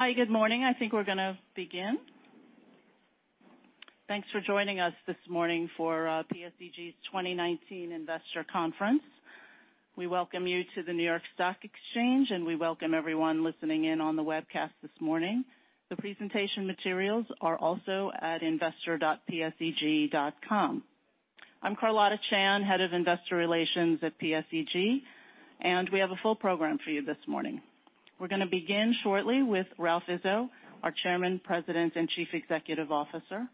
Hi, good morning. I think we're going to begin. Thanks for joining us this morning for PSEG's 2019 Investor Conference. We welcome you to the New York Stock Exchange, and we welcome everyone listening in on the webcast this morning. The presentation materials are also at investor.pseg.com. I'm Carlotta Chan, Head of Investor Relations at PSEG, and we have a full program for you this morning. We're going to begin shortly with Ralph Izzo, our Chairman, President, and Chief Executive Officer.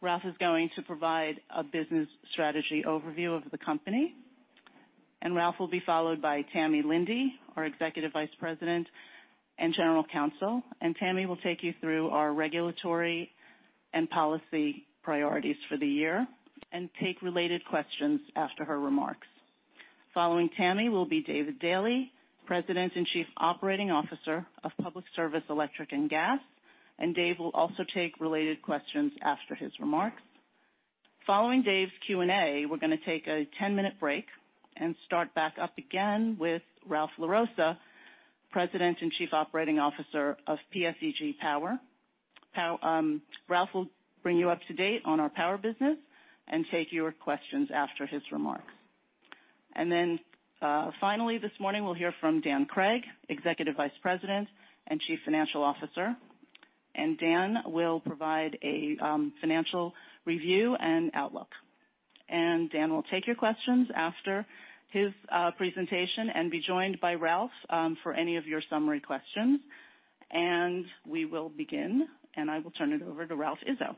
Ralph is going to provide a business strategy overview of the company. Ralph will be followed by Tami Linde, our Executive Vice President and General Counsel. Tami will take you through our regulatory and policy priorities for the year and take related questions after her remarks. Following Tami will be David Daly, President and Chief Operating Officer of Public Service Electric and Gas. Dave will also take related questions after his remarks. Following Dave's Q&A, we're going to take a 10-minute break and start back up again with Ralph LaRossa, President and Chief Operating Officer of PSEG Power. Ralph will bring you up to date on our power business and take your questions after his remarks. Finally this morning, we'll hear from Dan Cregg, Executive Vice President and Chief Financial Officer. Dan will provide a financial review and outlook. Dan will take your questions after his presentation and be joined by Ralph for any of your summary questions. We will begin, and I will turn it over to Ralph Izzo.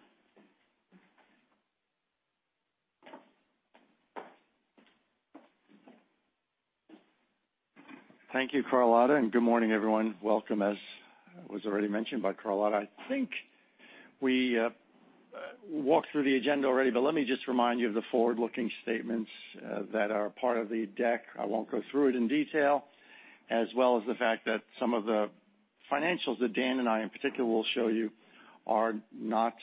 Thank you, Carlotta, and good morning, everyone. Welcome, as was already mentioned by Carlotta. I think we walked through the agenda already, but let me just remind you of the forward-looking statements that are part of the deck. I won't go through it in detail, as well as the fact that some of the financials that Dan and I in particular will show you are not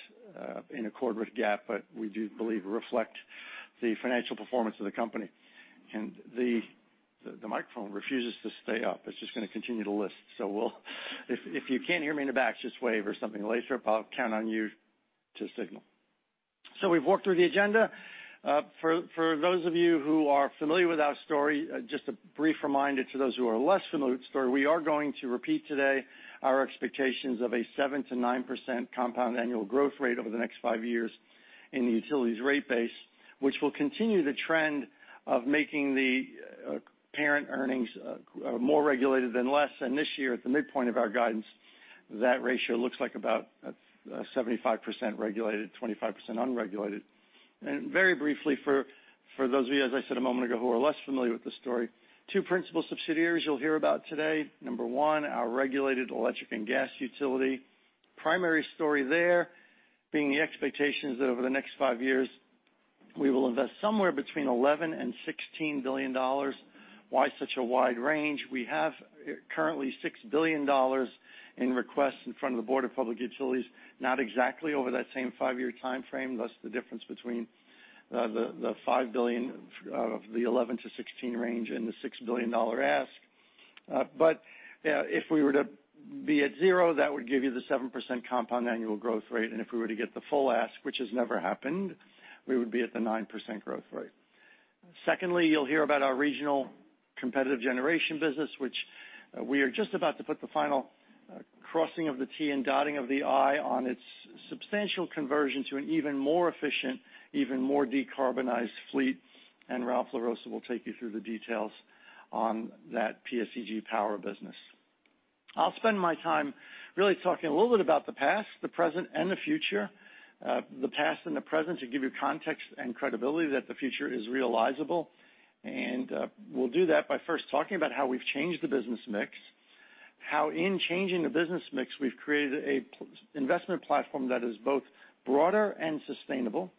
in accord with GAAP, but we do believe reflect the financial performance of the company. The microphone refuses to stay up. It's just going to continue to list. If you can't hear me in the back, just wave or something. Laysor, I'll count on you to signal. We've walked through the agenda. For those of you who are familiar with our story, just a brief reminder to those who are less familiar with the story, we are going to repeat today our expectations of a 7%-9% compound annual growth rate over the next five years in the utilities rate base, which will continue the trend of making the parent earnings more regulated than less. This year, at the midpoint of our guidance, that ratio looks like about 75% regulated, 25% unregulated. Very briefly, for those of you, as I said a moment ago, who are less familiar with the story, two principal subsidiaries you'll hear about today. Number one, our regulated electric and gas utility. Primary story there being the expectations that over the next five years, we will invest somewhere between $11 billion and $16 billion. Why such a wide range? We have currently $6 billion in requests in front of the Board of Public Utilities, not exactly over that same five-year timeframe, thus the difference between the $5 billion of the 11 to 16 range and the $6 billion ask. If we were to be at zero, that would give you the 7% compound annual growth rate. If we were to get the full ask, which has never happened, we would be at the 9% growth rate. Secondly, you'll hear about our regional competitive generation business, which we are just about to put the final crossing of the T and dotting of the I on its substantial conversion to an even more efficient, even more decarbonized fleet. Ralph LaRossa will take you through the details on that PSEG Power business. I'll spend my time really talking a little bit about the past, the present, and the future. The past and the present to give you context and credibility that the future is realizable. We'll do that by first talking about how we've changed the business mix, how in changing the business mix, we've created an investment platform that is both broader and sustainable.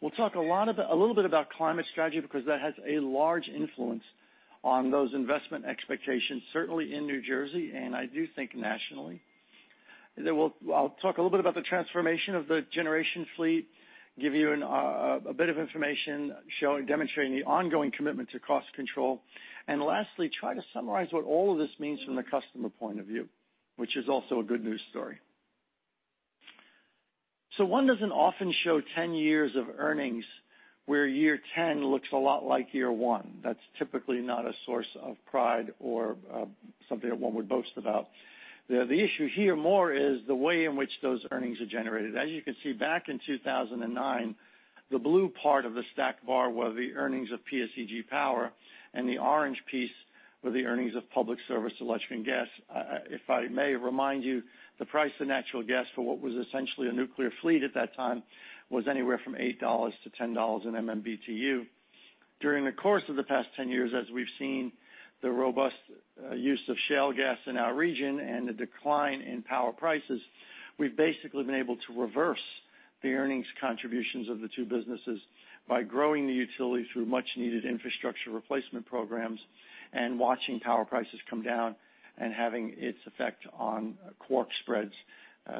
We'll talk a little bit about climate strategy because that has a large influence on those investment expectations, certainly in New Jersey, and I do think nationally. I'll talk a little bit about the transformation of the generation fleet, give you a bit of information demonstrating the ongoing commitment to cost control. Lastly, try to summarize what all of this means from the customer point of view, which is also a good news story. One doesn't often show 10 years of earnings where year 10 looks a lot like year one. That's typically not a source of pride or something that one would boast about. The issue here more is the way in which those earnings are generated. As you can see, back in 2009, the blue part of the stacked bar were the earnings of PSEG Power, and the orange piece were the earnings of Public Service Electric and Gas. If I may remind you, the price of natural gas for what was essentially a nuclear fleet at that time was anywhere from $8 to $10 in MMBTU. During the course of the past 10 years, as we've seen the robust use of shale gas in our region and the decline in power prices, we've basically been able to reverse the earnings contributions of the two businesses. By growing the utility through much-needed infrastructure replacement programs and watching power prices come down and having its effect on dark spreads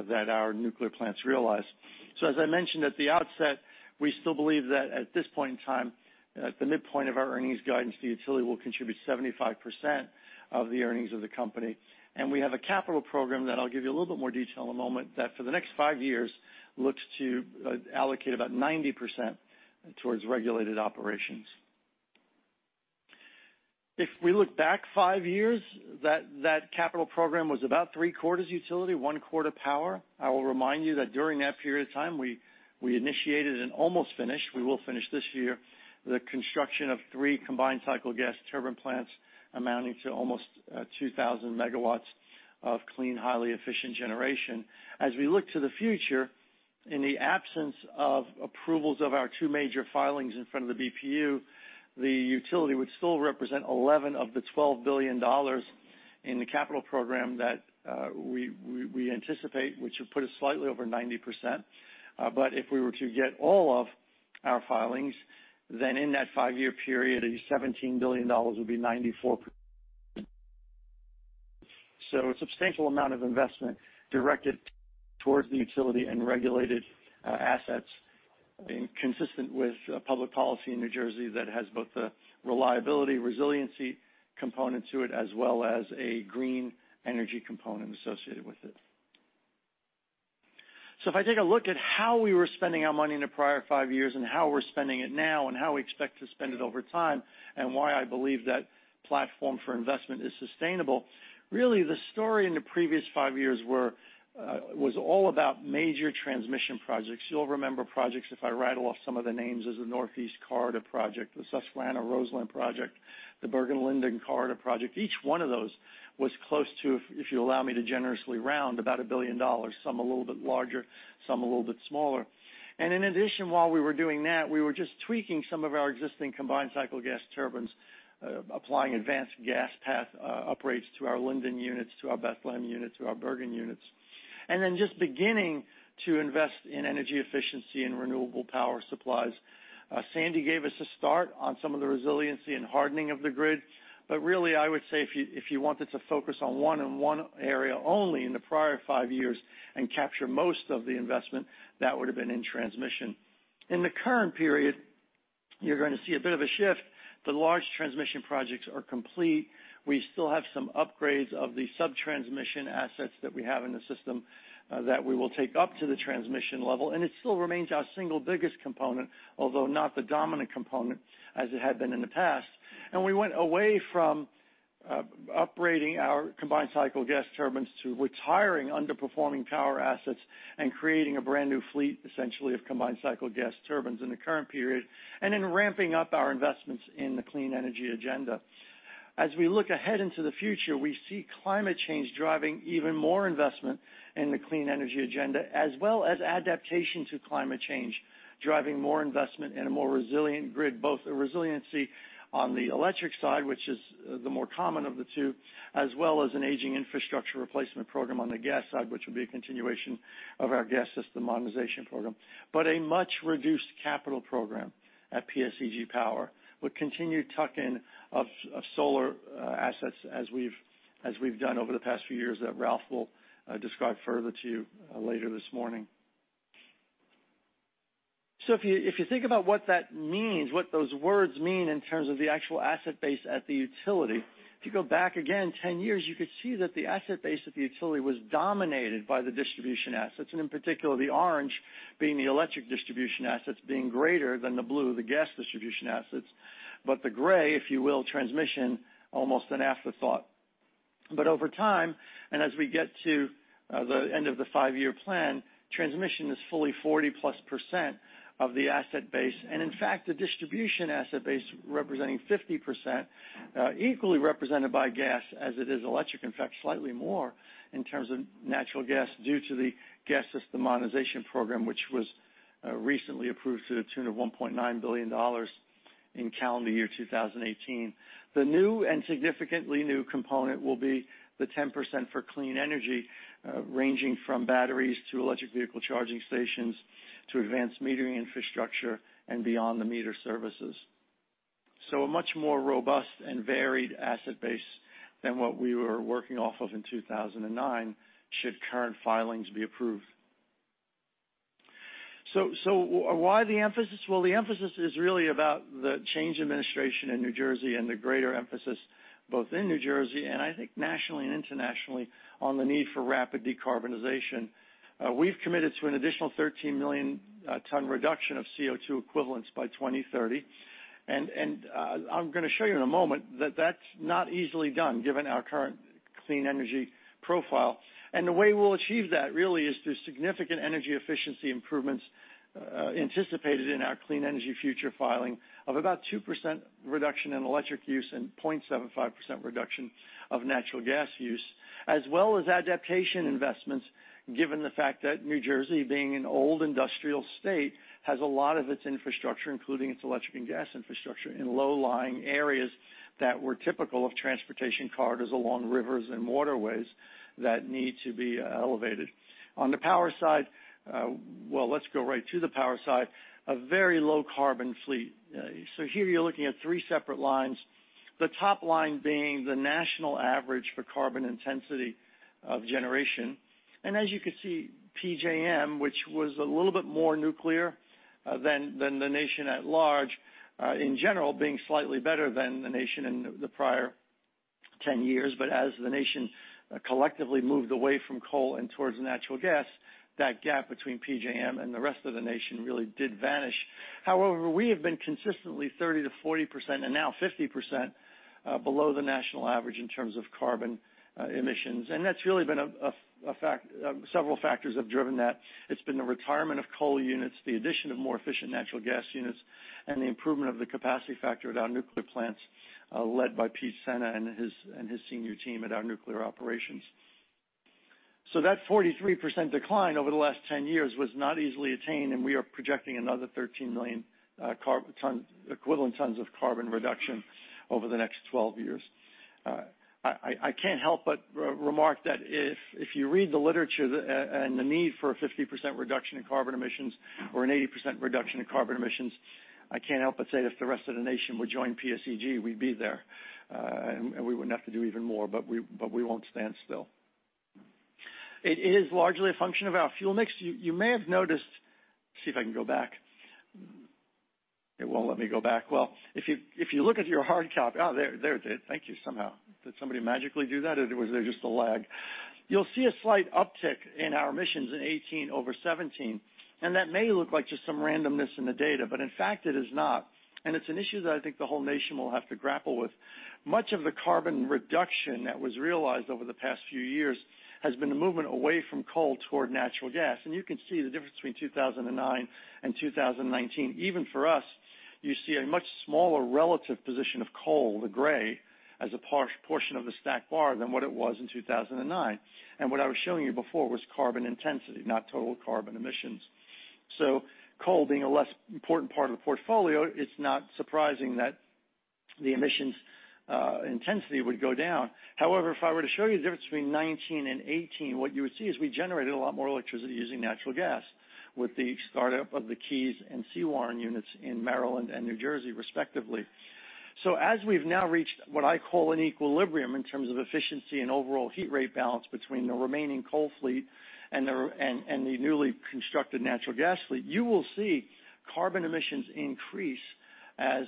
that our nuclear plants realize. As I mentioned at the outset, we still believe that at this point in time, at the midpoint of our earnings guidance, the utility will contribute 75% of the earnings of the company. We have a capital program that I'll give you a little bit more detail in a moment, that for the next 5 years looks to allocate about 90% towards regulated operations. If we look back 5 years, that capital program was about three-quarters utility, one-quarter power. I will remind you that during that period of time, we initiated and almost finished, we will finish this year, the construction of three combined cycle gas turbine plants amounting to almost 2,000 megawatts of clean, highly efficient generation. As we look to the future, in the absence of approvals of our two major filings in front of the BPU, the utility would still represent 11 of the $12 billion in the capital program that we anticipate, which would put us slightly over 90%. If we were to get all of our filings, then in that five-year period, the $17 billion would be 94%. A substantial amount of investment directed towards the utility and regulated assets being consistent with public policy in New Jersey that has both the reliability, resiliency component to it, as well as a green energy component associated with it. If I take a look at how we were spending our money in the prior five years and how we're spending it now, and how we expect to spend it over time, and why I believe that platform for investment is sustainable, really the story in the previous five years was all about major transmission projects. You'll remember projects, if I rattle off some of the names, is the Northeast Corridor project, the Susquehanna-Roseland project, the Bergen-Linden Corridor project. Each one of those was close to, if you allow me to generously round, about $1 billion, some a little bit larger, some a little bit smaller. In addition, while we were doing that, we were just tweaking some of our existing combined cycle gas turbines, applying Advanced Gas Path upgrades to our Linden units, to our Bethlehem units, to our Bergen units. Just beginning to invest in energy efficiency and renewable power supplies. Hurricane Sandy gave us a start on some of the resiliency and hardening of the grid. Really, I would say if you wanted to focus on one and one area only in the prior five years and capture most of the investment, that would've been in transmission. In the current period, you're going to see a bit of a shift. The large transmission projects are complete. We still have some upgrades of the sub-transmission assets that we have in the system, that we will take up to the transmission level, and it still remains our single biggest component, although not the dominant component as it had been in the past. We went away from uprating our combined cycle gas turbines to retiring underperforming power assets and creating a brand-new fleet, essentially of combined cycle gas turbines in the current period, and in ramping up our investments in the clean energy agenda. As we look ahead into the future, we see climate change driving even more investment in the clean energy agenda, as well as adaptation to climate change, driving more investment in a more resilient grid, both the resiliency on the electric side, which is the more common of the two, as well as an aging infrastructure replacement program on the gas side, which will be a continuation of our Gas System Modernization Program. A much-reduced capital program at PSEG Power, with continued tuck-in of solar assets as we've done over the past few years that Ralph will describe further to you later this morning. If you think about what that means, what those words mean in terms of the actual asset base at the utility, if you go back again 10 years, you could see that the asset base of the utility was dominated by the distribution assets, and in particular, the orange being the electric distribution assets being greater than the blue, the gas distribution assets. The gray, if you will, transmission, almost an afterthought. Over time, as we get to the end of the five-year plan, transmission is fully 40-plus% of the asset base. In fact, the distribution asset base representing 50%, equally represented by gas as it is electric, in fact, slightly more in terms of natural gas due to the Gas System Modernization Program, which was recently approved to the tune of $1.9 billion in calendar year 2018. The new and significantly new component will be the 10% for clean energy, ranging from batteries to electric vehicle charging stations, to advanced metering infrastructure and beyond-the-meter services. A much more robust and varied asset base than what we were working off of in 2009, should current filings be approved. Why the emphasis? The emphasis is really about the change administration in New Jersey and the greater emphasis both in New Jersey and I think nationally and internationally, on the need for rapid decarbonization. We've committed to an additional 13 million ton reduction of CO2 equivalents by 2030. I'm going to show you in a moment that that's not easily done given our current clean energy profile. The way we'll achieve that really is through significant energy efficiency improvements anticipated in our Clean Energy Future filing of about 2% reduction in electric use and 0.75% reduction of natural gas use, as well as adaptation investments, given the fact that New Jersey, being an old industrial state, has a lot of its infrastructure, including its electric and gas infrastructure, in low-lying areas that were typical of transportation corridors along rivers and waterways that need to be elevated. On the power side, let's go right to the power side, a very low-carbon fleet. Here you're looking at three separate lines, the top line being the national average for carbon intensity of generation. As you can see, PJM, which was a little bit more nuclear than the nation at large, in general, being slightly better than the nation in the prior 10 years. As the nation collectively moved away from coal and towards natural gas, that gap between PJM and the rest of the nation really did vanish. However, we have been consistently 30%-40%, and now 50%, below the national average in terms of carbon emissions. Several factors have driven that. It's been the retirement of coal units, the addition of more efficient natural gas units, and the improvement of the capacity factor at our nuclear plants, led by Pete Sena and his senior team at our nuclear operations. That 43% decline over the last 10 years was not easily attained, and we are projecting another 13 million equivalent tons of carbon reduction over the next 12 years. I can't help but remark that if you read the literature and the need for a 50% reduction in carbon emissions or an 80% reduction in carbon emissions, I can't help but say if the rest of the nation would join PSEG, we'd be there. We wouldn't have to do even more, we won't stand still. It is largely a function of our fuel mix. You may have noticed, see if I can go back. It won't let me go back. Well, if you look at your hard copy. Oh, there, it did. Thank you. Somehow. Did somebody magically do that, or was there just a lag? You'll see a slight uptick in our emissions in 2018 over 2017, that may look like just some randomness in the data, in fact, it is not. It's an issue that I think the whole nation will have to grapple with. Much of the carbon reduction that was realized over the past few years has been the movement away from coal toward natural gas, you can see the difference between 2009 and 2019. Even for us, you see a much smaller relative position of coal, the gray, as a portion of the stacked bar than what it was in 2009. What I was showing you before was carbon intensity, not total carbon emissions. Coal being a less important part of the portfolio, it's not surprising that the emissions intensity would go down. However, if I were to show you the difference between 2019 and 2018, what you would see is we generated a lot more electricity using natural gas with the startup of the Keys and Sewaren units in Maryland and New Jersey, respectively. As we've now reached what I call an equilibrium in terms of efficiency and overall heat rate balance between the remaining coal fleet and the newly constructed natural gas fleet, you will see carbon emissions increase as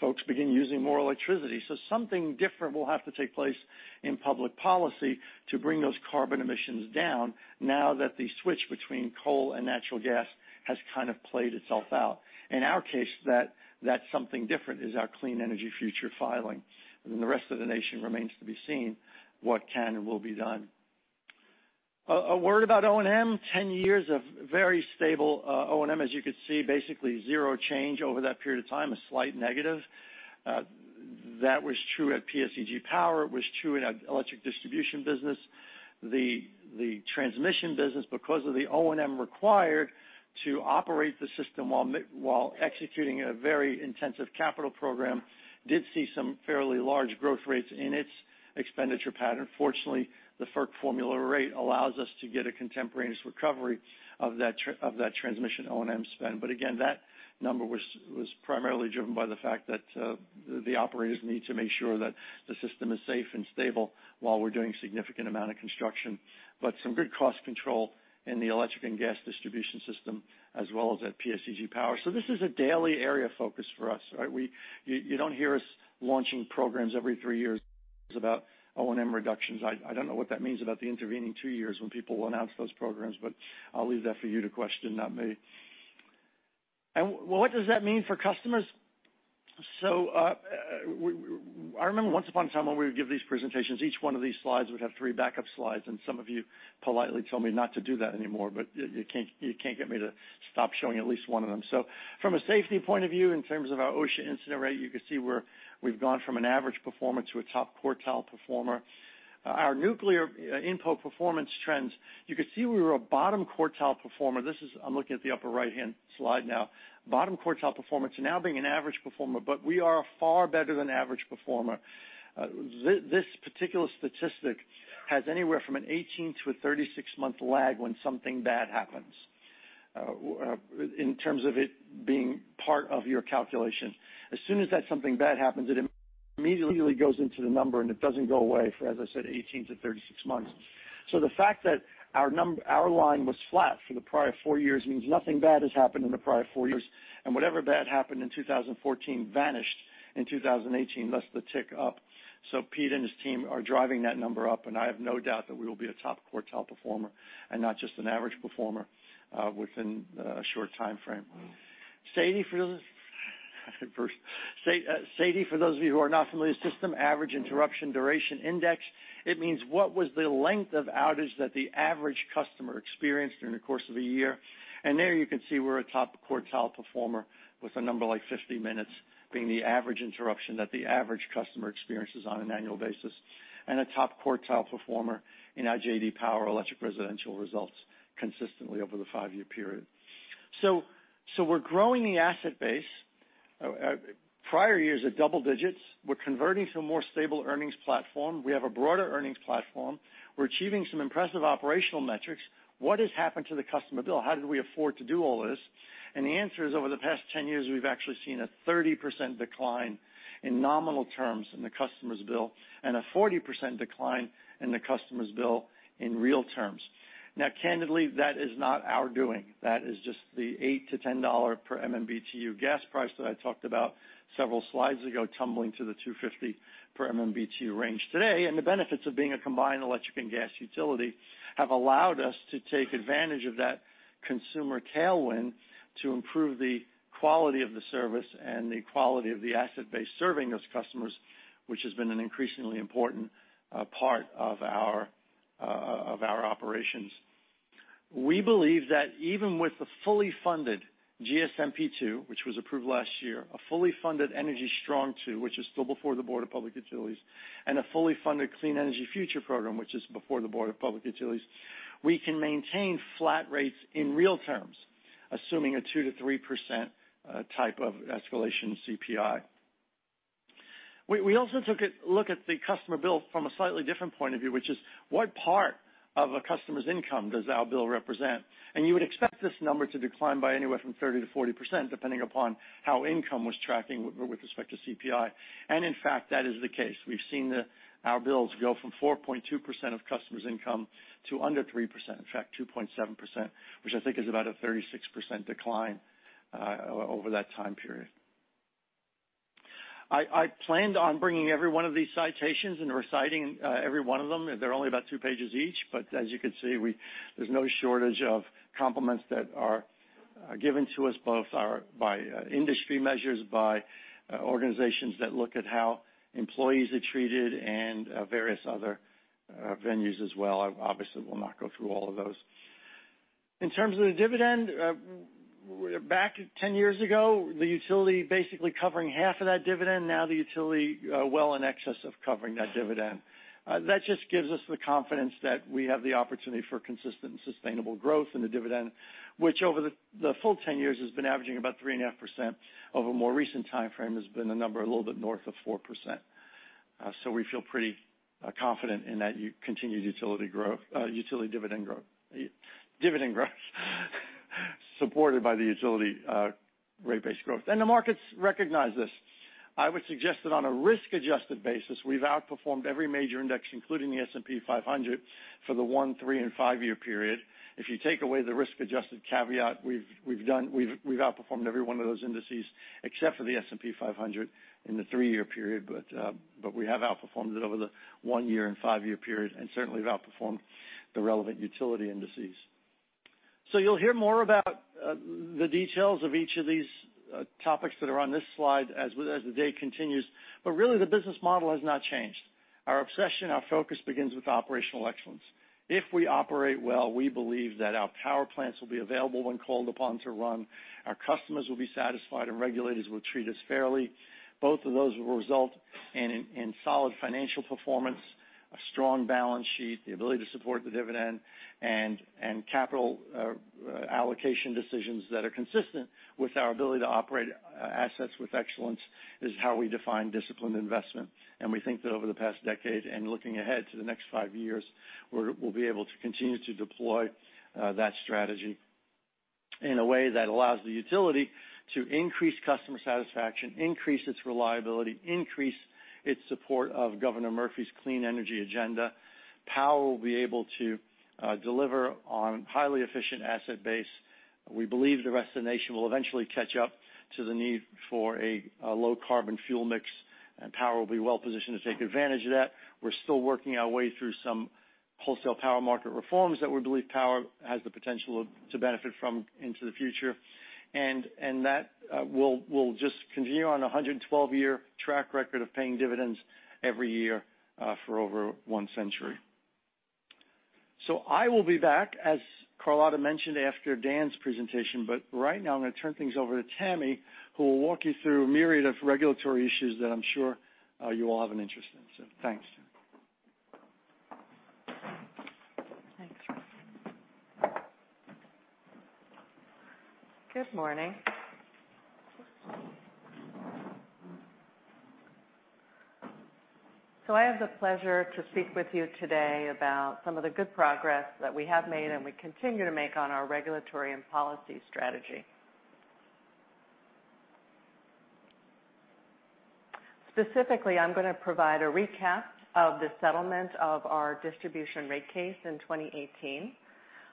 folks begin using more electricity. Something different will have to take place in public policy to bring those carbon emissions down now that the switch between coal and natural gas has kind of played itself out. In our case, that something different is our Clean Energy Future filing. In the rest of the nation remains to be seen what can and will be done. A word about O&M, 10 years of very stable O&M, as you can see, basically zero change over that period of time, a slight negative. That was true at PSEG Power. It was true in our electric distribution business. The transmission business, because of the O&M required to operate the system while executing a very intensive capital program, did see some fairly large growth rates in its expenditure pattern. Fortunately, the FERC formula rate allows us to get a contemporaneous recovery of that transmission O&M spend. Again, that number was primarily driven by the fact that the operators need to make sure that the system is safe and stable while we're doing a significant amount of construction. Some good cost control in the electric and gas distribution system, as well as at PSEG Power. This is a daily area of focus for us. You don't hear us launching programs every three years about O&M reductions. I don't know what that means about the intervening two years when people will announce those programs, but I'll leave that for you to question, not me. What does that mean for customers? I remember once upon a time when we would give these presentations, each one of these slides would have three backup slides, and some of you politely told me not to do that anymore, but you can't get me to stop showing at least one of them. From a safety point of view, in terms of our OSHA incident rate, you can see where we've gone from an average performer to a top quartile performer. Our nuclear input performance trends, you could see we were a bottom quartile performer. I'm looking at the upper right-hand slide now. Bottom quartile performer to now being an average performer, but we are a far better than average performer. This particular statistic has anywhere from an 18- to a 36-month lag when something bad happens in terms of it being part of your calculation. As soon as that something bad happens, it immediately goes into the number, and it doesn't go away for, as I said, 18 to 36 months. The fact that our line was flat for the prior four years means nothing bad has happened in the prior four years. Whatever bad happened in 2014 vanished in 2018, thus the tick up. Pete and his team are driving that number up, and I have no doubt that we will be a top quartile performer and not just an average performer within a short timeframe. SAIDI, for those of you who are not familiar with the system, Average Interruption Duration Index. It means what was the length of outage that the average customer experienced during the course of a year. There you can see we're a top quartile performer with a number like 50 minutes being the average interruption that the average customer experiences on an annual basis, and a top quartile performer in our J.D. Power Electric Residential results consistently over the five-year period. We're growing the asset base prior years at double digits. We're converting to a more stable earnings platform. We have a broader earnings platform. We're achieving some impressive operational metrics. What has happened to the customer bill? How did we afford to do all this? The answer is, over the past 10 years, we've actually seen a 30% decline in nominal terms in the customer's bill, and a 40% decline in the customer's bill in real terms. Now, candidly, that is not our doing. That is just the eight to $10 per MMBtu gas price that I talked about several slides ago, tumbling to the $2.50 per MMBtu range today. The benefits of being a combined electric and gas utility have allowed us to take advantage of that consumer tailwind to improve the quality of the service and the quality of the asset base serving those customers, which has been an increasingly important part of our operations. We believe that even with the fully funded GSMP II, which was approved last year, a fully funded Energy Strong II, which is still before the Board of Public Utilities, and a fully funded Clean Energy Future program, which is before the Board of Public Utilities, we can maintain flat rates in real terms, assuming a 2%-3% type of escalation CPI. We also took a look at the customer bill from a slightly different point of view, which is, what part of a customer's income does our bill represent? You would expect this number to decline by anywhere from 30%-40%, depending upon how income was tracking with respect to CPI. In fact, that is the case. We've seen our bills go from 4.2% of customers' income to under 3%, in fact, 2.7%, which I think is about a 36% decline over that time period. I planned on bringing every one of these citations and reciting every one of them. They're only about two pages each, as you can see, there's no shortage of compliments that are given to us, both by industry measures, by organizations that look at how employees are treated and various other venues as well. Obviously, we'll not go through all of those. In terms of the dividend, back 10 years ago, the utility basically covering half of that dividend, now the utility well in excess of covering that dividend. That just gives us the confidence that we have the opportunity for consistent and sustainable growth in the dividend, which over the full 10 years has been averaging about 3.5%. Over a more recent time frame has been a number a little bit north of 4%. We feel pretty confident in that continued utility dividend growth supported by the utility rate base growth. The markets recognize this. I would suggest that on a risk-adjusted basis, we've outperformed every major index, including the S&P 500, for the one, three, and five-year period. If you take away the risk-adjusted caveat, we've outperformed every one of those indices except for the S&P 500 in the three-year period. We have outperformed it over the one-year and five-year period, and certainly have outperformed the relevant utility indices. You'll hear more about the details of each of these topics that are on this slide as the day continues. Really, the business model has not changed. Our obsession, our focus begins with operational excellence. If we operate well, we believe that our power plants will be available when called upon to run, our customers will be satisfied, and regulators will treat us fairly. Both of those will result in solid financial performance, a strong balance sheet, the ability to support the dividend, and capital allocation decisions that are consistent with our ability to operate assets with excellence is how we define disciplined investment. We think that over the past decade and looking ahead to the next five years, we'll be able to continue to deploy that strategy in a way that allows the utility to increase customer satisfaction, increase its reliability, increase its support of Governor Murphy's clean energy agenda. Power will be able to deliver on highly efficient asset base. We believe the rest of the nation will eventually catch up to the need for a low-carbon fuel mix, Power will be well-positioned to take advantage of that. We're still working our way through some wholesale power market reforms that we believe Power has the potential to benefit from into the future. That we'll just continue on 112-year track record of paying dividends every year for over one century. I will be back, as Carlotta mentioned, after Dan's presentation. Right now, I'm going to turn things over to Tami, who will walk you through a myriad of regulatory issues that I'm sure you all have an interest in. Thanks. Thanks. Good morning. I have the pleasure to speak with you today about some of the good progress that we have made and we continue to make on our regulatory and policy strategy. Specifically, I'm going to provide a recap of the settlement of our distribution rate case in 2018.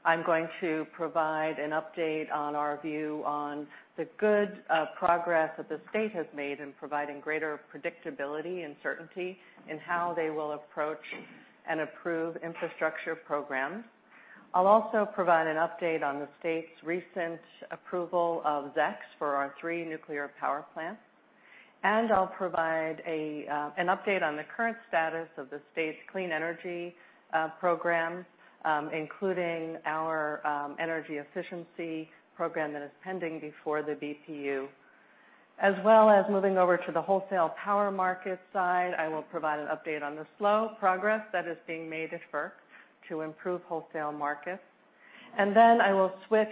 I'm going to provide an update on our view on the good progress that the state has made in providing greater predictability and certainty in how they will approach and approve infrastructure programs. I'll also provide an update on the state's recent approval of ZEC's for our three nuclear power plants. I'll provide an update on the current status of the state's clean energy program, including our energy efficiency program that is pending before the BPU. As well as moving over to the wholesale power market side, I will provide an update on the slow progress that is being made at FERC to improve wholesale markets. I will switch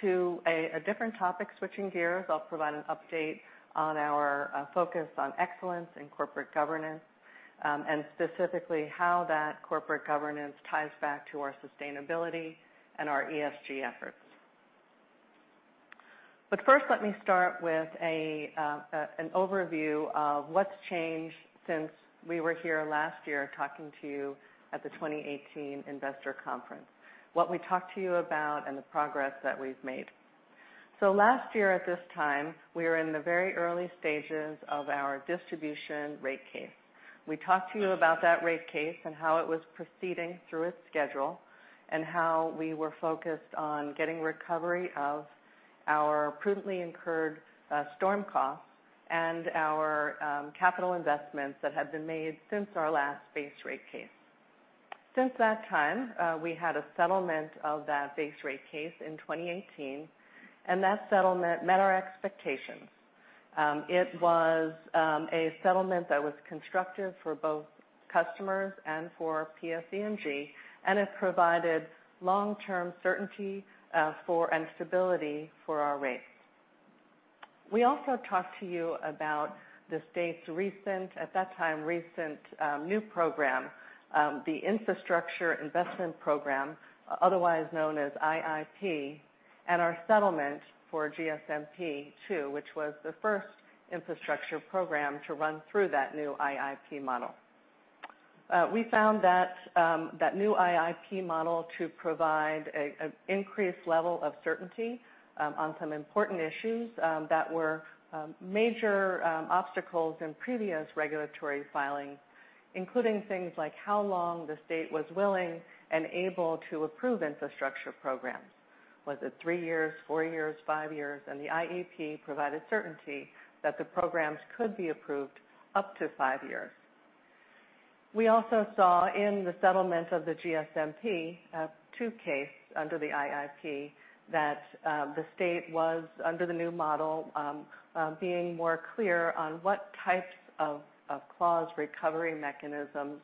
to a different topic. Switching gears, I'll provide an update on our focus on excellence in corporate governance, and specifically how that corporate governance ties back to our sustainability and our ESG efforts. First, let me start with an overview of what's changed since we were here last year talking to you at the 2018 investor conference, what we talked to you about and the progress that we've made. Last year at this time, we were in the very early stages of our distribution rate case. We talked to you about that rate case and how it was proceeding through its schedule, and how we were focused on getting recovery of our prudently incurred storm costs and our capital investments that had been made since our last base rate case. Since that time, we had a settlement of that base rate case in 2018, and that settlement met our expectations. It was a settlement that was constructive for both customers and for PSE&G, and it provided long-term certainty and stability for our rates. We also talked to you about the state's recent, at that time recent, new program, the Infrastructure Investment Program, otherwise known as IIP, and our settlement for GSMP II, which was the first infrastructure program to run through that new IIP model. We found that new IIP model to provide an increased level of certainty on some important issues that were major obstacles in previous regulatory filings, including things like how long the state was willing and able to approve infrastructure programs. Was it three years, four years, five years? The IIP provided certainty that the programs could be approved up to five years. We also saw in the settlement of the GSMP 2 case under the IIP that the state was under the new model, being more clear on what types of clause recovery mechanisms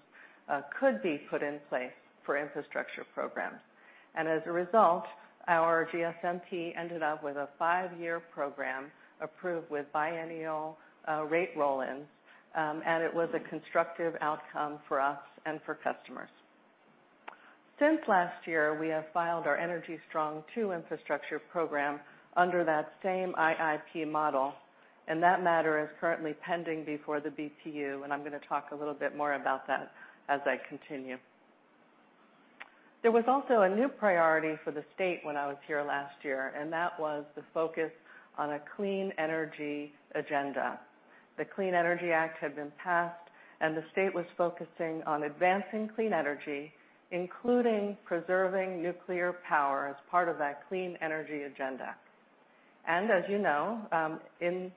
could be put in place for infrastructure programs. As a result, our GSMP ended up with a five-year program approved with biennial rate roll-ins, and it was a constructive outcome for us and for customers. Since last year, we have filed our Energy Strong II infrastructure program under that same IIP model, and that matter is currently pending before the BPU. I'm going to talk a little bit more about that as I continue. There was also a new priority for the state when I was here last year, and that was the focus on a clean energy agenda. The Clean Energy Act had been passed, and the state was focusing on advancing clean energy, including preserving nuclear power as part of that clean energy agenda. As you know, in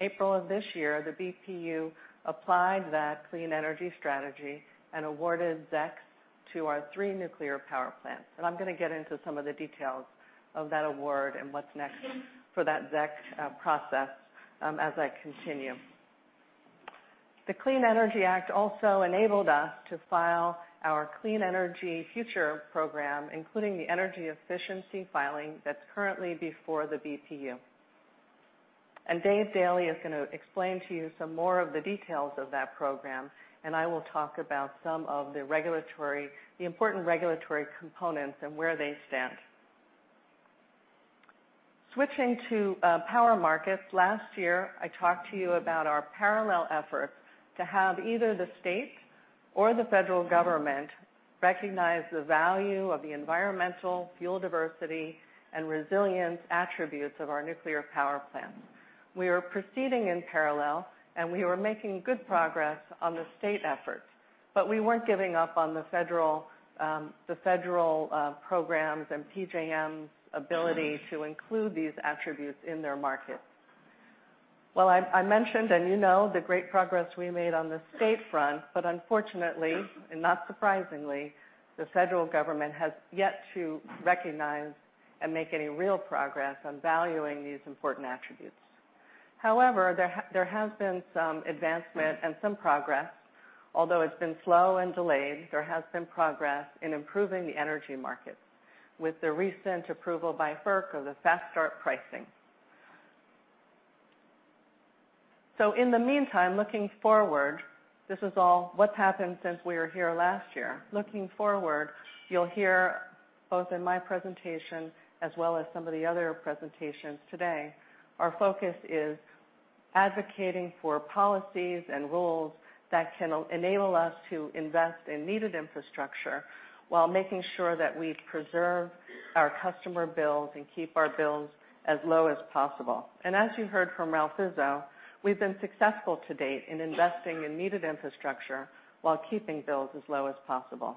April of this year, the BPU applied that clean energy strategy and awarded ZECs to our three nuclear power plants. I'm going to get into some of the details of that award and what's next for that ZEC process as I continue. The Clean Energy Act also enabled us to file our Clean Energy Future program, including the energy efficiency filing that's currently before the BPU. Dave Daly is going to explain to you some more of the details of that program, and I will talk about some of the important regulatory components and where they stand. Switching to power markets. Last year, I talked to you about our parallel efforts to have either the state or the federal government recognize the value of the environmental fuel diversity and resilience attributes of our nuclear power plants. We are proceeding in parallel. We were making good progress on the state efforts, but we weren't giving up on the federal programs and PJM's ability to include these attributes in their markets. I mentioned, you know, the great progress we made on the state front, but unfortunately, not surprisingly, the federal government has yet to recognize and make any real progress on valuing these important attributes. However, there has been some advancement and some progress. Although it's been slow and delayed, there has been progress in improving the energy markets with the recent approval by FERC of the Fast Start pricing. In the meantime, looking forward, this is all what's happened since we were here last year. Looking forward, you'll hear both in my presentation as well as some of the other presentations today, our focus is advocating for policies and rules that can enable us to invest in needed infrastructure while making sure that we preserve our customer bills and keep our bills as low as possible. As you heard from Ralph Izzo, we've been successful to date in investing in needed infrastructure while keeping bills as low as possible.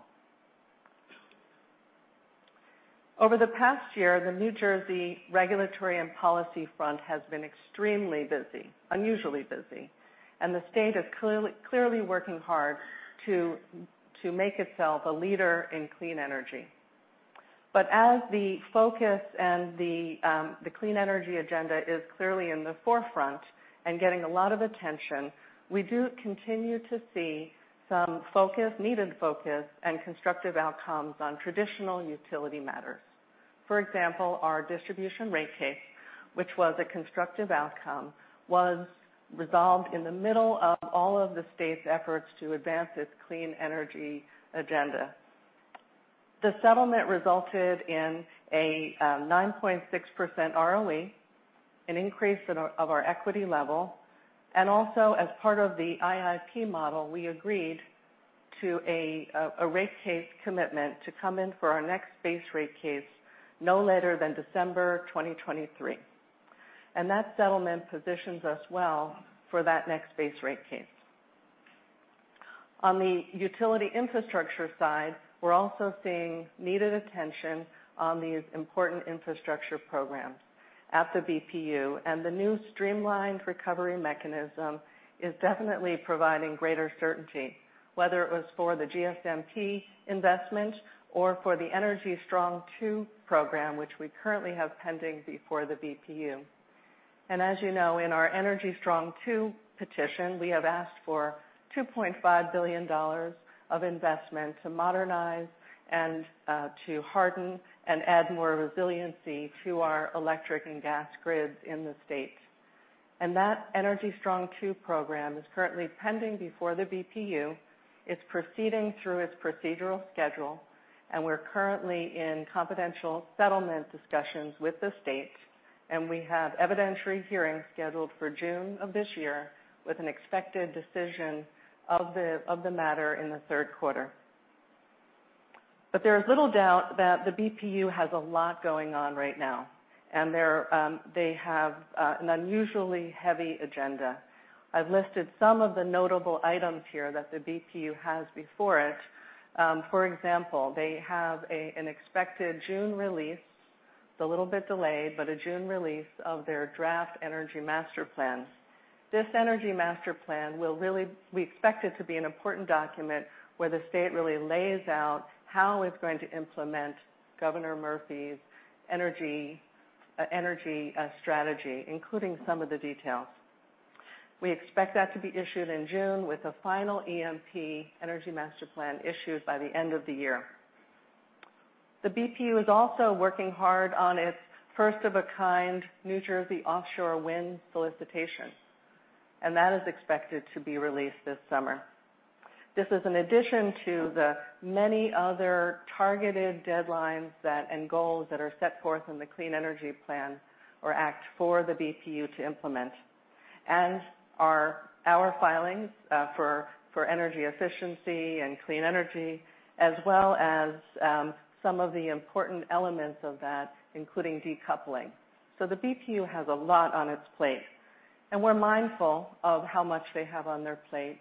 Over the past year, the New Jersey regulatory and policy front has been extremely busy, unusually busy, and the state is clearly working hard to make itself a leader in clean energy. As the focus and the clean energy agenda is clearly in the forefront and getting a lot of attention, we do continue to see some needed focus and constructive outcomes on traditional utility matters. For example, our distribution rate case, which was a constructive outcome, was resolved in the middle of all of the state's efforts to advance its clean energy agenda. The settlement resulted in a 9.6% ROE, an increase of our equity level, and also as part of the IIP model, we agreed to a rate case commitment to come in for our next base rate case no later than December 2023. That settlement positions us well for that next base rate case. On the utility infrastructure side, we're also seeing needed attention on these important infrastructure programs at the BPU, and the new streamlined recovery mechanism is definitely providing greater certainty, whether it was for the GSMP investment or for the Energy Strong 2 program, which we currently have pending before the BPU. As you know, in our Energy Strong 2 petition, we have asked for $2.5 billion of investment to modernize and to harden and add more resiliency to our electric and gas grids in the state. That Energy Strong 2 program is currently pending before the BPU. It's proceeding through its procedural schedule, and we're currently in confidential settlement discussions with the state, and we have evidentiary hearing scheduled for June of this year with an expected decision of the matter in the third quarter. There is little doubt that the BPU has a lot going on right now, and they have an unusually heavy agenda. I've listed some of the notable items here that the BPU has before it. For example, they have an expected June release. It's a little bit delayed, but a June release of their draft Energy Master Plan. This Energy Master Plan we expect it to be an important document where the state really lays out how it's going to implement Governor Murphy's energy strategy, including some of the details. We expect that to be issued in June with a final EMP, Energy Master Plan, issued by the end of the year. The BPU is also working hard on its first-of-a-kind New Jersey offshore wind solicitation, and that is expected to be released this summer. This is in addition to the many other targeted deadlines and goals that are set forth in the Clean Energy Act for the BPU to implement, and our filings for energy efficiency and clean energy, as well as some of the important elements of that, including decoupling. The BPU has a lot on its plate, and we're mindful of how much they have on their plate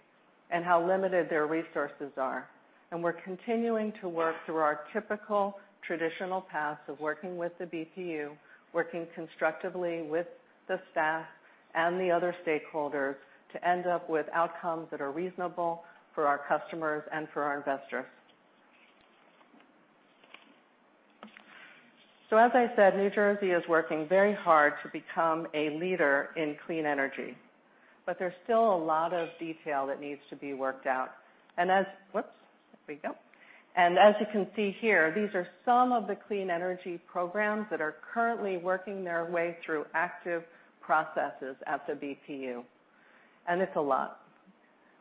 and how limited their resources are. We're continuing to work through our typical traditional paths of working with the BPU, working constructively with the staff and the other stakeholders to end up with outcomes that are reasonable for our customers and for our investors. As I said, New Jersey is working very hard to become a leader in clean energy. There's still a lot of detail that needs to be worked out. As you can see here, these are some of the clean energy programs that are currently working their way through active processes at the BPU. It's a lot.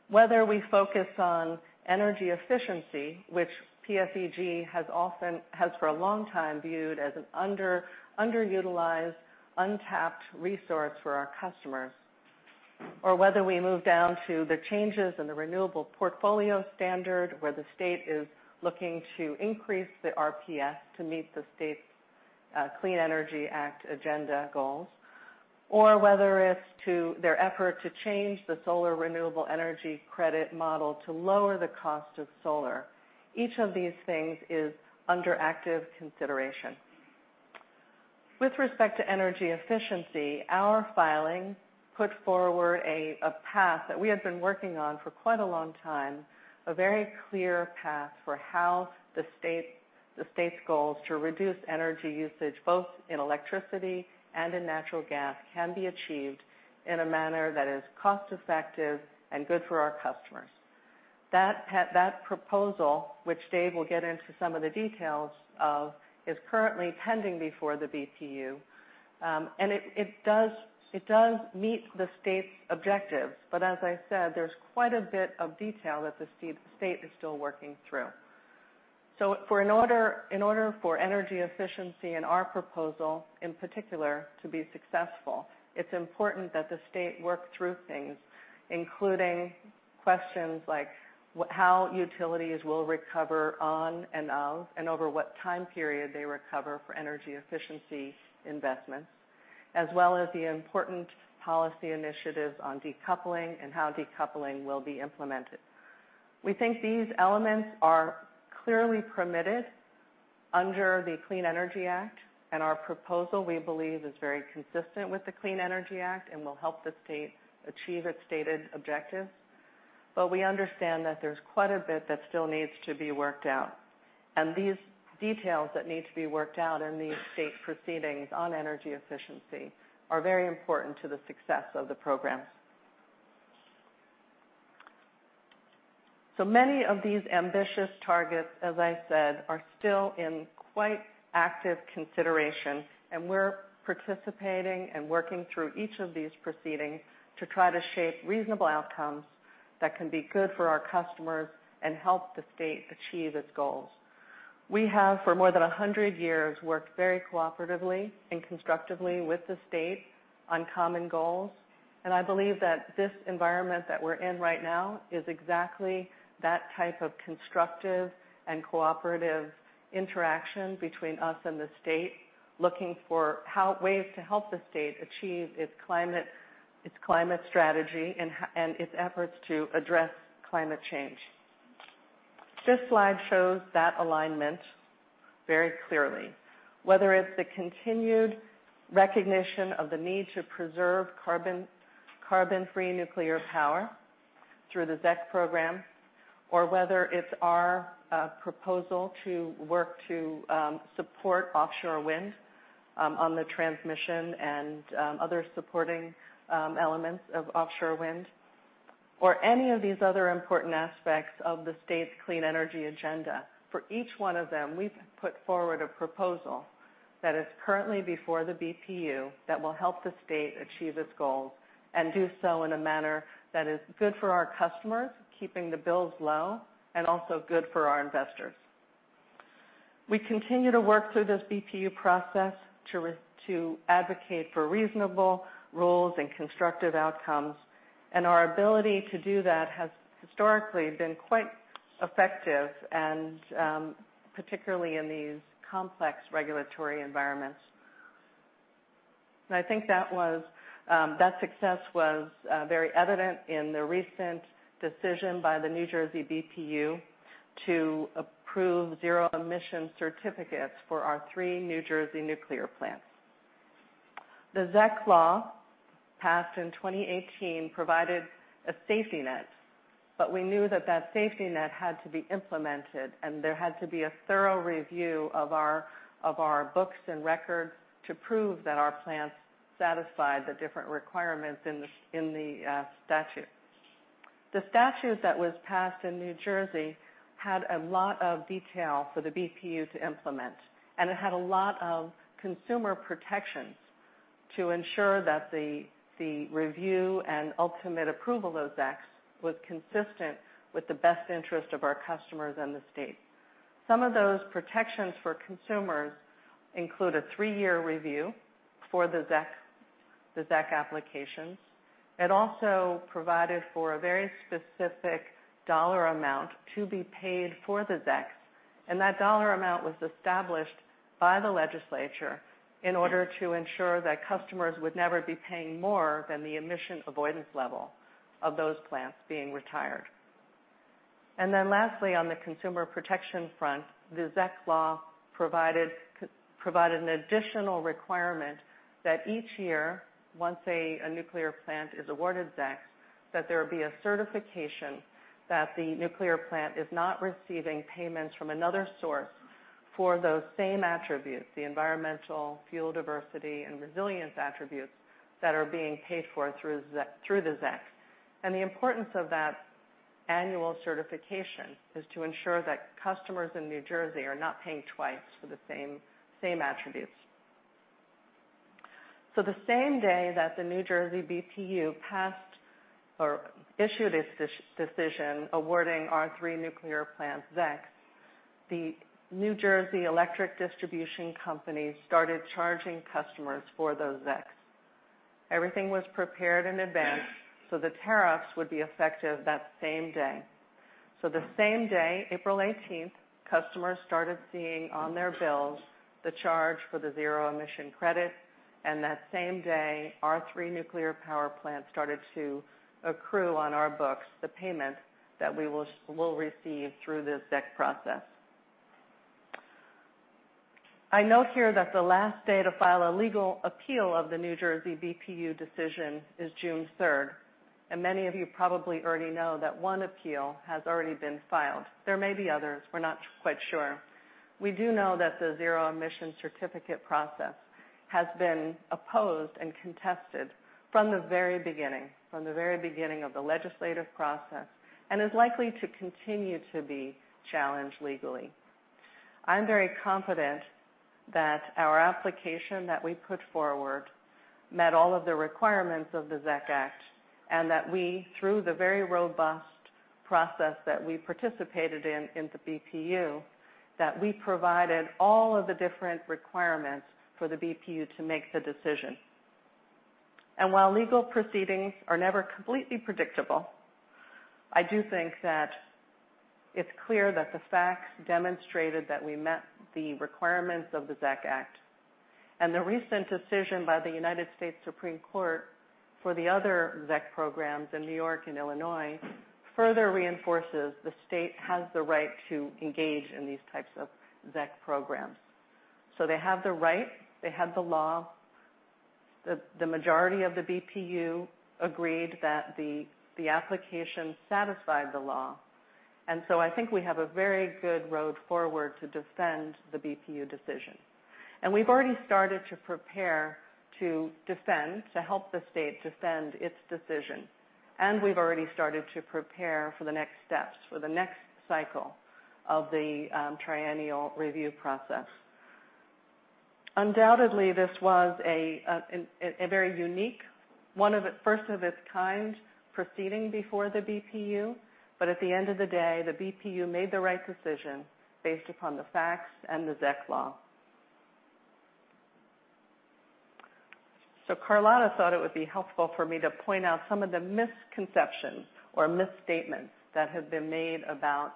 Whether we focus on energy efficiency, which PSEG has for a long time viewed as an underutilized, untapped resource for our customers, or whether we move down to the changes in the renewable portfolio standard, where the state is looking to increase the RPS to meet the state's Clean Energy Act agenda goals, or whether it's to their effort to change the Solar Renewable Energy Credit model to lower the cost of solar. Each of these things is under active consideration. With respect to energy efficiency, our filing put forward a path that we had been working on for quite a long time, a very clear path for how the state's goals to reduce energy usage, both in electricity and in natural gas, can be achieved in a manner that is cost-effective and good for our customers. That proposal, which Dave will get into some of the details of, is currently pending before the BPU. It does meet the state's objectives. As I said, there's quite a bit of detail that the state is still working through. In order for energy efficiency and our proposal, in particular, to be successful, it's important that the state work through things, including questions like how utilities will recover on and of, and over what time period they recover for energy efficiency investments, as well as the important policy initiatives on decoupling and how decoupling will be implemented. We think these elements are clearly permitted under the Clean Energy Act, and our proposal, we believe, is very consistent with the Clean Energy Act and will help the state achieve its stated objectives. We understand that there's quite a bit that still needs to be worked out, and these details that need to be worked out in these state proceedings on energy efficiency are very important to the success of the program. Many of these ambitious targets, as I said, are still in quite active consideration, and we're participating and working through each of these proceedings to try to shape reasonable outcomes that can be good for our customers and help the state achieve its goals. We have, for more than 100 years, worked very cooperatively and constructively with the state on common goals, and I believe that this environment that we're in right now is exactly that type of constructive and cooperative interaction between us and the state, looking for ways to help the state achieve its climate strategy and its efforts to address climate change. This slide shows that alignment very clearly. Whether it's the continued recognition of the need to preserve carbon-free nuclear power through the ZEC program or whether it's our proposal to work to support offshore wind on the transmission and other supporting elements of offshore wind or any of these other important aspects of the state's clean energy agenda. For each one of them, we've put forward a proposal that is currently before the BPU that will help the state achieve its goals and do so in a manner that is good for our customers, keeping the bills low, and also good for our investors. We continue to work through this BPU process to advocate for reasonable rules and constructive outcomes, and our ability to do that has historically been quite effective, and particularly in these complex regulatory environments. I think that success was very evident in the recent decision by the New Jersey BPU to approve Zero Emission Certificates for our three New Jersey nuclear plants. The ZEC law, passed in 2018, provided a safety net, but we knew that that safety net had to be implemented, and there had to be a thorough review of our books and records to prove that our plants satisfied the different requirements in the statute. The statute that was passed in New Jersey had a lot of detail for the BPU to implement, and it had a lot of consumer protections to ensure that the review and ultimate approval of ZECs was consistent with the best interest of our customers and the state. Some of those protections for consumers include a three-year review for the ZEC applications. It also provided for a very specific dollar amount to be paid for the ZECs, and that dollar amount was established by the legislature in order to ensure that customers would never be paying more than the emission avoidance level of those plants being retired. Lastly, on the consumer protection front, the ZEC law provided an additional requirement that each year, once a nuclear plant is awarded ZECs, that there be a certification that the nuclear plant is not receiving payments from another source for those same attributes, the environmental, fuel diversity, and resilience attributes that are being paid for through the ZECs. The importance of that annual certification is to ensure that customers in New Jersey are not paying twice for the same attributes. The same day that the New Jersey BPU passed or issued its decision awarding our three nuclear plants ZECs, the New Jersey Electric Distribution Company started charging customers for those ZECs. Everything was prepared in advance so the tariffs would be effective that same day. The same day, April 18th, customers started seeing on their bills the charge for the Zero Emission Credits, and that same day, our three nuclear power plants started to accrue on our books the payments that we will receive through this ZEC process. I note here that the last day to file a legal appeal of the New Jersey BPU decision is June 3rd, and many of you probably already know that one appeal has already been filed. There may be others. We're not quite sure. We do know that the Zero Emission Certificate process has been opposed and contested from the very beginning of the legislative process and is likely to continue to be challenged legally. I am very confident that our application that we put forward met all of the requirements of the ZEC Act and that we, through the very robust process that we participated in in the BPU, that we provided all of the different requirements for the BPU to make the decision. While legal proceedings are never completely predictable, I do think that it is clear that the facts demonstrated that we met the requirements of the ZEC Act. The recent decision by the United States Supreme Court for the other ZEC programs in New York and Illinois further reinforces the state has the right to engage in these types of ZEC programs. They have the right, they have the law. The majority of the BPU agreed that the application satisfied the law. I think we have a very good road forward to defend the BPU decision. We've already started to prepare to defend, to help the state defend its decision. We've already started to prepare for the next steps, for the next cycle of the triennial review process. Undoubtedly, this was a very unique, one of its kind proceeding before the BPU, but at the end of the day, the BPU made the right decision based upon the facts and the ZEC law. Carlotta thought it would be helpful for me to point out some of the misconceptions or misstatements that have been made about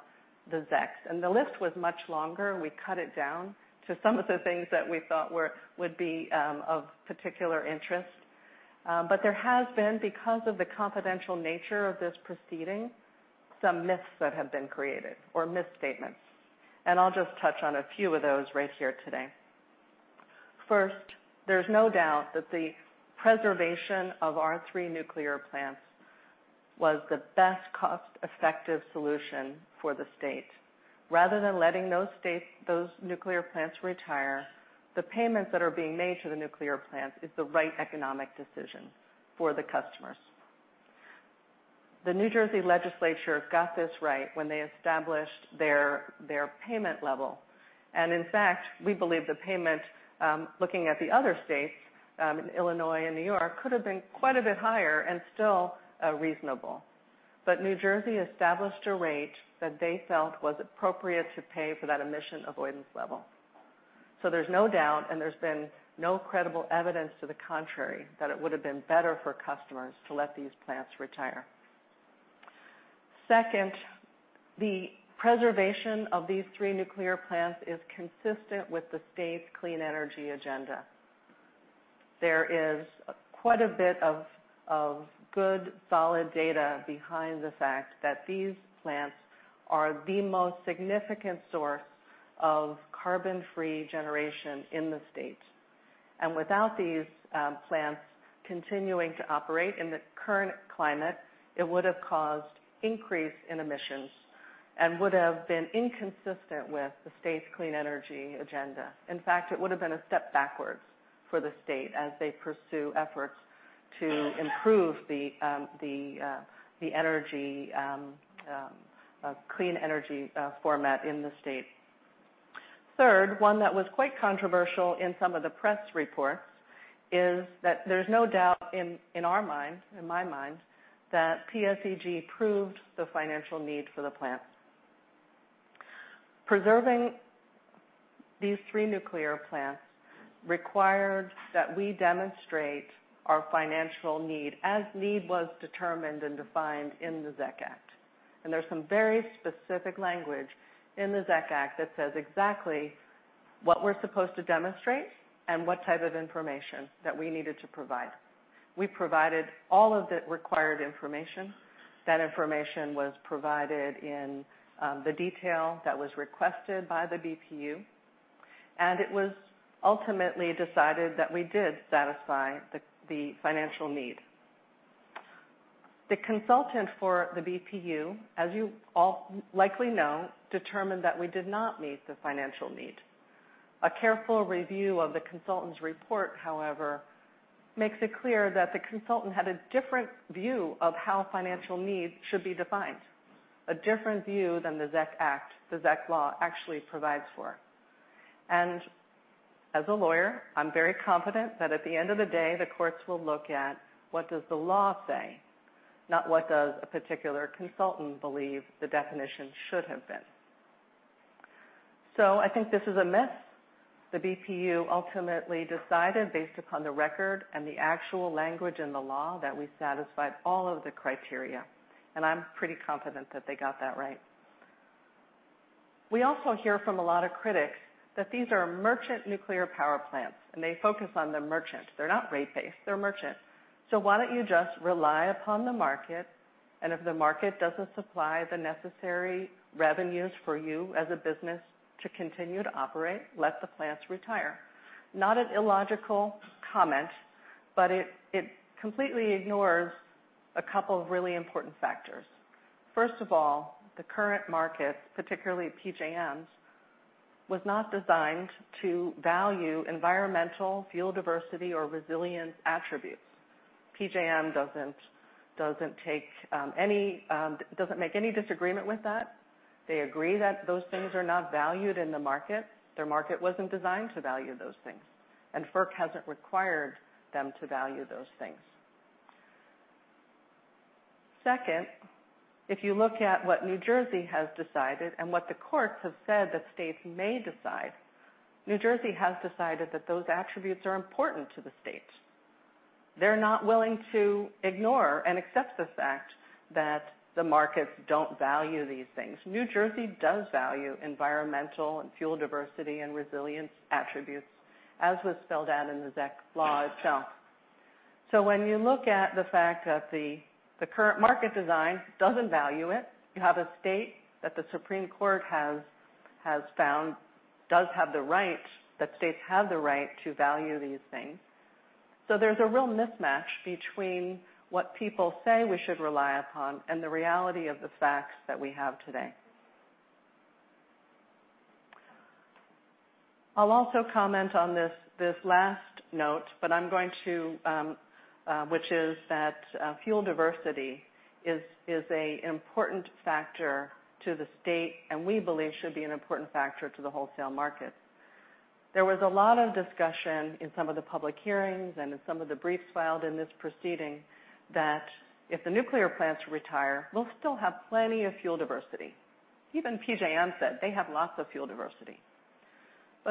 the ZEC. The list was much longer. We cut it down to some of the things that we thought would be of particular interest. But there has been, because of the confidential nature of this proceeding, some myths that have been created or misstatements, and I will just touch on a few of those right here today. First, there is no doubt that the preservation of our three nuclear plants was the best cost-effective solution for the state. Rather than letting those nuclear plants retire, the payments that are being made to the nuclear plants is the right economic decision for the customers. The New Jersey Legislature got this right when they established their payment level. In fact, we believe the payment, looking at the other states, in Illinois and New York, could have been quite a bit higher and still reasonable. New Jersey established a rate that they felt was appropriate to pay for that emission avoidance level. So there is no doubt, and there has been no credible evidence to the contrary, that it would have been better for customers to let these plants retire. Second, the preservation of these three nuclear plants is consistent with the state's clean energy agenda. There is quite a bit of good solid data behind the fact that these plants are the most significant source of carbon-free generation in the state. Without these plants continuing to operate in the current climate, it would have caused increase in emissions and would have been inconsistent with the state's clean energy agenda. In fact, it would have been a step backwards for the state as they pursue efforts to improve the clean energy format in the state. Third, one that was quite controversial in some of the press reports is that there's no doubt in our mind, in my mind, that PSEG proved the financial need for the plant. Preserving these three nuclear plants required that we demonstrate our financial need as need was determined and defined in the ZEC Act. There's some very specific language in the ZEC Act that says exactly what we're supposed to demonstrate and what type of information that we needed to provide. We provided all of the required information. That information was provided in the detail that was requested by the BPU, and it was ultimately decided that we did satisfy the financial need. The consultant for the BPU, as you all likely know, determined that we did not meet the financial need. A careful review of the consultant's report, however, makes it clear that the consultant had a different view of how financial needs should be defined, a different view than the ZEC Act, the ZEC law actually provides for. As a lawyer, I'm very confident that at the end of the day, the courts will look at what does the law say, not what does a particular consultant believe the definition should have been. I think this is a myth. The BPU ultimately decided, based upon the record and the actual language in the law, that we satisfied all of the criteria, and I'm pretty confident that they got that right. We also hear from a lot of critics that these are merchant nuclear power plants, and they focus on the merchant. They're not rate-based, they're merchant. Why don't you just rely upon the market, and if the market doesn't supply the necessary revenues for you as a business to continue to operate, let the plants retire. Not an illogical comment, but it completely ignores a couple of really important factors. First of all, the current market, particularly PJM's, was not designed to value environmental, fuel diversity, or resilience attributes. PJM doesn't make any disagreement with that. They agree that those things are not valued in the market. Their market wasn't designed to value those things, and FERC hasn't required them to value those things. Second, if you look at what New Jersey has decided and what the courts have said that states may decide, New Jersey has decided that those attributes are important to the state. They're not willing to ignore and accept the fact that the markets don't value these things. New Jersey does value environmental and fuel diversity and resilience attributes, as was spelled out in the ZEC law itself. When you look at the fact that the current market design doesn't value it, you have a state that the Supreme Court has found does have the right, that states have the right to value these things. There's a real mismatch between what people say we should rely upon and the reality of the facts that we have today. I'll also comment on this last note, which is that fuel diversity is a important factor to the state, and we believe should be an important factor to the wholesale market. There was a lot of discussion in some of the public hearings and in some of the briefs filed in this proceeding that if the nuclear plants retire, we'll still have plenty of fuel diversity. PJM said they have lots of fuel diversity.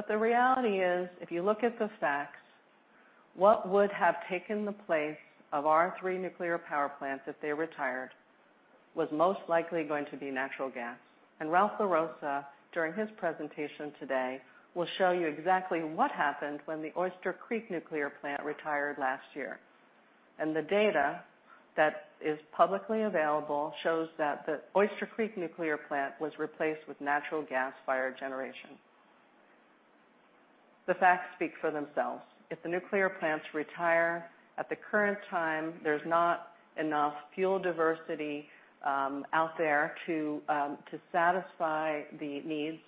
The reality is, if you look at the facts, what would have taken the place of our 3 nuclear power plants if they retired was most likely going to be natural gas. Ralph LaRossa, during his presentation today, will show you exactly what happened when the Oyster Creek Nuclear Plant retired last year. The data that is publicly available shows that the Oyster Creek Nuclear Plant was replaced with natural gas-fired generation. The facts speak for themselves. If the nuclear plants retire, at the current time, there's not enough fuel diversity out there to satisfy the needs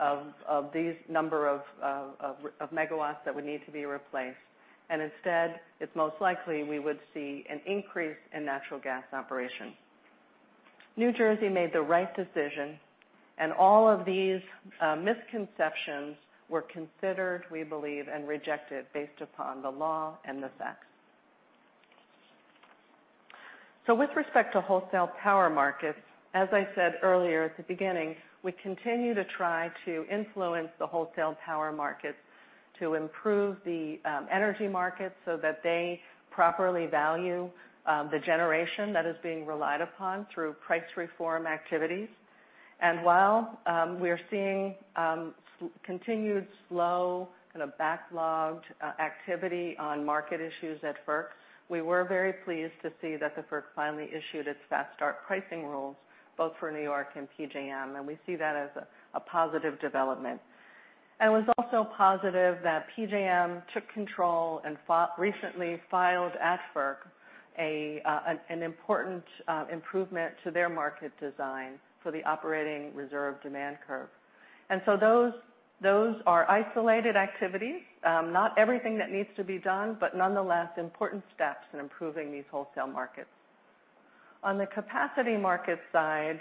of these number of megawatts that would need to be replaced. Instead, it's most likely we would see an increase in natural gas operations. New Jersey made the right decision, all of these misconceptions were considered, we believe, and rejected based upon the law and the facts. With respect to wholesale power markets, as I said earlier at the beginning, we continue to try to influence the wholesale power markets to improve the energy markets so that they properly value the generation that is being relied upon through price reform activities. While we're seeing continued slow backlogged activity on market issues at FERC, we were very pleased to see that the FERC finally issued its Fast Start pricing rules both for New York and PJM, we see that as a positive development. It was also positive that PJM took control and recently filed at FERC an important improvement to their market design for the Operating Reserve Demand Curve. Those are isolated activities. Not everything that needs to be done, nonetheless, important steps in improving these wholesale markets. On the capacity market side,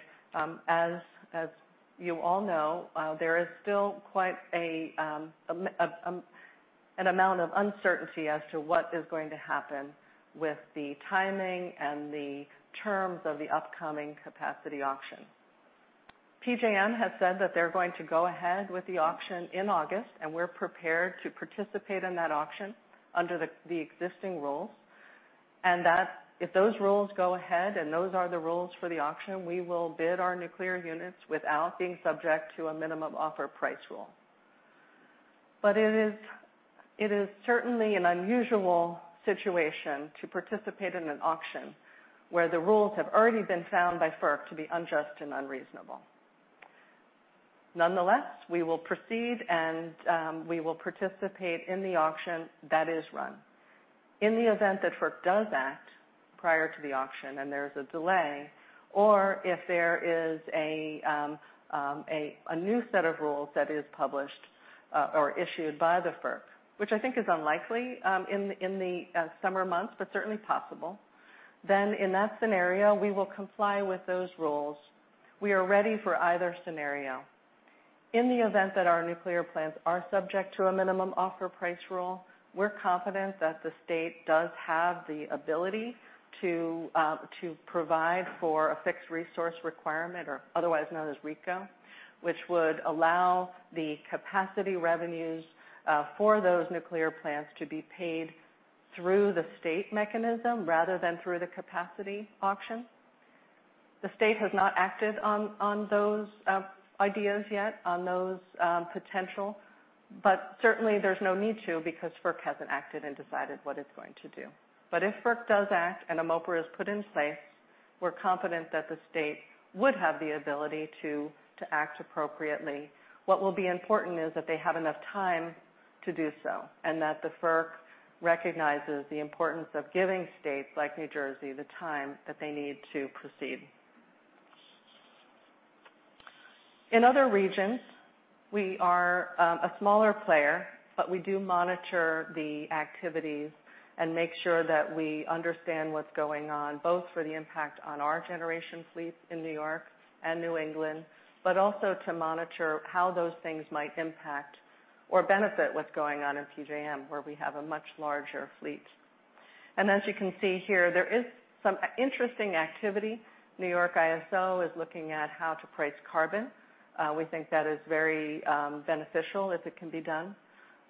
as you all know, there is still quite an amount of uncertainty as to what is going to happen with the timing and the terms of the upcoming capacity auction. PJM has said that they're going to go ahead with the auction in August, we're prepared to participate in that auction under the existing rules, that if those rules go ahead and those are the rules for the auction, we will bid our nuclear units without being subject to a Minimum Offer Price Rule. It is certainly an unusual situation to participate in an auction where the rules have already been found by FERC to be unjust and unreasonable. Nonetheless, we will proceed, we will participate in the auction that is run. In the event that FERC does act prior to the auction there is a delay, or if there is a new set of rules that is published or issued by the FERC, which I think is unlikely in the summer months, certainly possible, in that scenario, we will comply with those rules. We are ready for either scenario. In the event that our nuclear plants are subject to a Minimum Offer Price Rule, we're confident that the state does have the ability to provide for a Fixed Resource Requirement, or otherwise known as FRR-ACA, which would allow the capacity revenues for those nuclear plants to be paid through the state mechanism rather than through the capacity auction. The state has not acted on those ideas yet, on those potential, certainly there's no need to because FERC hasn't acted decided what it's going to do. If FERC does act and a MOPR is put in place, we're confident that the state would have the ability to act appropriately. What will be important is that they have enough time to do so, and that the FERC recognizes the importance of giving states like New Jersey the time that they need to proceed. In other regions, we are a smaller player, but we do monitor the activities and make sure that we understand what's going on, both for the impact on our generation fleet in New York and New England, but also to monitor how those things might impact or benefit what's going on in PJM, where we have a much larger fleet. As you can see here, there is some interesting activity. New York ISO is looking at how to price carbon. We think that is very beneficial if it can be done.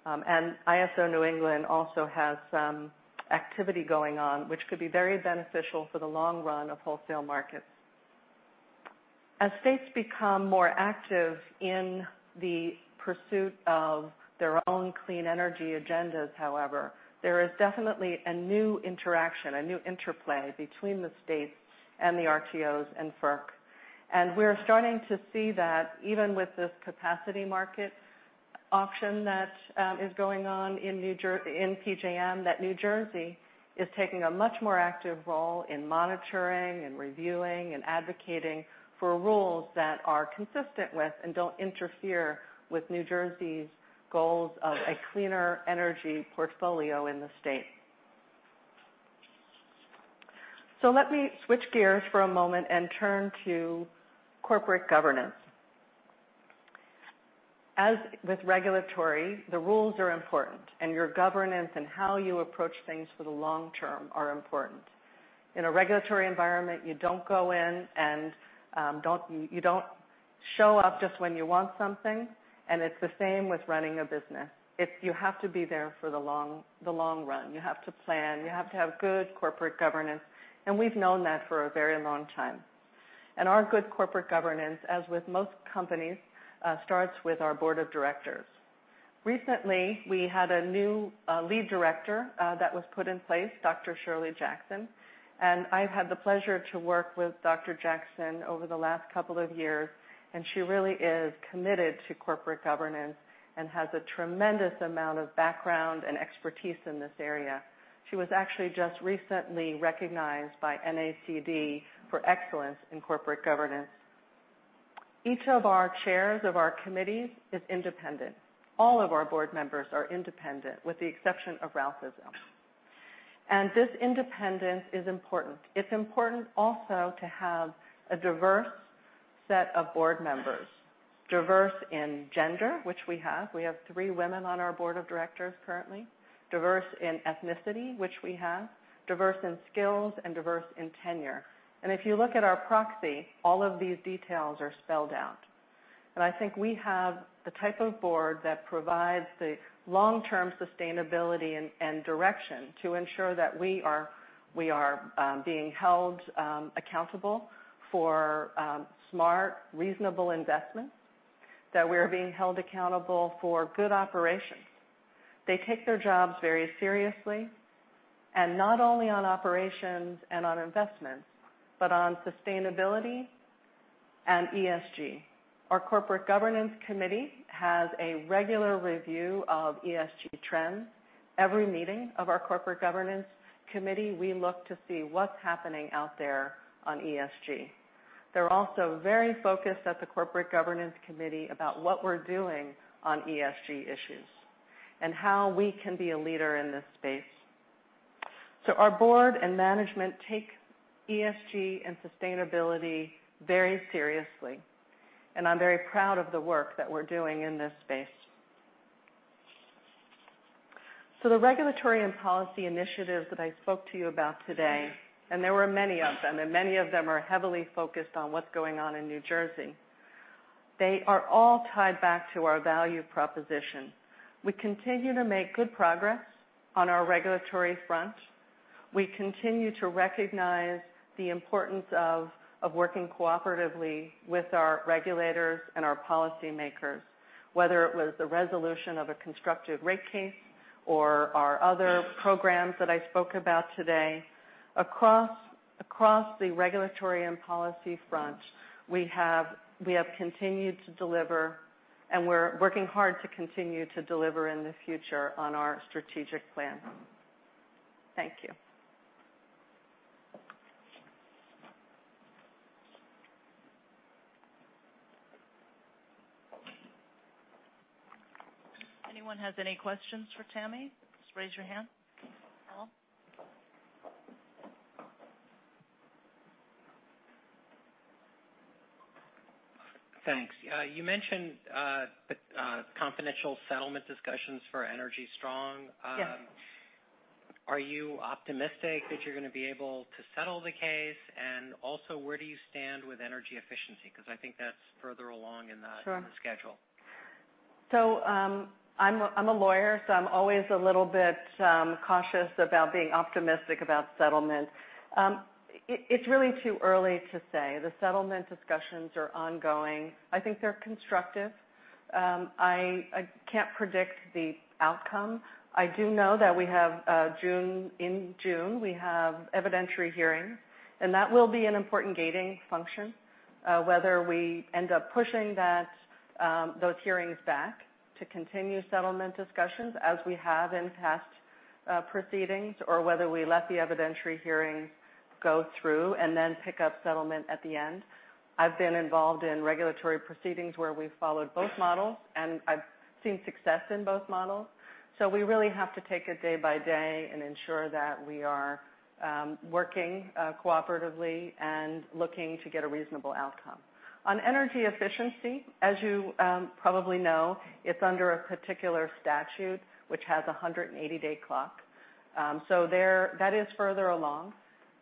ISO New England also has some activity going on, which could be very beneficial for the long run of wholesale markets. As states become more active in the pursuit of their own clean energy agendas, however, there is definitely a new interaction, a new interplay between the states and the RTOs and FERC. We're starting to see that even with this capacity market auction that is going on in PJM, that New Jersey is taking a much more active role in monitoring, and reviewing, and advocating for rules that are consistent with and don't interfere with New Jersey's goals of a cleaner energy portfolio in the state. Let me switch gears for a moment and turn to corporate governance. As with regulatory, the rules are important, and your governance and how you approach things for the long term are important. In a regulatory environment, you don't go in and you don't show up just when you want something, and it's the same with running a business. You have to be there for the long run. You have to plan. You have to have good corporate governance, and we've known that for a very long time. Our good corporate governance, as with most companies, starts with our board of directors. Recently, we had a new lead director that was put in place, Dr. Shirley Jackson, and I've had the pleasure to work with Dr. Jackson over the last couple of years, and she really is committed to corporate governance and has a tremendous amount of background and expertise in this area. She was actually just recently recognized by NACD for excellence in corporate governance. Each of our chairs of our committees is independent. All of our board members are independent, with the exception of Ralph Izzo. This independence is important. It's important also to have a diverse set of board members. Diverse in gender, which we have. We have three women on our board of directors currently. Diverse in ethnicity, which we have. Diverse in skills, and diverse in tenure. If you look at our proxy, all of these details are spelled out. I think we have the type of board that provides the long-term sustainability and direction to ensure that we are being held accountable for smart, reasonable investments. That we're being held accountable for good operations. They take their jobs very seriously, and not only on operations and on investments, but on sustainability and ESG. Our corporate governance committee has a regular review of ESG trends. Every meeting of our corporate governance committee, we look to see what's happening out there on ESG. They're also very focused at the corporate governance committee about what we're doing on ESG issues and how we can be a leader in this space. Our board and management take ESG and sustainability very seriously, and I'm very proud of the work that we're doing in this space. The regulatory and policy initiatives that I spoke to you about today, and there were many of them, and many of them are heavily focused on what's going on in New Jersey. They are all tied back to our value proposition. We continue to make good progress on our regulatory front. We continue to recognize the importance of working cooperatively with our regulators and our policymakers, whether it was the resolution of a constructive rate case or our other programs that I spoke about today. Across the regulatory and policy front, we have continued to deliver, and we're working hard to continue to deliver in the future on our strategic plan. Thank you. Anyone has any questions for Tammy, just raise your hand. Paul? Thanks. You mentioned confidential settlement discussions for Energy Strong. Yes. Are you optimistic that you're going to be able to settle the case? Where do you stand with energy efficiency? Sure schedule. I'm a lawyer, so I'm always a little bit cautious about being optimistic about settlement. It's really too early to say. The settlement discussions are ongoing. I think they're constructive. I can't predict the outcome. I do know that in June, we have evidentiary hearings, and that will be an important gating function, whether we end up pushing those hearings back to continue settlement discussions as we have in past proceedings, or whether we let the evidentiary hearings go through and then pick up settlement at the end. I've been involved in regulatory proceedings where we've followed both models, and I've seen success in both models. We really have to take it day by day and ensure that we are working cooperatively and looking to get a reasonable outcome. On energy efficiency, as you probably know, it's under a particular statute which has 180-day clock. That is further along.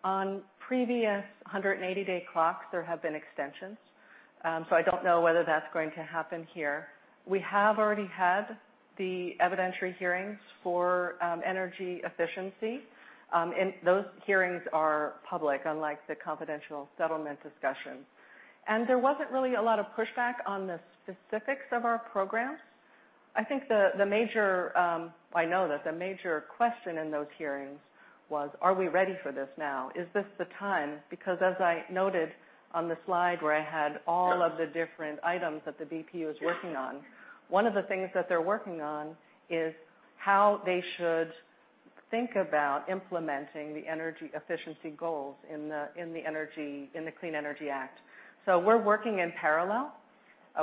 On previous 180-day clocks, there have been extensions. I don't know whether that's going to happen here. We have already had the evidentiary hearings for energy efficiency, and those hearings are public, unlike the confidential settlement discussions. There wasn't really a lot of pushback on the specifics of our programs. I know that the major question in those hearings was, are we ready for this now? Is this the time? As I noted on the slide where I had all of the different items that the BPU is working on, one of the things that they're working on is how they should think about implementing the energy efficiency goals in the Clean Energy Act. We're working in parallel.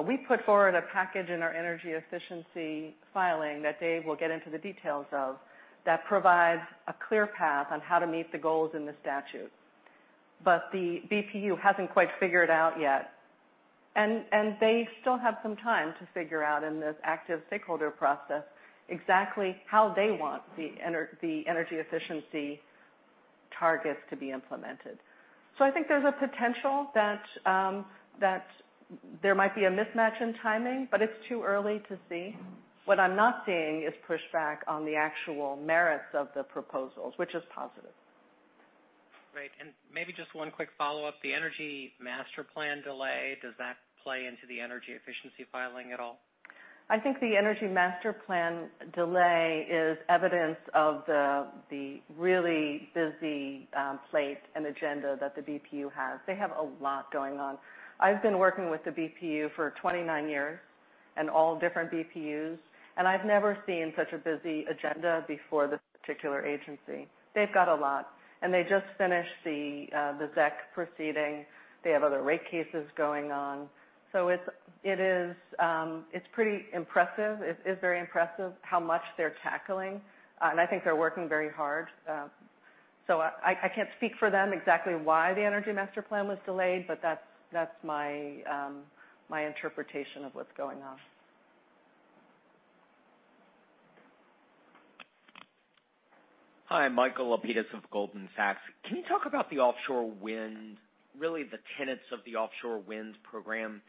We put forward a package in our energy efficiency filing that Dave will get into the details of that provides a clear path on how to meet the goals in the statute. The BPU hasn't quite figured out yet. They still have some time to figure out in this active stakeholder process exactly how they want the energy efficiency targets to be implemented. I think there's a potential that there might be a mismatch in timing, but it's too early to see. What I'm not seeing is pushback on the actual merits of the proposals, which is positive. Great. Maybe just one quick follow-up. The Energy Master Plan delay, does that play into the energy efficiency filing at all? I think the Energy Master Plan delay is evidence of the really busy plate and agenda that the BPU has. They have a lot going on. I've been working with the BPU for 29 years, all different BPUs, I've never seen such a busy agenda before this particular agency. They've got a lot. They just finished the ZEC proceeding. They have other rate cases going on. It's pretty impressive. It's very impressive how much they're tackling, I think they're working very hard. I can't speak for them exactly why the Energy Master Plan was delayed, but that's my interpretation of what's going on. Hi, Michael Lapides of Goldman Sachs. Can you talk about the offshore wind, really the tenets of the offshore wind program?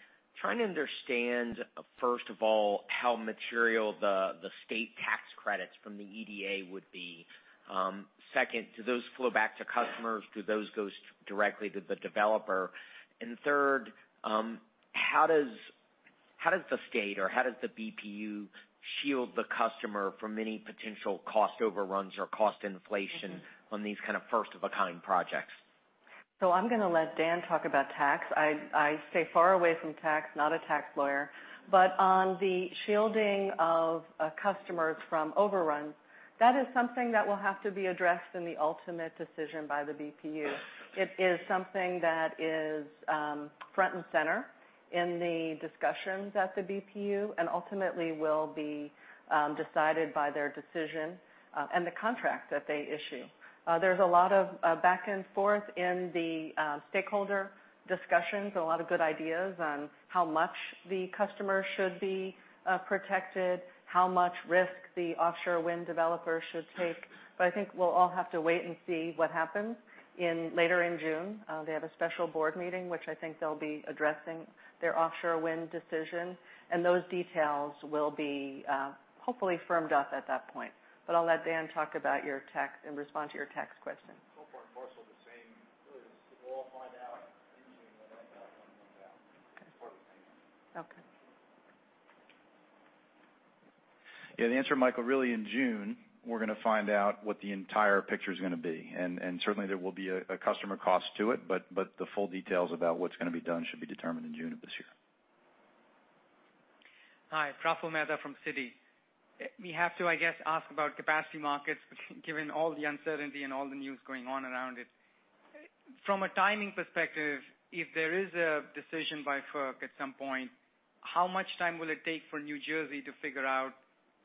First of all, how material the state tax credits from the EDA would be. Second, do those flow back to customers? Do those go directly to the developer? Third, how does the state or how does the BPU shield the customer from any potential cost overruns or cost inflation on these kind of first-of-a-kind projects? I'm going to let Dan talk about tax. I stay far away from tax, not a tax lawyer. On the shielding of customers from overruns, that is something that will have to be addressed in the ultimate decision by the BPU. It is something that is front and center in the discussions at the BPU, ultimately will be decided by their decision and the contract that they issue. There's a lot of back and forth in the stakeholder discussions, a lot of good ideas on how much the customer should be protected, how much risk the offshore wind developer should take. I think we'll all have to wait and see what happens later in June. They have a special board meeting, which I think they'll be addressing their offshore wind decision, those details will be hopefully firmed up at that point. I'll let Dan talk about your tax and respond to your tax question. Part and parcel the same. We'll all find out in June what that comes down to. Okay. It's part of the same. Okay. The answer, Michael, really in June, we're going to find out what the entire picture is going to be. Certainly, there will be a customer cost to it, the full details about what's going to be done should be determined in June of this year. Hi, Praful Mehta from Citi. We have to, I guess, ask about capacity markets, given all the uncertainty and all the news going on around it. From a timing perspective, if there is a decision by FERC at some point, how much time will it take for New Jersey to figure out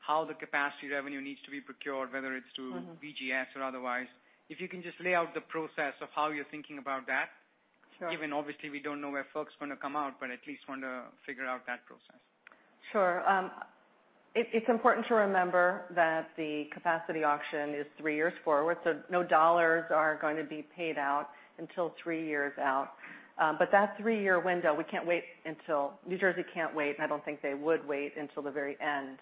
how the capacity revenue needs to be procured, whether it's through BGS or otherwise? If you can just lay out the process of how you're thinking about that. Sure. Given obviously we don't know where FERC's going to come out, but at least want to figure out that process. Sure. It's important to remember that the capacity auction is three years forward, so no $ are going to be paid out until three years out. That three-year window, New Jersey can't wait, and I don't think they would wait until the very end.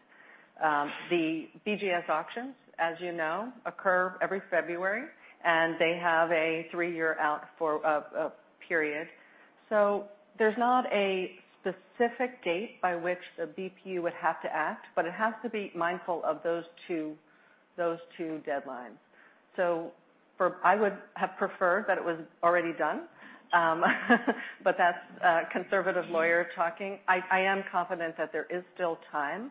The BGS auctions, as you know, occur every February, and they have a three year out period. There's not a specific date by which the BPU would have to act, but it has to be mindful of those two deadlines. I would have preferred that it was already done, but that's a conservative lawyer talking. I am confident that there is still time.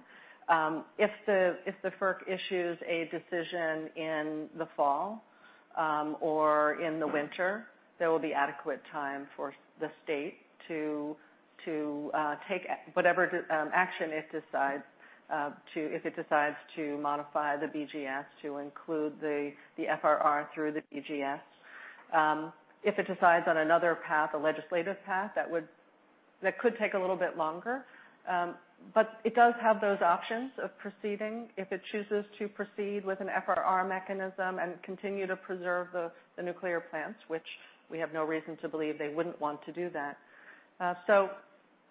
If the FERC issues a decision in the fall or in the winter, there will be adequate time for the state to take whatever action it decides, if it decides to modify the BGS to include the FRR through the BGS. If it decides on another path, a legislative path, that could take a little bit longer. It does have those options of proceeding if it chooses to proceed with an FRR mechanism and continue to preserve the nuclear plants, which we have no reason to believe they wouldn't want to do that.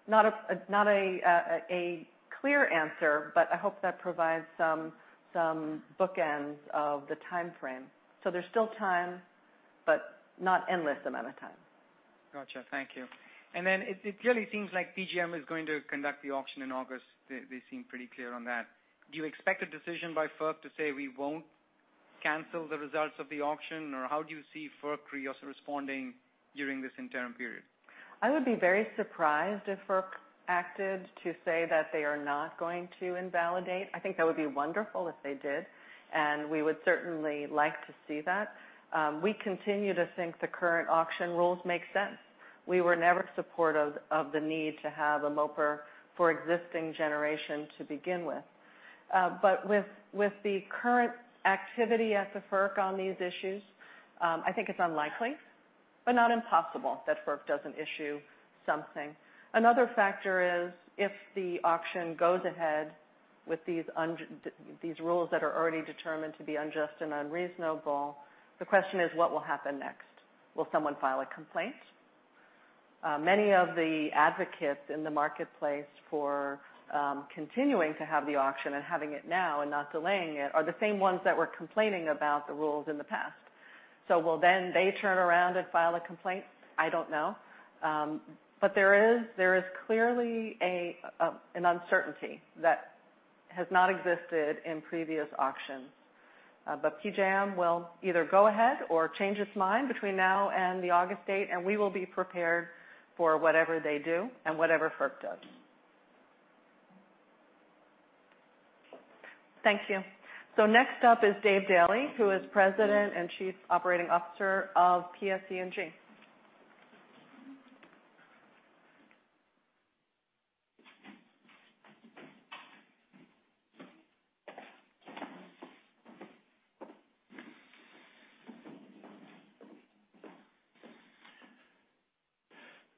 Not a clear answer, but I hope that provides some bookends of the timeframe. There's still time, but not endless amount of time. Got you. Thank you. It really seems like PJM is going to conduct the auction in August. They seem pretty clear on that. Do you expect a decision by FERC to say we won't cancel the results of the auction, or how do you see FERC responding during this interim period? I would be very surprised if FERC acted to say that they are not going to invalidate. I think that would be wonderful if they did, and we would certainly like to see that. We continue to think the current auction rules make sense. We were never supportive of the need to have a MOPR for existing generation to begin with. With the current activity at the FERC on these issues, I think it's unlikely, but not impossible that FERC doesn't issue something. Another factor is if the auction goes ahead with these rules that are already determined to be unjust and unreasonable, the question is, what will happen next? Will someone file a complaint? Many of the advocates in the marketplace for continuing to have the auction and having it now and not delaying it are the same ones that were complaining about the rules in the past. Will then they turn around and file a complaint? I don't know. There is clearly an uncertainty that has not existed in previous auctions. PJM will either go ahead or change its mind between now and the August date, and we will be prepared for whatever they do and whatever FERC does. Thank you. Next up is Dave Daly, who is President and Chief Operating Officer of PSE&G.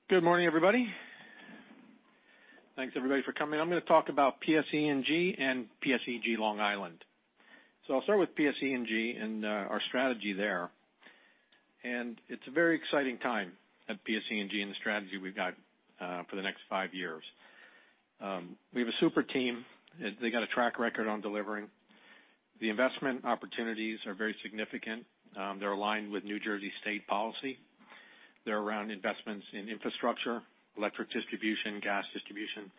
Good morning, everybody. Thanks, everybody, for coming. I'm going to talk about PSE&G and PSEG Long Island. I'll start with PSE&G and our strategy there. It's a very exciting time at PSE&G and the strategy we've got for the next five years. We have a super team. They got a track record on delivering. The investment opportunities are very significant. They're aligned with New Jersey state policy. They're around investments in infrastructure, electric distribution, gas distribution,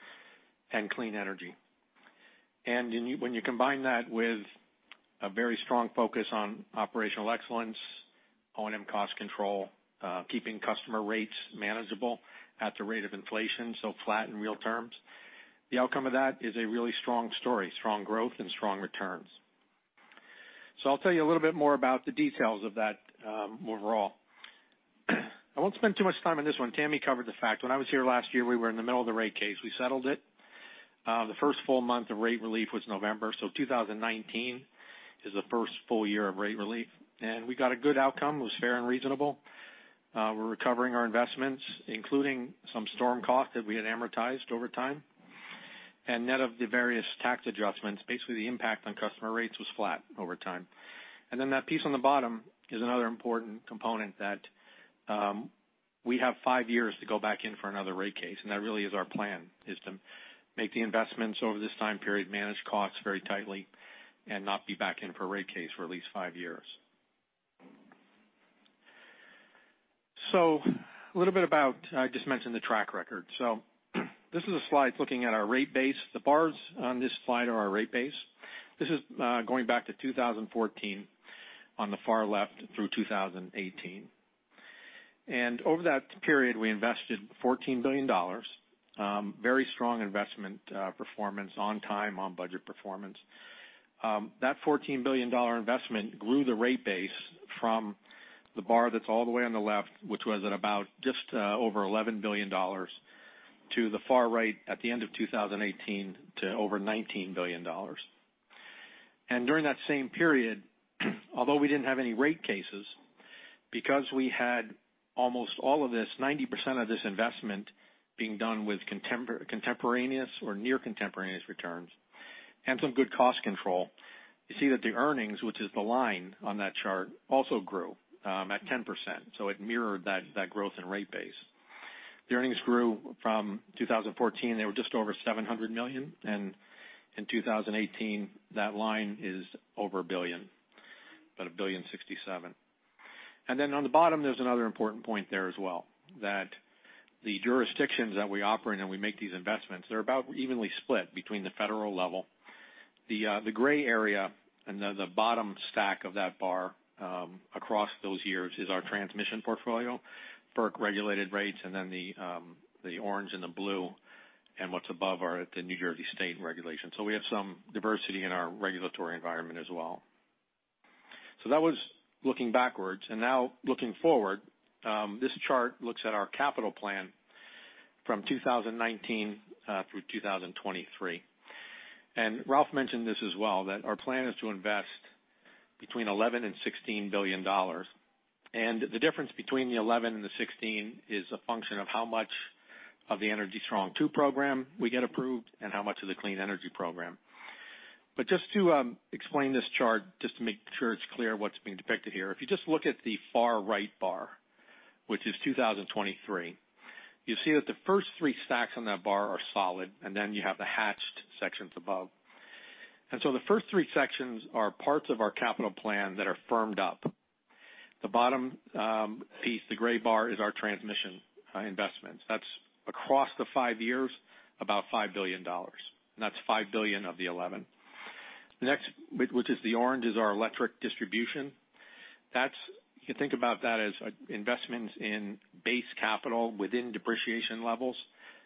and clean energy. When you combine that with a very strong focus on operational excellence, O&M cost control, keeping customer rates manageable at the rate of inflation, so flat in real terms, the outcome of that is a really strong story, strong growth and strong returns. I'll tell you a little bit more about the details of that overall. I won't spend too much time on this one. Tammy covered the fact. When I was here last year, we were in the middle of the rate case. We settled it. The first full month of rate relief was November. 2019 is the first full year of rate relief. We got a good outcome. It was fair and reasonable. We're recovering our investments, including some storm cost that we had amortized over time. Net of the various tax adjustments, basically the impact on customer rates was flat over time. That piece on the bottom is another important component that we have five years to go back in for another rate case, and that really is our plan, is to make the investments over this time period, manage costs very tightly, and not be back in for a rate case for at least five years. A little bit about, I just mentioned the track record. This is a slide looking at our rate base. The bars on this slide are our rate base. This is going back to 2014 on the far left through 2018. Over that period, we invested $14 billion. Very strong investment performance, on time, on budget performance. That $14 billion investment grew the rate base from the bar that's all the way on the left, which was at about just over $11 billion, to the far right at the end of 2018 to over $19 billion. During that same period, although we didn't have any rate cases, because we had almost all of this, 90% of this investment being done with contemporaneous or near contemporaneous returns and some good cost control, you see that the earnings, which is the line on that chart, also grew at 10%. It mirrored that growth in rate base. The earnings grew from 2014. They were just over $700 million, and in 2018, that line is over $1 billion, about $1.067 billion. On the bottom, there's another important point there as well, that the jurisdictions that we operate in and we make these investments, they're about evenly split between the federal level. The gray area and the bottom stack of that bar across those years is our transmission portfolio, FERC-regulated rates, and then the orange and the blue and what's above are at the New Jersey state regulations. We have some diversity in our regulatory environment as well. That was looking backwards. Now looking forward, this chart looks at our capital plan from 2019 through 2023. Ralph mentioned this as well, that our plan is to invest between $11 billion-$16 billion. The difference between the 11 and the 16 is a function of how much of the Energy Strong II program we get approved and how much of the Clean Energy program. Just to explain this chart, just to make sure it's clear what's being depicted here. If you just look at the far right bar, which is 2023, you see that the first three stacks on that bar are solid, and then you have the hatched sections above. The first three sections are parts of our capital plan that are firmed up. The bottom piece, the gray bar, is our transmission investments. That's across the five years, about $5 billion. That's $5 billion of the 11. Next, which is the orange, is our electric distribution. You can think about that as investments in base capital within depreciation levels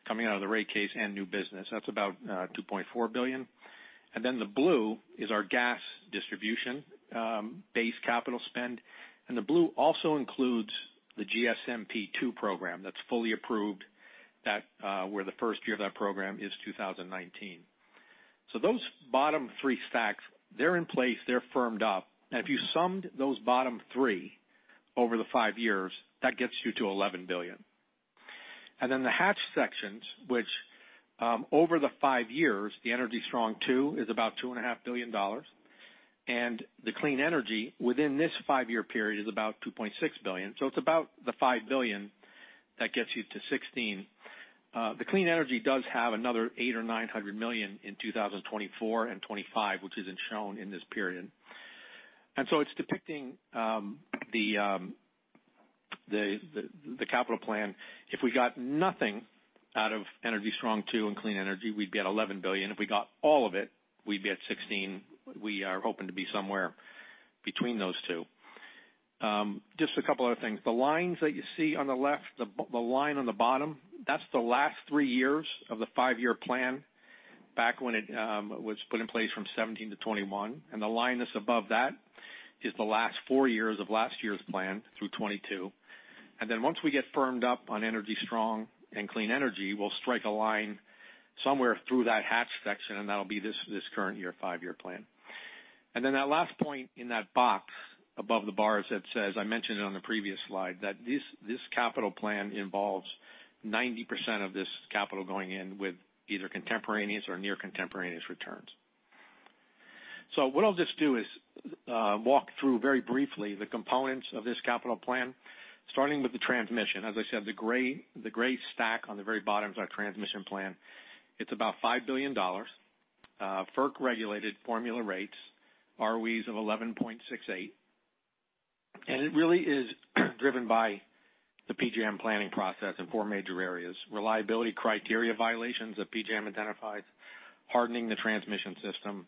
coming out of the rate case and new business. That's about $2.4 billion. Then the blue is our gas distribution base capital spend. The blue also includes the GSMP 2 program that's fully approved, where the first year of that program is 2019. Those bottom three stacks, they're in place, they're firmed up. If you summed those bottom three over the five years, that gets you to $11 billion. Then the hatched sections, which over the five years, the Energy Strong II is about $2.5 billion. The Clean Energy within this five-year period is about $2.6 billion. It's about the $5 billion that gets you to 16. The Clean Energy does have another $800 million or $900 million in 2024 and 2025, which isn't shown in this period. It's depicting the capital plan. If we got nothing out of Energy Strong II and Clean Energy, we'd be at $11 billion. If we got all of it, we'd be at 16. We are hoping to be somewhere between those two. Just a couple other things. The lines that you see on the left, the line on the bottom, that's the last three years of the five-year plan back when it was put in place from 2017 to 2021. The line that's above that is the last four years of last year's plan through 2022. Once we get firmed up on Energy Strong and Clean Energy, we'll strike a line somewhere through that hatched section, and that'll be this current year five-year plan. Then that last point in that box above the bars that says, I mentioned it on the previous slide, that this capital plan involves 90% of this capital going in with either contemporaneous or near contemporaneous returns. What I'll just do is walk through very briefly the components of this capital plan, starting with the transmission. As I said, the gray stack on the very bottom is our transmission plan. It's about $5 billion. FERC-regulated formula rates, ROEs of 11.68%. It really is driven by the PJM planning process in four major areas. Reliability criteria violations that PJM identifies, hardening the transmission system,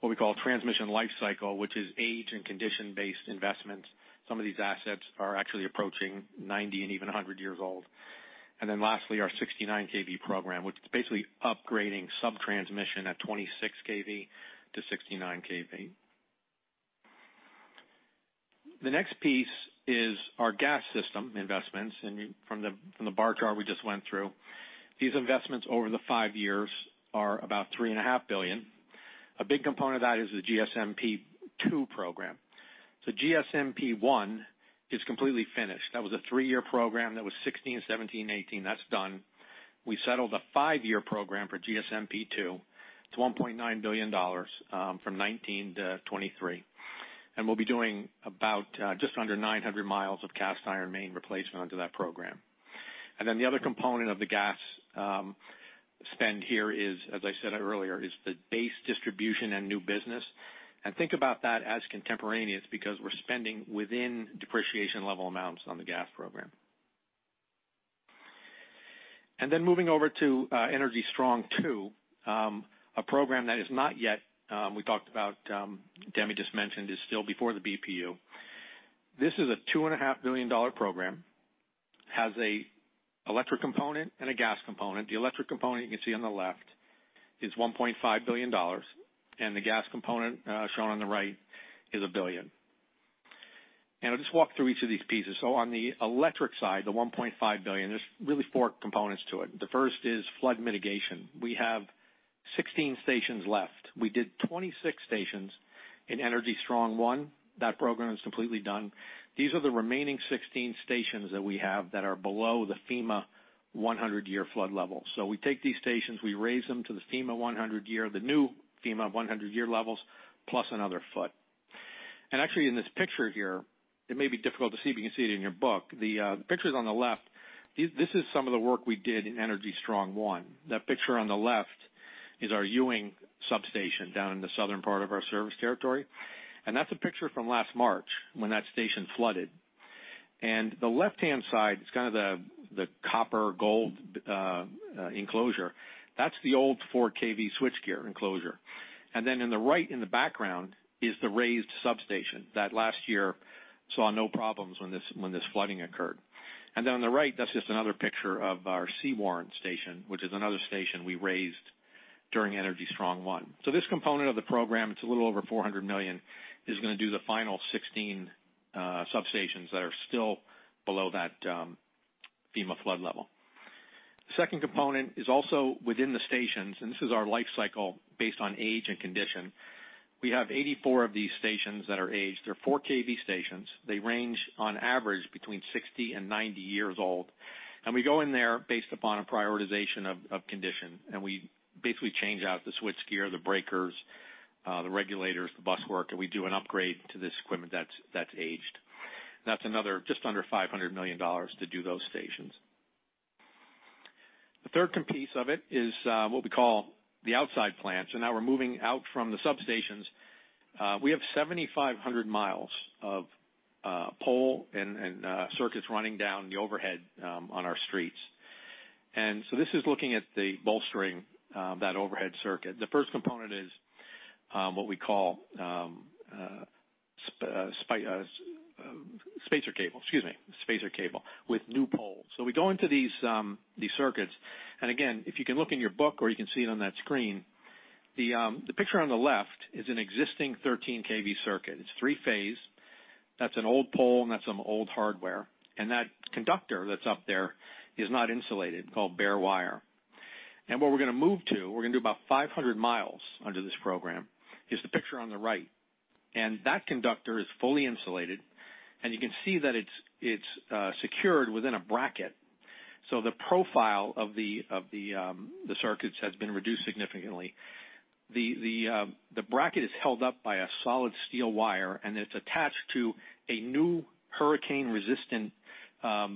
what we call transmission life cycle, which is age and condition-based investments. Some of these assets are actually approaching 90 and even 100 years old. Lastly, our 69 kV program, which is basically upgrading sub-transmission at 26 kV to 69 kV. The next piece is our gas system investments. From the bar chart we just went through, these investments over the 5 years are about $3.5 billion. A big component of that is the GSMP 2 program. GSMP 1 is completely finished. That was a 3-year program. That was 2016, 2017, 2018. That's done. We settled a 5-year program for GSMP 2. It's $1.9 billion from 2019 to 2023. We'll be doing about just under 900 miles of cast iron main replacement under that program. The other component of the gas spend here is, as I said earlier, is the base distribution and new business. Think about that as contemporaneous because we're spending within depreciation level amounts on the gas program. Moving over to Energy Strong II, a program that is not yet, we talked about, Tami just mentioned, is still before the BPU. This is a $2.5 billion program, has an electric component and a gas component. The electric component you can see on the left is $1.5 billion, the gas component shown on the right is $1 billion. I'll just walk through each of these pieces. On the electric side, the $1.5 billion, there's really 4 components to it. The first is flood mitigation. We have 16 stations left. We did 26 stations in Energy Strong I. That program is completely done. These are the remaining 16 stations that we have that are below the FEMA 100-year flood level. We take these stations, we raise them to the new FEMA 100-year levels, plus another foot. In this picture here, it may be difficult to see, but you can see it in your book. The picture's on the left. This is some of the work we did in Energy Strong I. That picture on the left is our Ewing substation down in the southern part of our service territory. That's a picture from last March when that station flooded. The left-hand side is kind of the copper gold enclosure. That's the old 4 kV switchgear enclosure. In the right, in the background, is the raised substation that last year saw no problems when this flooding occurred. On the right, that's just another picture of our Sewaren station, which is another station we raised during Energy Strong I. This component of the program, it's a little over $400 million, is going to do the final 16 substations that are still below that FEMA flood level. The second component is also within the stations, this is our life cycle based on age and condition. We have 84 of these stations that are aged. They're 4 kV stations. They range on average between 60 and 90 years old. We go in there based upon a prioritization of condition, we basically change out the switchgear, the breakers, the regulators, the bus work, we do an upgrade to this equipment that's aged. That's another just under $500 million to do those stations. The third piece of it is what we call the outside plants, now we're moving out from the substations. We have 7,500 miles of pole and circuits running down the overhead on our streets. This is looking at the bolstering that overhead circuit. The first component is what we call spacer cable, excuse me, spacer cable with new poles. We go into these circuits, again, if you can look in your book or you can see it on that screen, the picture on the left is an existing 13 kV circuit. It's three-phase. That's an old pole, and that's some old hardware. That conductor that's up there is not insulated, called bare wire. What we're going to move to, we're going to do about 500 miles under this program, is the picture on the right. That conductor is fully insulated, and you can see that it's secured within a bracket. The bracket is held up by a solid steel wire, and it's attached to a new hurricane-resistant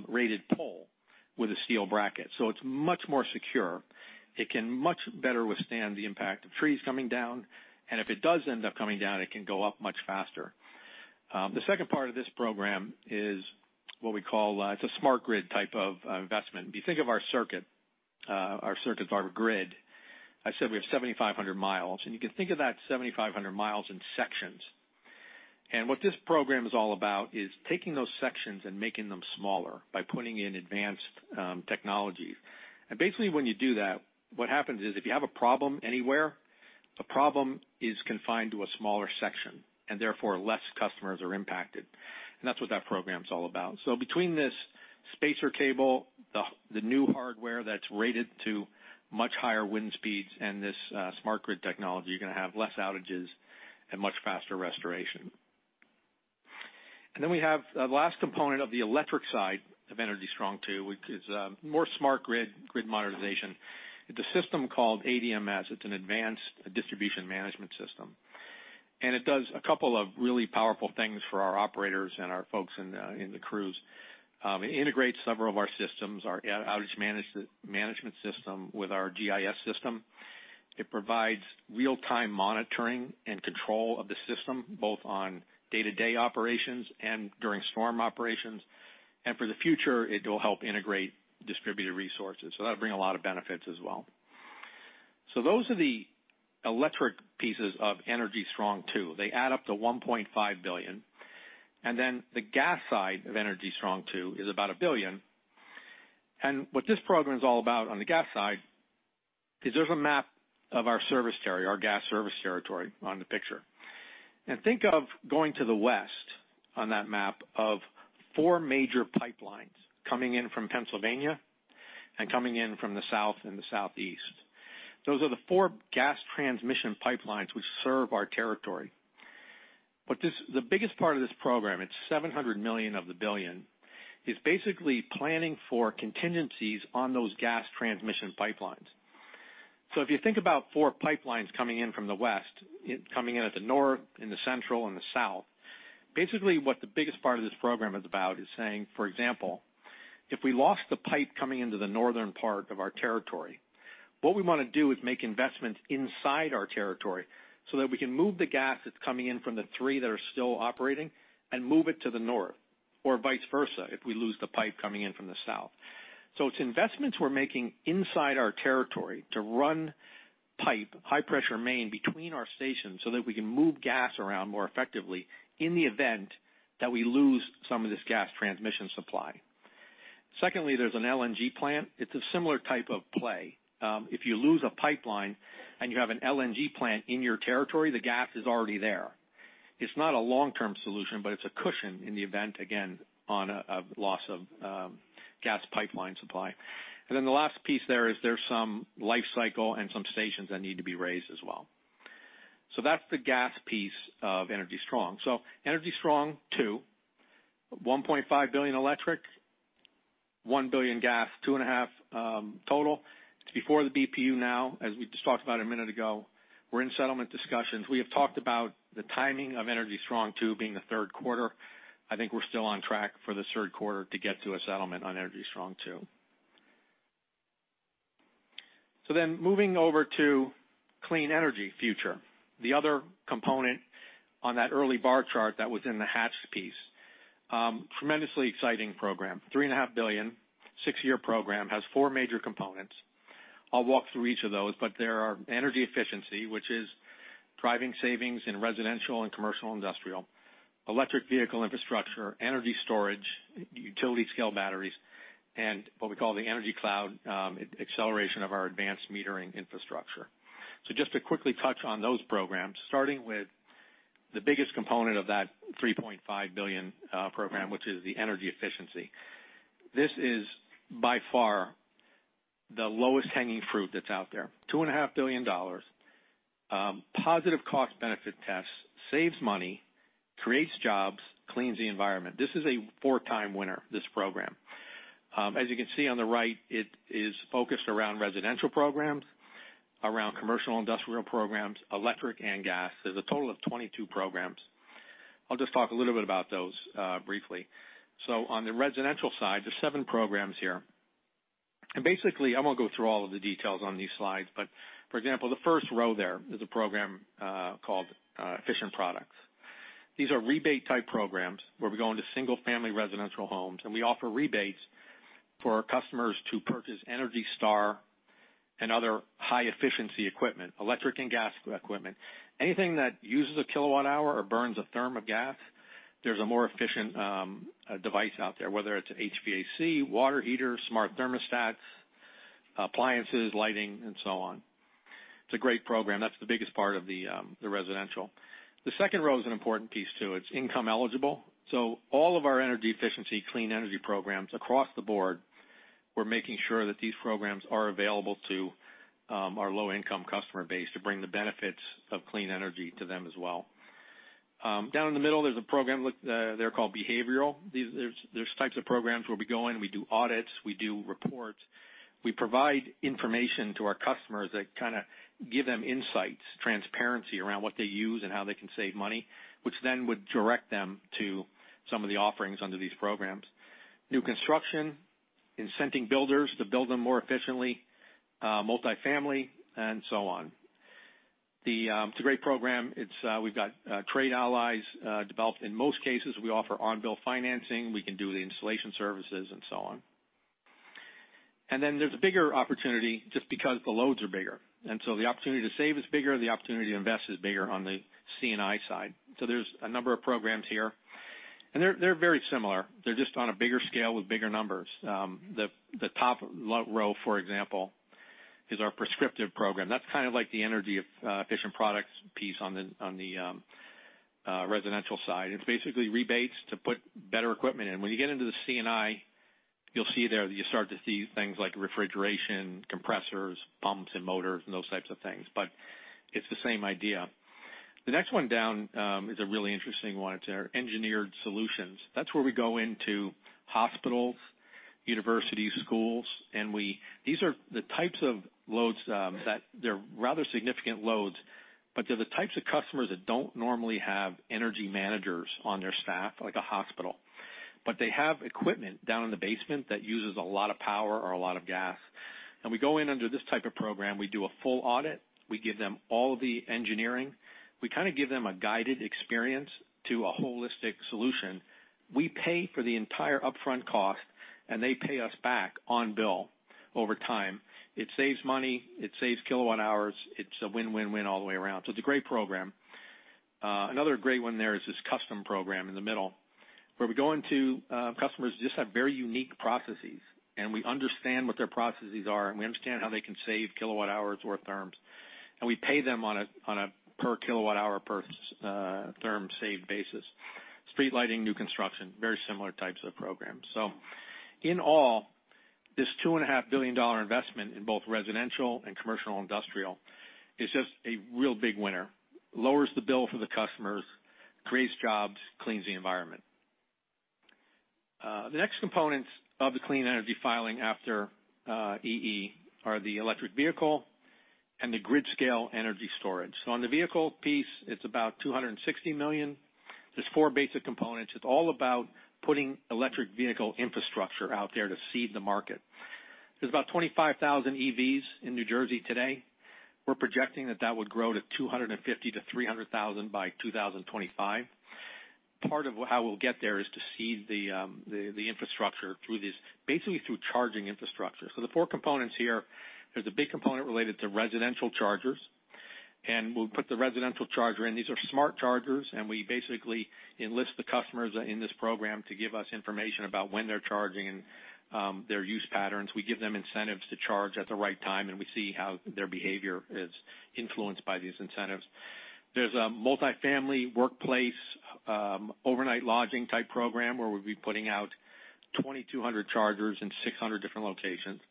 rated pole with a steel bracket. It's much more secure. It can much better withstand the impact of trees coming down, and if it does end up coming down, it can go up much faster. The second part of this program is what we call a smart grid type of investment. If you think of our circuit, our grid, I said we have 7,500 miles, and you can think of that 7,500 miles in sections. What this program is all about is taking those sections and making them smaller by putting in advanced technology. Basically, when you do that, what happens is if you have a problem anywhere, the problem is confined to a smaller section, and therefore less customers are impacted. That's what that program's all about. Between this spacer cable, the new hardware that's rated to much higher wind speeds, and this smart grid technology, you're going to have less outages and much faster restoration. We have the last component of the electric side of Energy Strong II, which is more smart grid modernization. It's a system called ADMS. It's an advanced distribution management system. It does a couple of really powerful things for our operators and our folks in the crews. It integrates several of our systems, our outage management system with our GIS system. It provides real-time monitoring and control of the system, both on day-to-day operations and during storm operations. For the future, it will help integrate distributed resources. That'll bring a lot of benefits as well. Those are the electric pieces of Energy Strong II. They add up to $1.5 billion. The gas side of Energy Strong II is about $1 billion. What this program is all about on the gas side is there's a map of our service territory, our gas service territory on the picture. Think of going to the west on that map of four major pipelines coming in from Pennsylvania and coming in from the south and the southeast. Those are the four gas transmission pipelines which serve our territory. The biggest part of this program, it's $700 million of the $1 billion, is basically planning for contingencies on those gas transmission pipelines. If you think about four pipelines coming in from the west, coming in at the north, in the central, and the south, basically what the biggest part of this program is about is saying, for example, if we lost the pipe coming into the northern part of our territory, what we want to do is make investments inside our territory so that we can move the gas that's coming in from the three that are still operating and move it to the north, or vice versa if we lose the pipe coming in from the south. It's investments we're making inside our territory to run pipe, high-pressure main between our stations so that we can move gas around more effectively in the event that we lose some of this gas transmission supply. There's an LNG plant. It's a similar type of play. If you lose a pipeline and you have an LNG plant in your territory, the gas is already there. It's not a long-term solution, but it's a cushion in the event, again, on a loss of gas pipeline supply. The last piece there is there's some life cycle and some stations that need to be raised as well. That's the gas piece of Energy Strong. Energy Strong Two, $1.5 billion electric, $1 billion gas, $2.5 total. It's before the BPU now, as we just talked about a minute ago. We're in settlement discussions. We have talked about the timing of Energy Strong Two being the third quarter. I think we're still on track for the third quarter to get to a settlement on Energy Strong Two. Moving over to Clean Energy Future, the other component on that early bar chart that was in the hatched piece. Tremendously exciting program. $3.5 billion, six-year program, has four major components. I'll walk through each of those, but there are energy efficiency, which is driving savings in residential and commercial industrial, electric vehicle infrastructure, energy storage, utility scale batteries, and what we call the energy cloud, acceleration of our advanced metering infrastructure. Just to quickly touch on those programs, starting with the biggest component of that $3.5 billion program, which is the energy efficiency. This is by far the lowest hanging fruit that's out there, $2.5 billion. Positive cost benefit tests, saves money, creates jobs, cleans the environment. This is a four-time winner, this program. As you can see on the right, it is focused around residential programs, around commercial industrial programs, electric and gas. There's a total of 22 programs. I'll just talk a little bit about those, briefly. On the residential side, there's seven programs here. Basically, I won't go through all of the details on these slides, but for example, the first row there is a program called Efficient Products. These are rebate type programs, where we go into single family residential homes, and we offer rebates for our customers to purchase ENERGY STAR and other high efficiency equipment, electric and gas equipment. Anything that uses a kilowatt hour or burns a therm of gas, there's a more efficient device out there, whether it's HVAC, water heater, smart thermostats, appliances, lighting, and so on. It's a great program. That's the biggest part of the residential. The second row is an important piece, too. It's income eligible. All of our energy efficiency, clean energy programs across the board, we're making sure that these programs are available to our low income customer base to bring the benefits of clean energy to them as well. Down in the middle, there's a program there called Behavioral. There's types of programs where we go in, we do audits, we do reports. We provide information to our customers that kind of give them insights, transparency around what they use and how they can save money, which then would direct them to some of the offerings under these programs. New construction, incenting builders to build them more efficiently, multifamily, and so on. It's a great program. We've got trade allies developed. In most cases, we offer on-bill financing. We can do the installation services and so on. There's a bigger opportunity just because the loads are bigger. The opportunity to save is bigger, the opportunity to invest is bigger on the C&I side. There's a number of programs here, and they're very similar. They're just on a bigger scale with bigger numbers. The top row, for example, is our Prescriptive Program. That's kind of like the energy efficient products piece on the residential side. It's basically rebates to put better equipment in. When you get into the C&I, you'll see there that you start to see things like refrigeration, compressors, pumps and motors, and those types of things. It's the same idea. The next one down is a really interesting one. It's our Engineered Solutions. That's where we go into hospitals, universities, schools, and these are the types of loads that they're rather significant loads, but they're the types of customers that don't normally have energy managers on their staff, like a hospital. They have equipment down in the basement that uses a lot of power or a lot of gas. We go in under this type of program. We do a full audit. We give them all the engineering. We kind of give them a guided experience to a holistic solution. We pay for the entire upfront cost, and they pay us back on bill over time. It saves money. It saves kilowatt hours. It's a win-win-win all the way around. It's a great program. Another great one there is this Custom Program in the middle, where we go into customers that just have very unique processes, and we understand what their processes are, and we understand how they can save kilowatt hours or therms. We pay them on a per kilowatt hour, per therm saved basis. Street lighting, new construction, very similar types of programs. In all, this $2.5 billion investment in both residential and commercial industrial is just a real big winner. Lowers the bill for the customers, creates jobs, cleans the environment. The next components of the clean energy filing after EE are the electric vehicle and the grid scale energy storage. On the vehicle piece, it's about $260 million. There's four basic components. It's all about putting electric vehicle infrastructure out there to seed the market. There's about 25,000 EVs in New Jersey today. We're projecting that that would grow to 250,000 to 300,000 by 2025. Part of how we'll get there is to seed the infrastructure through these, basically through charging infrastructure. The four components here, there's a big component related to residential chargers, and we'll put the residential charger in. These are smart chargers. We basically enlist the customers in this program to give us information about when they are charging and their use patterns. We give them incentives to charge at the right time. We see how their behavior is influenced by these incentives. There is a multifamily workplace, overnight lodging type program where we will be putting out 2,200 chargers in 600 different locations.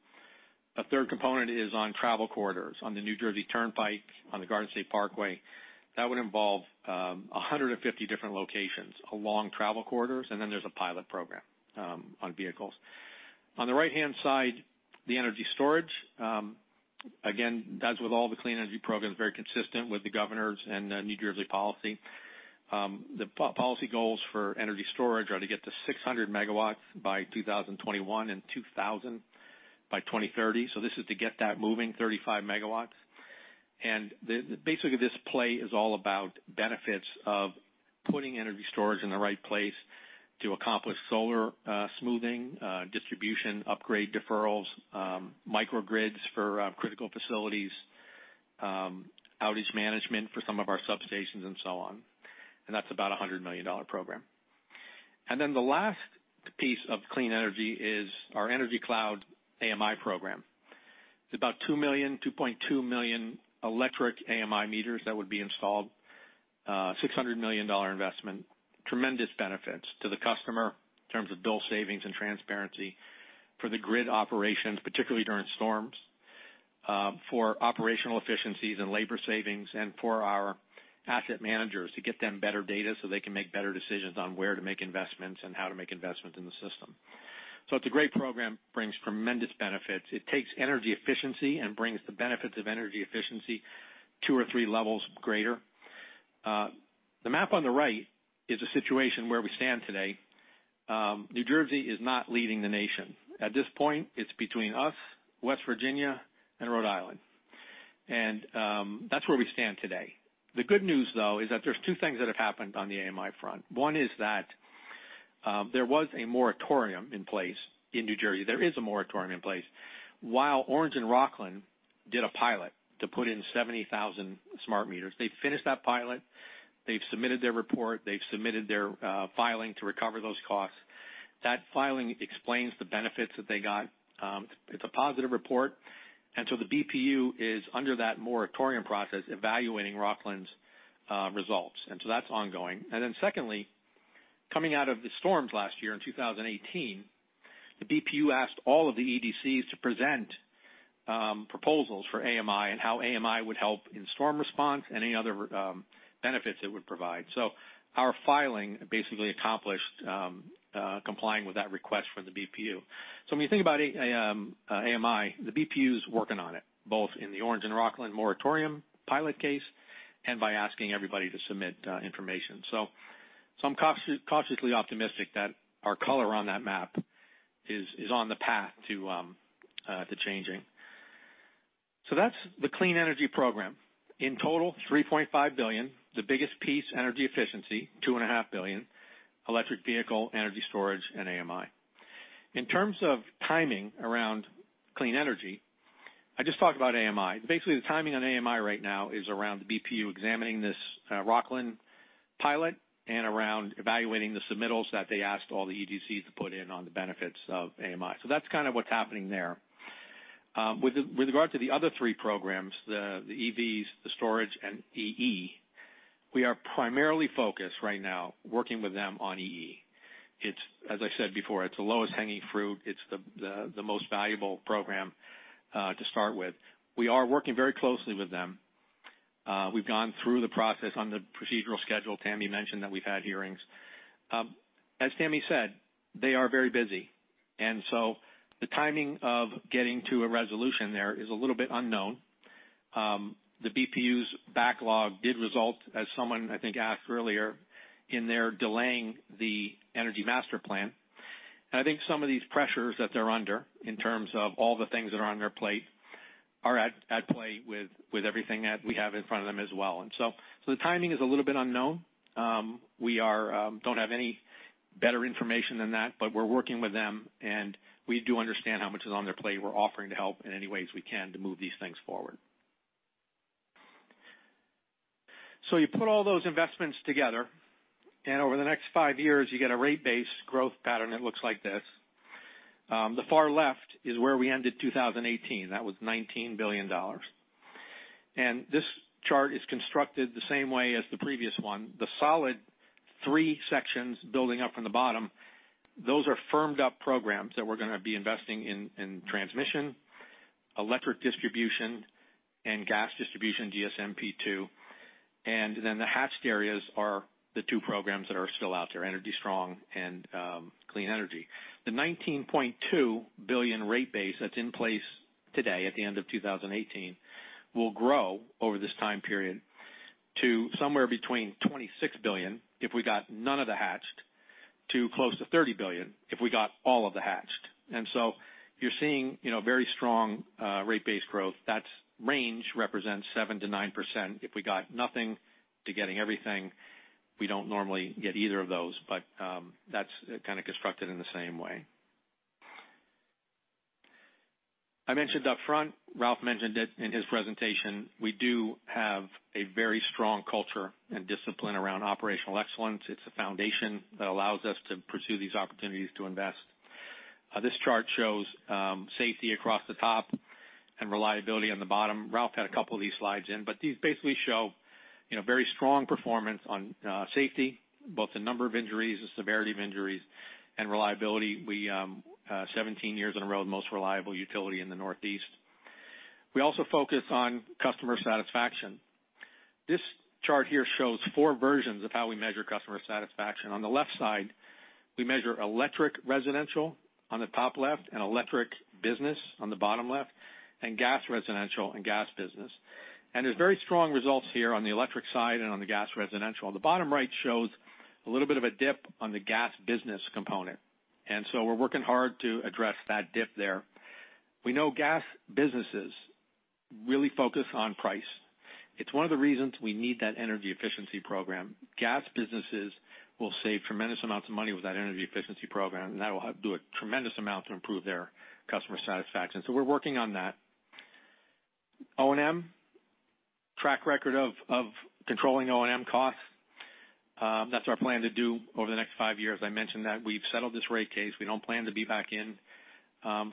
A third component is on travel corridors, on the New Jersey Turnpike, on the Garden State Parkway. That would involve 150 different locations along travel corridors. There is a pilot program on vehicles. On the right-hand side, the energy storage. Again, as with all the clean energy programs, very consistent with the governors and New Jersey policy. The policy goals for energy storage are to get to 600 megawatts by 2021 and 2,000 by 2030. This is to get that moving, 35 megawatts. Basically, this play is all about benefits of putting energy storage in the right place to accomplish solar smoothing, distribution upgrade deferrals, microgrids for critical facilities, outage management for some of our substations, and so on. That is about a $100 million program. The last piece of clean energy is our energy cloud AMI program. It is about 2 million, 2.2 million electric AMI meters that would be installed. A $600 million investment. Tremendous benefits to the customer in terms of bill savings and transparency for the grid operations, particularly during storms, for operational efficiencies and labor savings, and for our asset managers, to get them better data so they can make better decisions on where to make investments and how to make investments in the system. It is a great program, brings tremendous benefits. It takes energy efficiency and brings the benefits of energy efficiency 2 or 3 levels greater. The map on the right is a situation where we stand today. New Jersey is not leading the nation. At this point, it is between us, West Virginia, and Rhode Island. That is where we stand today. The good news, though, is that there are two things that have happened on the AMI front. One is that there was a moratorium in place in New Jersey. There is a moratorium in place. While Orange & Rockland did a pilot to put in 70,000 smart meters. They finished that pilot. They have submitted their report. They have submitted their filing to recover those costs. That filing explains the benefits that they got. It is a positive report. The BPU is under that moratorium process, evaluating Rockland's results. That is ongoing. Secondly, coming out of the storms last year in 2018, the BPU asked all of the EDCs to present proposals for AMI and how AMI would help in storm response and any other benefits it would provide. Our filing basically accomplished complying with that request from the BPU. When you think about AMI, the BPU is working on it, both in the Orange & Rockland moratorium pilot case and by asking everybody to submit information. I am cautiously optimistic that our color on that map is on the path to changing. That is the Clean Energy Program. In total, $3.5 billion. The biggest piece, energy efficiency, $ two and a half billion, electric vehicle, energy storage, and AMI. In terms of timing around Clean Energy, I just talked about AMI. The timing on AMI right now is around the BPU examining this Rockland pilot and around evaluating the submittals that they asked all the EDCs to put in on the benefits of AMI. That's kind of what's happening there. With regard to the other three programs, the EVs, the storage, and EE, we are primarily focused right now working with them on EE. As I said before, it's the lowest hanging fruit. It's the most valuable program to start with. We are working very closely with them. We've gone through the process on the procedural schedule. Tammy mentioned that we've had hearings. As Tammy said, they are very busy, the timing of getting to a resolution there is a little bit unknown. The BPU's backlog did result, as someone, I think, asked earlier, in their delaying the energy master plan. I think some of these pressures that they're under, in terms of all the things that are on their plate, are at play with everything that we have in front of them as well. The timing is a little bit unknown. We don't have any better information than that, but we're working with them, and we do understand how much is on their plate. We're offering to help in any ways we can to move these things forward. You put all those investments together, and over the next five years, you get a rate base growth pattern that looks like this. The far left is where we ended 2018. That was $19 billion. This chart is constructed the same way as the previous one. The solid three sections building up from the bottom, those are firmed-up programs that we're going to be investing in transmission, electric distribution, and gas distribution, GSMP2. The hatched areas are the two programs that are still out there, Energy Strong and Clean Energy. The $19.2 billion rate base that's in place today, at the end of 2018, will grow over this time period to somewhere between $26 billion, if we got none of the hatched, to close to $30 billion, if we got all of the hatched. You're seeing very strong rate base growth. That range represents 7% to 9% if we got nothing to getting everything. We don't normally get either of those, but that's kind of constructed in the same way. I mentioned up front, Ralph mentioned it in his presentation, we do have a very strong culture and discipline around operational excellence. It's a foundation that allows us to pursue these opportunities to invest. This chart shows safety across the top and reliability on the bottom. Ralph had a couple of these slides in, but these basically show very strong performance on safety, both the number of injuries, the severity of injuries, and reliability. 17 years in a row, the most reliable utility in the Northeast. We also focus on customer satisfaction. This chart here shows four versions of how we measure customer satisfaction. On the left side, we measure electric residential on the top left and electric business on the bottom left, and gas residential and gas business. There's very strong results here on the electric side and on the gas residential. The bottom right shows a little bit of a dip on the gas business component. We're working hard to address that dip there. We know gas businesses really focus on price. It's one of the reasons we need that energy efficiency program. Gas businesses will save tremendous amounts of money with that energy efficiency program, and that'll do a tremendous amount to improve their customer satisfaction. We're working on that. O&M, track record of controlling O&M costs. That's our plan to do over the next five years. I mentioned that we've settled this rate case. We don't plan to be back in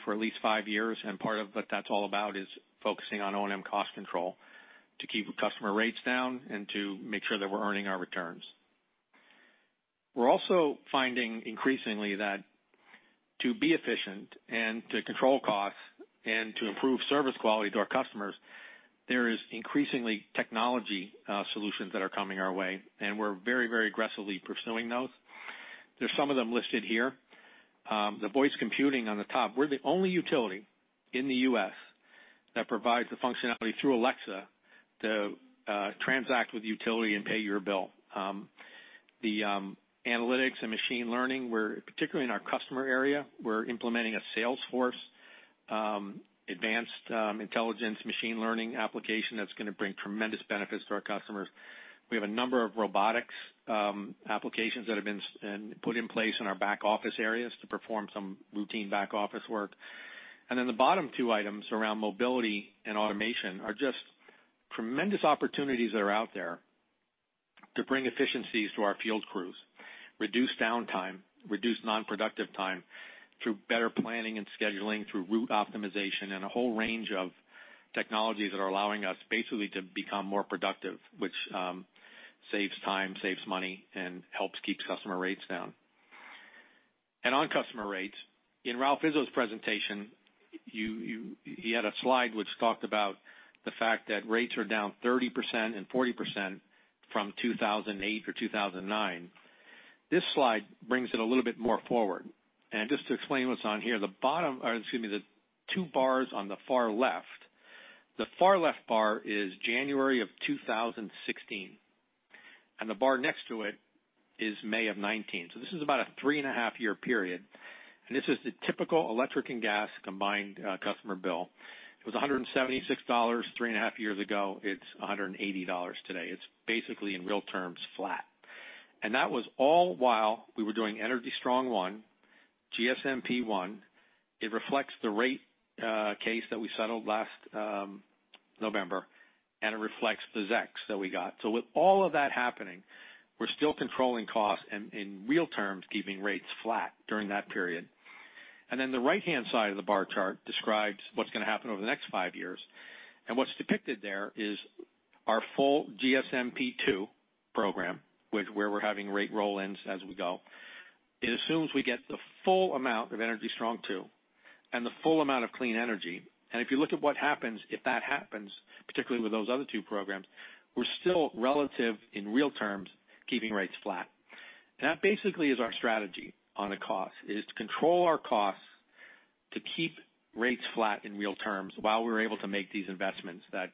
for at least five years, and part of what that's all about is focusing on O&M cost control to keep customer rates down and to make sure that we're earning our returns. We're also finding increasingly that to be efficient and to control costs and to improve service quality to our customers, there is increasingly technology solutions that are coming our way, and we're very aggressively pursuing those. There's some of them listed here. The voice computing on the top, we're the only utility in the U.S. that provides the functionality through Alexa to transact with the utility and pay your bill. The analytics and machine learning, particularly in our customer area, we're implementing a Salesforce advanced intelligence machine learning application that's going to bring tremendous benefits to our customers. We have a number of robotics applications that have been put in place in our back office areas to perform some routine back-office work. The bottom 2 items around mobility and automation are just tremendous opportunities that are out there to bring efficiencies to our field crews, reduce downtime, reduce non-productive time through better planning and scheduling, through route optimization, and a whole range of technologies that are allowing us basically to become more productive, which saves time, saves money, and helps keep customer rates down. On customer rates, in Ralph Izzo's presentation, he had a slide which talked about the fact that rates are down 30% and 40% from 2008 or 2009. This slide brings it a little bit more forward. Just to explain what's on here, the 2 bars on the far left. The far left bar is January of 2016, and the bar next to it is May of 2019. This is about a three-and-a-half year period. This is the typical electric and gas combined customer bill. It was $176 three and a half years ago. It's $180 today. It's basically, in real terms, flat. That was all while we were doing Energy Strong I, GSMP 1. It reflects the rate case that we settled last November, and it reflects the ZECs that we got. With all of that happening, we're still controlling costs and in real terms, keeping rates flat during that period. The right-hand side of the bar chart describes what's going to happen over the next five years. What's depicted there is our full GSMP 2 program, where we're having rate roll-ins as we go. It assumes we get the full amount of Energy Strong II and the full amount of clean energy. If you look at what happens, if that happens, particularly with those other two programs, we're still relative in real terms, keeping rates flat. That basically is our strategy on the cost, is to control our costs, to keep rates flat in real terms while we're able to make these investments that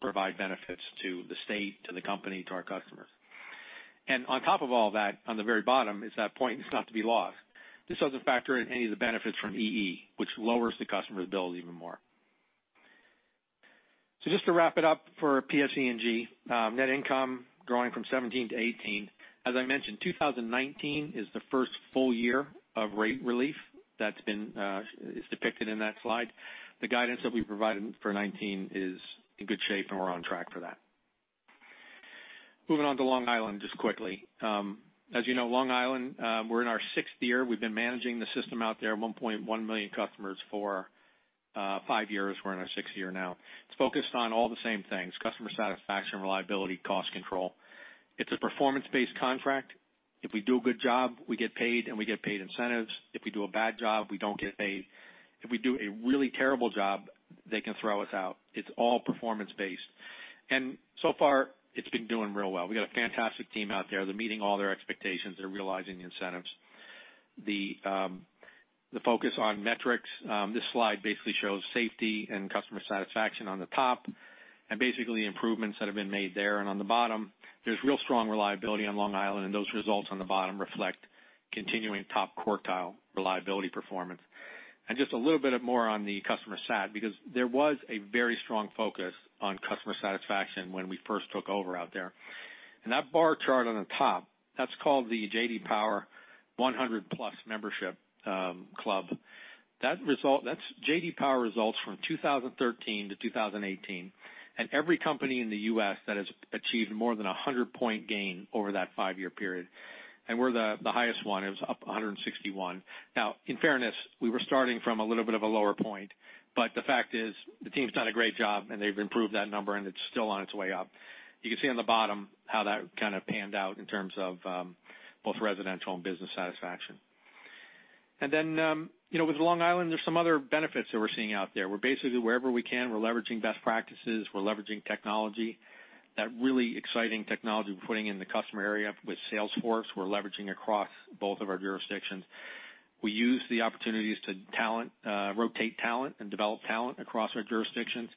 provide benefits to the state, to the company, to our customers. On top of all that, on the very bottom is that point, and it's not to be lost. This doesn't factor in any of the benefits from EE, which lowers the customer's bill even more. Just to wrap it up for PSE&G, net income growing from 2017 to 2018. As I mentioned, 2019 is the first full year of rate relief that's depicted in that slide. The guidance that we provided for 2019 is in good shape, and we're on track for that. Moving on to Long Island just quickly. As you know, Long Island, we're in our sixth year. We've been managing the system out there, 1.1 million customers for five years. We're in our sixth year now. It's focused on all the same things, customer satisfaction, reliability, cost control. It's a performance-based contract. If we do a good job, we get paid, and we get paid incentives. If we do a bad job, we don't get paid. If we do a really terrible job, they can throw us out. It's all performance-based. So far, it's been doing real well. We got a fantastic team out there. They're meeting all their expectations. They're realizing the incentives. The focus on metrics. This slide basically shows safety and customer satisfaction on the top and basically improvements that have been made there. On the bottom, there's real strong reliability on Long Island, and those results on the bottom reflect continuing top quartile reliability performance. Just a little bit more on the customer sat, because there was a very strong focus on customer satisfaction when we first took over out there. That bar chart on the top, that's called the J.D. Power 100 plus membership club. That's J.D. Power results from 2013 to 2018, and every company in the U.S. that has achieved more than 100-point gain over that five-year period, and we're the highest one. It was up 161. Now, in fairness, we were starting from a little bit of a lower point, but the fact is the team's done a great job, and they've improved that number, and it's still on its way up. You can see on the bottom how that kind of panned out in terms of both residential and business satisfaction. With Long Island, there's some other benefits that we're seeing out there. We're basically wherever we can, we're leveraging best practices. We're leveraging technology. That really exciting technology we're putting in the customer area with Salesforce, we're leveraging across both of our jurisdictions. We use the opportunities to rotate talent and develop talent across our jurisdictions.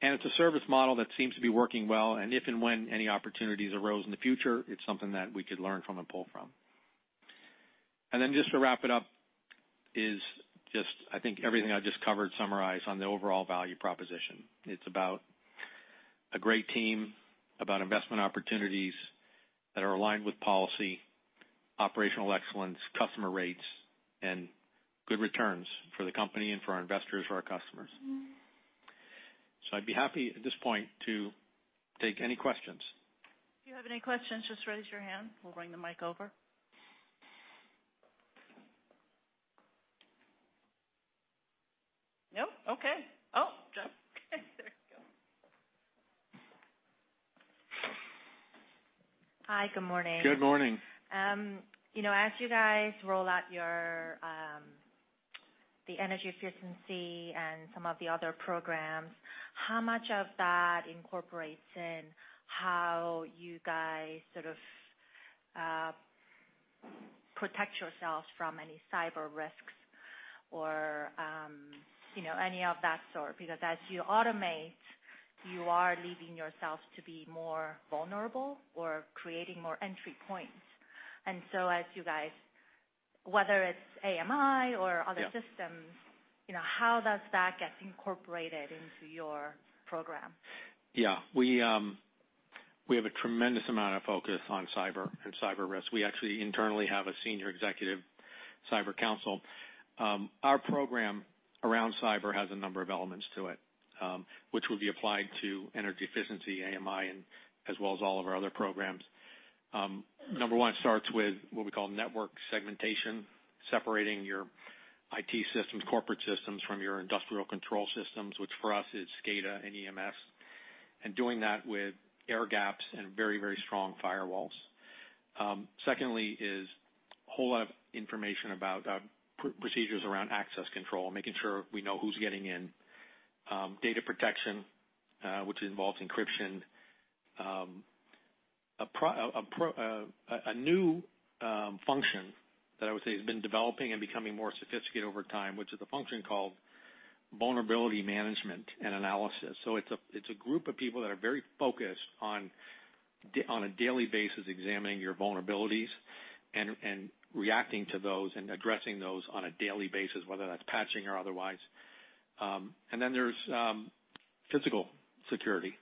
It's a service model that seems to be working well. If and when any opportunities arose in the future, it's something that we could learn from and pull from. Just to wrap it up is just, I think everything I just covered summarized on the overall value proposition. It's about a great team, about investment opportunities that are aligned with policy, operational excellence, customer rates, and good returns for the company and for our investors, for our customers. I'd be happy at this point to take any questions. If you have any questions, just raise your hand. We'll bring the mic over. No? Okay. Oh, Joan. Okay, there we go. Hi. Good morning. Good morning. As you guys roll out the energy efficiency and some of the other programs, how much of that incorporates in how you guys sort of protect yourselves from any cyber risks or any of that sort? Because as you automate, you are leaving yourselves to be more vulnerable or creating more entry points. As you guys, whether it's AMI or Yeah systems, how does that get incorporated into your program? Yeah. We have a tremendous amount of focus on cyber and cyber risk. We actually internally have a senior executive cyber council. Our program around cyber has a number of elements to it, which will be applied to energy efficiency, AMI, and as well as all of our other programs. Number 1 starts with what we call network segmentation, separating your IT systems, corporate systems from your industrial control systems, which for us is SCADA and EMS, and doing that with air gaps and very strong firewalls. Secondly is a whole lot of information about procedures around access control, making sure we know who's getting in. Data protection, which involves encryption. A new function that I would say has been developing and becoming more sophisticated over time, which is a function called vulnerability management and analysis. It's a group of people that are very focused on a daily basis examining your vulnerabilities and reacting to those and addressing those on a daily basis, whether that's patching or otherwise. There's physical security,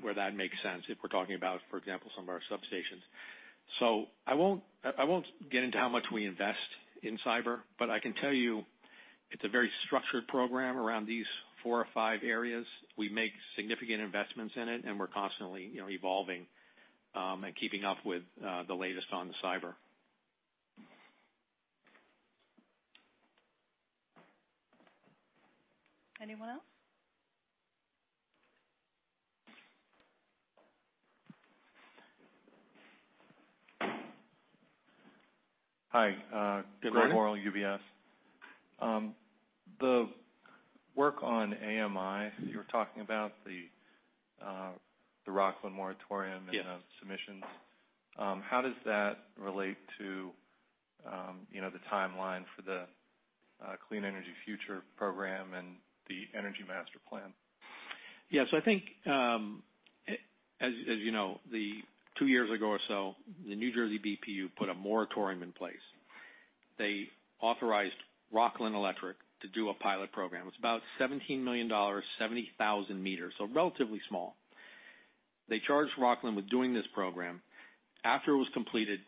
where that makes sense, if we're talking about, for example, some of our substations. I won't get into how much we invest in cyber, but I can tell you it's a very structured program around these four or five areas. We make significant investments in it, and we're constantly evolving and keeping up with the latest on cyber. Anyone else? Hi. Good morning. Dylan Morrill, UBS. The work on AMI, you were talking about the Rockland Moratorium- Yes The submissions. How does that relate to the timeline for the Clean Energy Future program and the energy master plan? Yeah. I think, as you know, two years ago or so, the New Jersey BPU put a moratorium in place. They authorized Rockland Electric to do a pilot program. It's about $17 million, 70,000 meters, so relatively small. They charged Rockland with doing this program. After it was completed,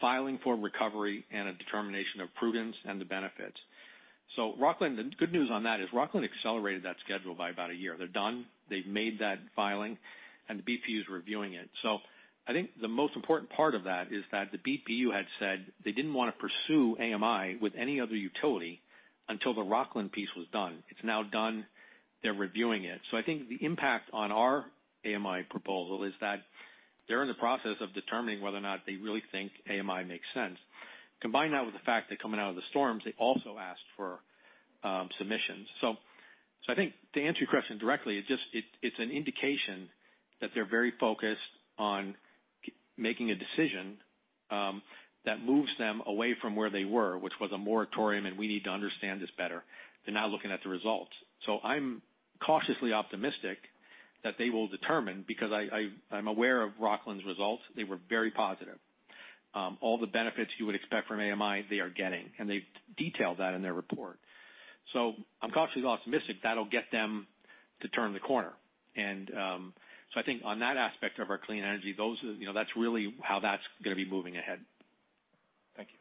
filing for recovery and a determination of prudence and the benefits. The good news on that is Rockland accelerated that schedule by about a year. They're done, they've made that filing, and the BPU is reviewing it. I think the most important part of that is that the BPU had said they didn't want to pursue AMI with any other utility until the Rockland piece was done. It's now done. They're reviewing it. I think the impact on our AMI proposal is that they're in the process of determining whether or not they really think AMI makes sense. Combine that with the fact that coming out of the storms, they also asked for submissions. I think to answer your question directly, it's an indication that they're very focused on making a decision that moves them away from where they were, which was a moratorium, and we need to understand this better. They're now looking at the results. I'm cautiously optimistic that they will determine, because I'm aware of Rockland's results. They were very positive. All the benefits you would expect from AMI, they are getting, and they've detailed that in their report. I'm cautiously optimistic that'll get them to turn the corner. I think on that aspect of our clean energy, that's really how that's going to be moving ahead. Thank you.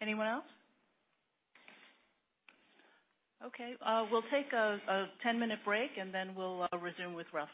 Anyone else? Okay, we'll take a 10-minute break, and then we'll resume with Ralph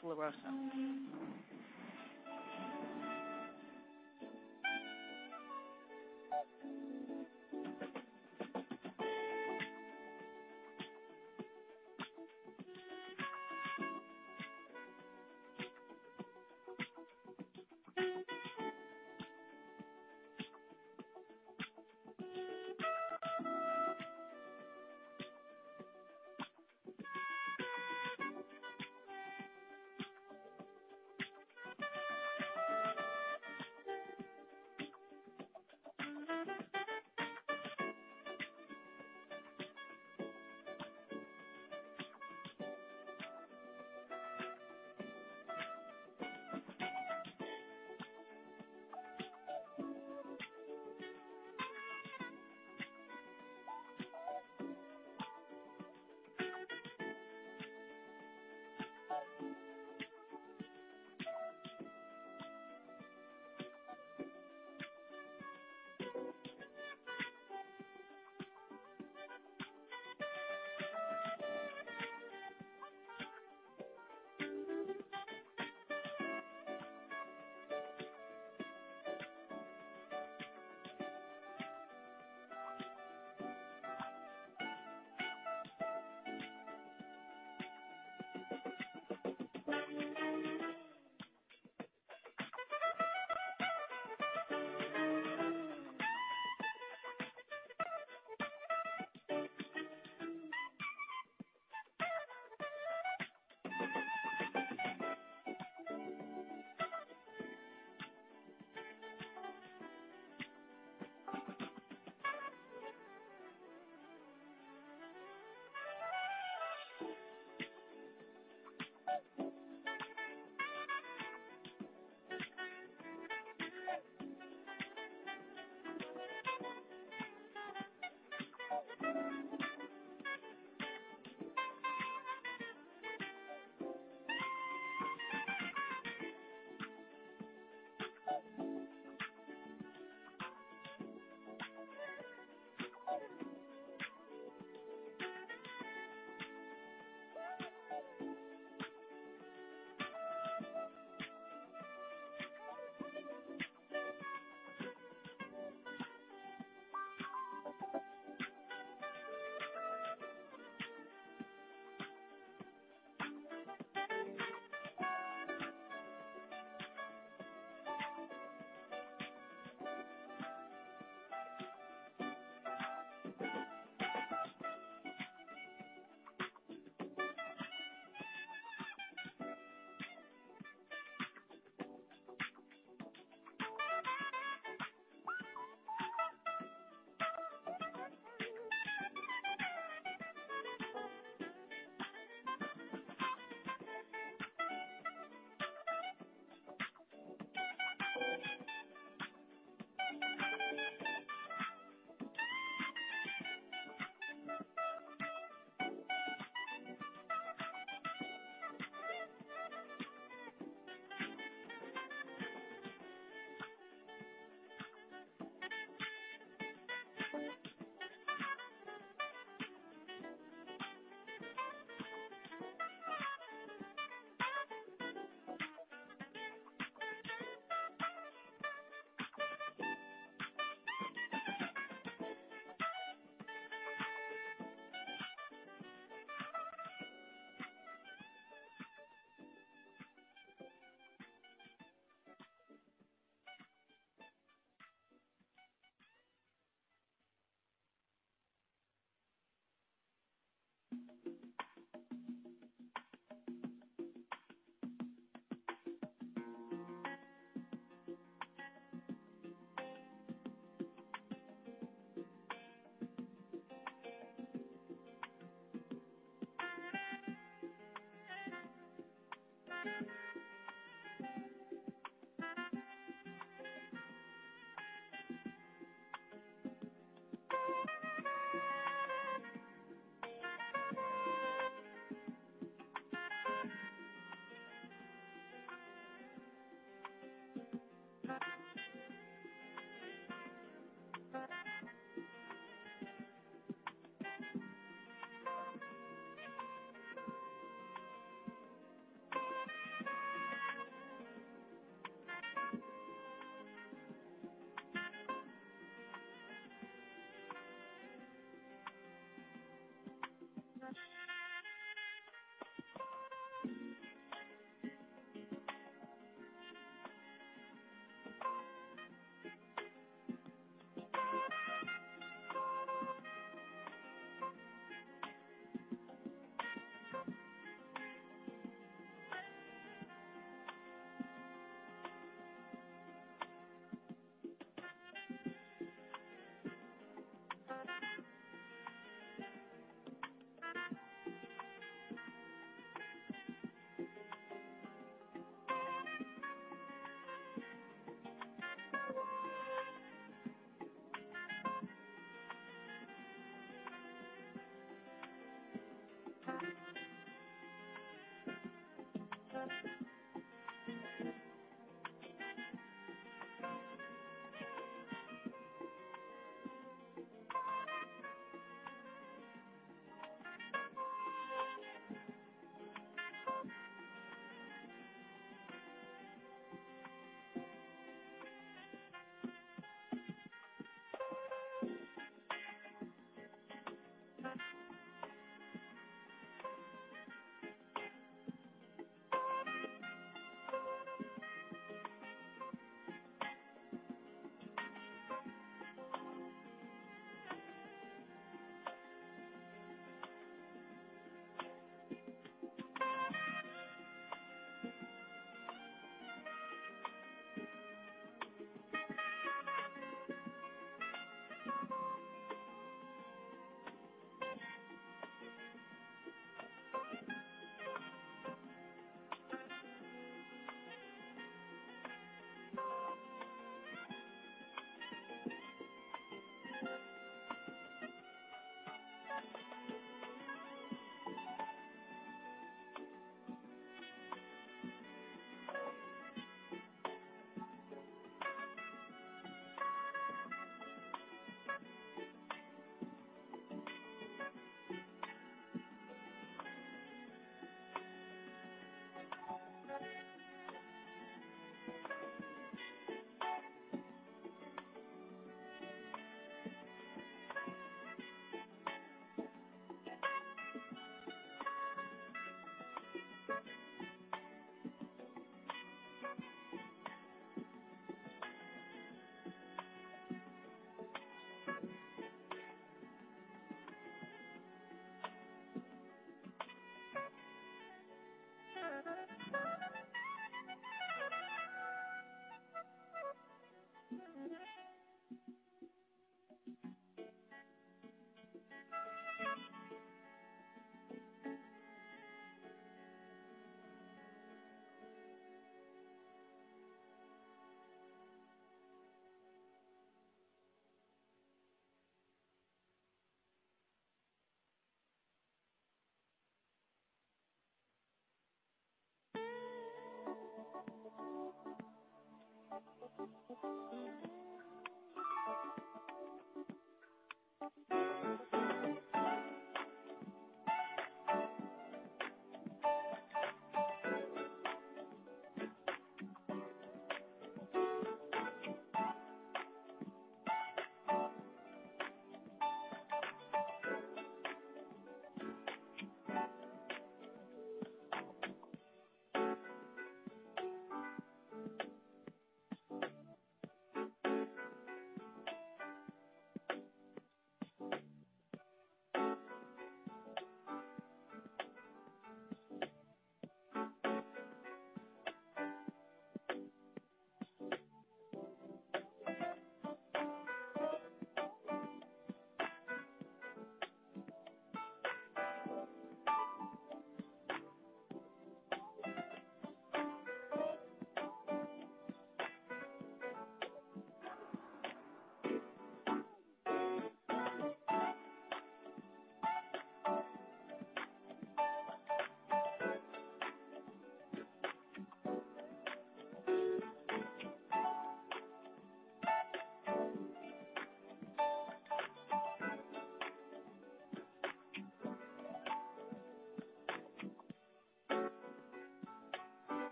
LaRossa.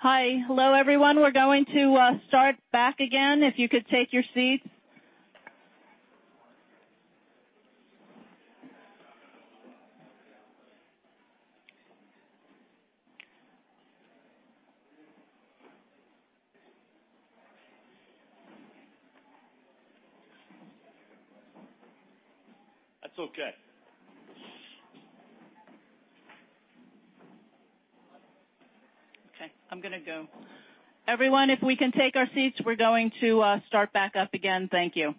Hi. Hello, everyone. We're going to start back again, if you could take your seats. That's okay. Okay, I'm going to go. Everyone, if we can take our seats, we're going to start back up again. Thank you.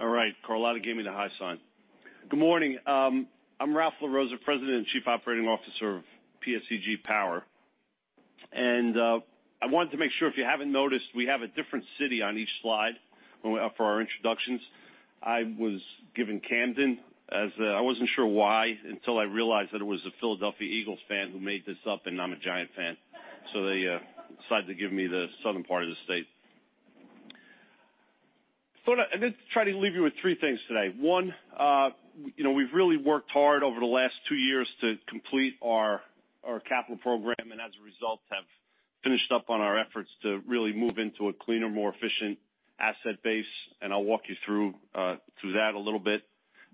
Yeah. All right. Carlotta gave me the high sign. Good morning. I'm Ralph LaRossa, President and Chief Operating Officer of PSEG Power. I wanted to make sure, if you haven't noticed, we have a different city on each slide for our introductions. I was given Camden. I wasn't sure why until I realized that it was a Philadelphia Eagles fan who made this up, and I'm a Giant fan. They decided to give me the southern part of the state. I'm going to try to leave you with three things today. One, we've really worked hard over the last two years to complete our capital program, and as a result, have finished up on our efforts to really move into a cleaner, more efficient asset base, and I'll walk you through that a little bit.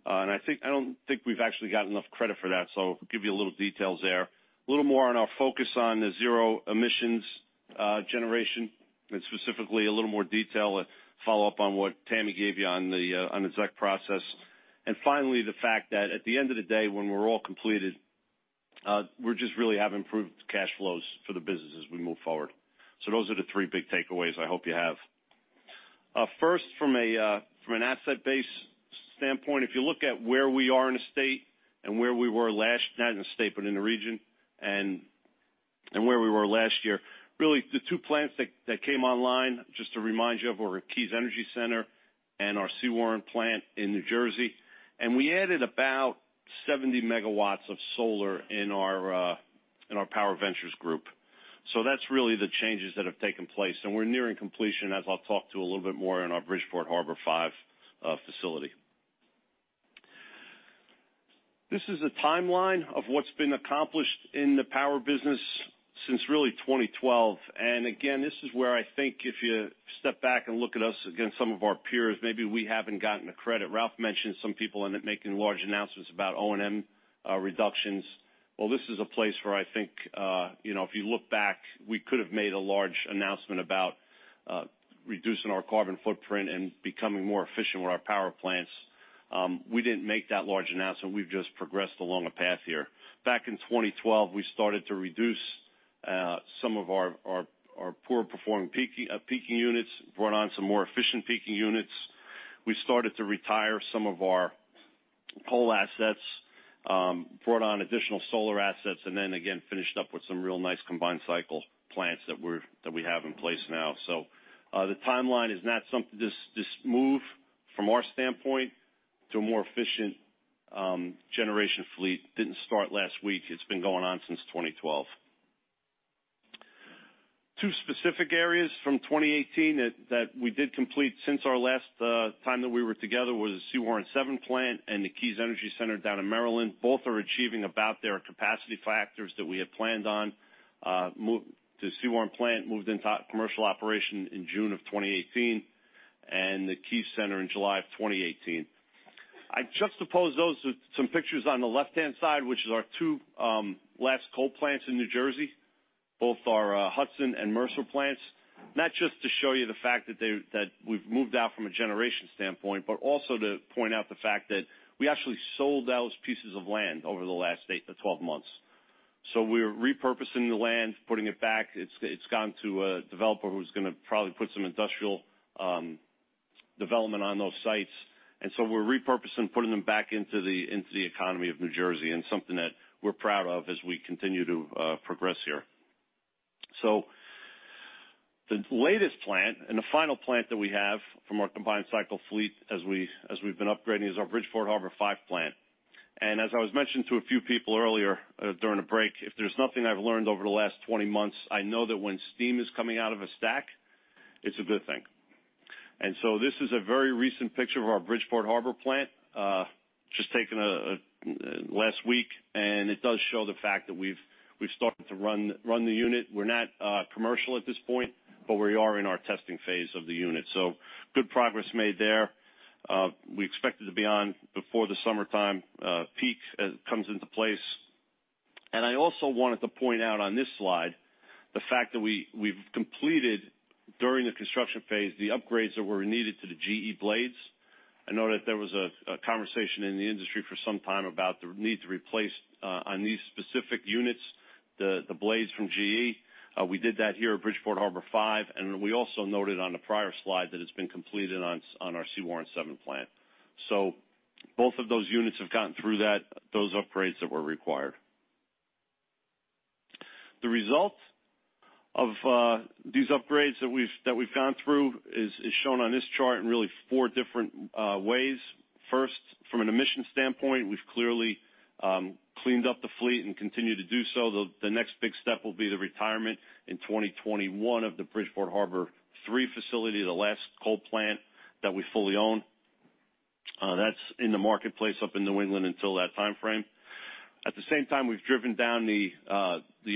I don't think we've actually got enough credit for that, so give you a little details there. A little more on our focus on the zero emissions generation, and specifically a little more detail, a follow-up on what Tammy gave you on the ZEC process. Finally, the fact that at the end of the day, when we're all completed, we just really have improved cash flows for the business as we move forward. Those are the three big takeaways I hope you have. First, from an asset base standpoint, if you look at where we are in the state and where we were not in the state, but in the region, and where we were last year. Really, the two plants that came online, just to remind you, were our Keys Energy Center and our Sewaren plant in New Jersey. We added about 70 MW of solar in our Power Ventures group. That's really the changes that have taken place. We're nearing completion, as I'll talk to a little bit more in our Bridgeport Harbor Five facility. This is a timeline of what's been accomplished in the power business since really 2012. Again, this is where I think if you step back and look at us against some of our peers, maybe we haven't gotten the credit. Ralph mentioned some people making large announcements about O&M reductions. Well, this is a place where I think, if you look back, we could have made a large announcement about reducing our carbon footprint and becoming more efficient with our power plants. We didn't make that large announcement. We've just progressed along a path here. Back in 2012, we started to reduce some of our poor performing peaking units, brought on some more efficient peaking units. We started to retire some of our coal assets, brought on additional solar assets, finished up with some real nice combined cycle plants that we have in place now. The timeline is not this move from our standpoint to a more efficient generation fleet didn't start last week. It's been going on since 2012. Two specific areas from 2018 that we did complete since our last time that we were together was the Sewaren 7 plant and the Keys Energy Center down in Maryland. Both are achieving about their capacity factors that we had planned on. The Sewaren plant moved into commercial operation in June of 2018, and the Keys Center in July of 2018. I juxtapose those with some pictures on the left-hand side, which is our two last coal plants in New Jersey, both our Hudson and Mercer plants. Not just to show you the fact that we've moved out from a generation standpoint, but also to point out the fact that we actually sold those pieces of land over the last 8-12 months. We're repurposing the land, putting it back. It's gone to a developer who's going to probably put some industrial development on those sites. We're repurposing, putting them back into the economy of New Jersey, and something that we're proud of as we continue to progress here. The latest plant and the final plant that we have from our combined cycle fleet as we've been upgrading is our Bridgeport Harbor Five plant. As I was mentioning to a few people earlier during the break, if there is nothing I have learned over the last 20 months, I know that when steam is coming out of a stack, it is a good thing. This is a very recent picture of our Bridgeport Harbor plant, just taken last week, and it does show the fact that we have started to run the unit. We are not commercial at this point, but we are in our testing phase of the unit. Good progress made there. We expect it to be on before the summertime peak comes into place. I also wanted to point out on this slide the fact that we have completed, during the construction phase, the upgrades that were needed to the GE blades. I know that there was a conversation in the industry for some time about the need to replace, on these specific units, the blades from GE. We did that here at Bridgeport Harbor Five, and we also noted on the prior slide that it has been completed on our Sewaren 7 plant. Both of those units have gotten through those upgrades that were required. The result of these upgrades that we have gone through is shown on this chart in really four different ways. First, from an emission standpoint, we have clearly cleaned up the fleet and continue to do so. The next big step will be the retirement in 2021 of the Bridgeport Harbor Three facility, the last coal plant that we fully own. That is in the marketplace up in New England until that time frame. At the same time, we have driven down the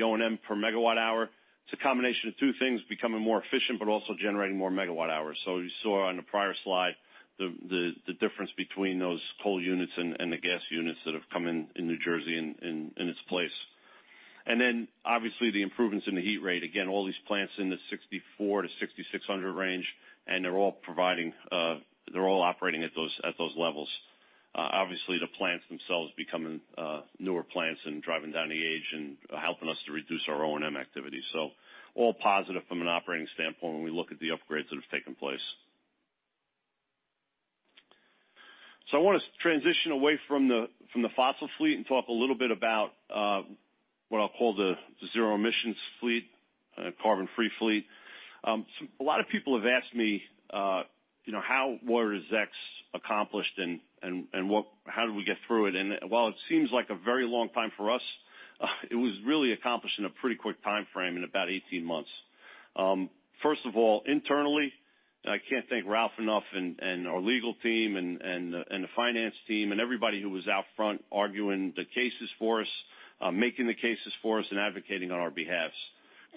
O&M per megawatt hour. It is a combination of two things, becoming more efficient but also generating more megawatt hours. You saw on the prior slide the difference between those coal units and the gas units that have come in New Jersey in its place. Obviously the improvements in the heat rate. Again, all these plants in the 6,400-6,600 range, and they are all operating at those levels. Obviously, the plants themselves becoming newer plants and driving down the age and helping us to reduce our O&M activity. All positive from an operating standpoint when we look at the upgrades that have taken place. I want to transition away from the fossil fleet and talk a little bit about what I will call the zero emissions fleet, carbon-free fleet. A lot of people have asked me, what has X accomplished and how did we get through it? While it seems like a very long time, for us, it was really accomplished in a pretty quick timeframe in about 18 months. First of all, internally, I cannot thank Ralph enough and our legal team and the finance team and everybody who was out front arguing the cases for us, making the cases for us, and advocating on our behalves.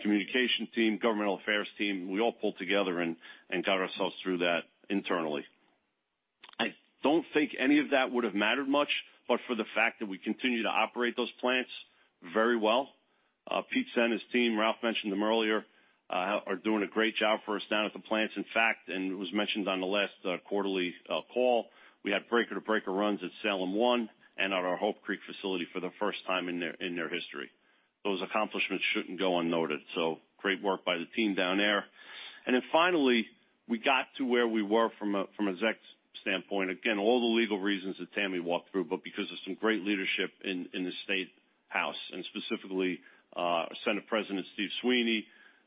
Communication team, governmental affairs team, we all pulled together and got ourselves through that internally. I do not think any of that would have mattered much, but for the fact that we continue to operate those plants very well. Pete Sena and his team, Ralph mentioned them earlier, are doing a great job for us down at the plants. In fact, it was mentioned on the last quarterly call, we had breaker to breaker runs at Salem One and at our Hope Creek facility for the first time in their history. Those accomplishments shouldn't go unnoted. Great work by the team down there. Finally, we got to where we were from a ZEC standpoint. Again, all the legal reasons that Tammy walked through, because of some great leadership in the State House, and specifically, Senate President Steve Sweeney,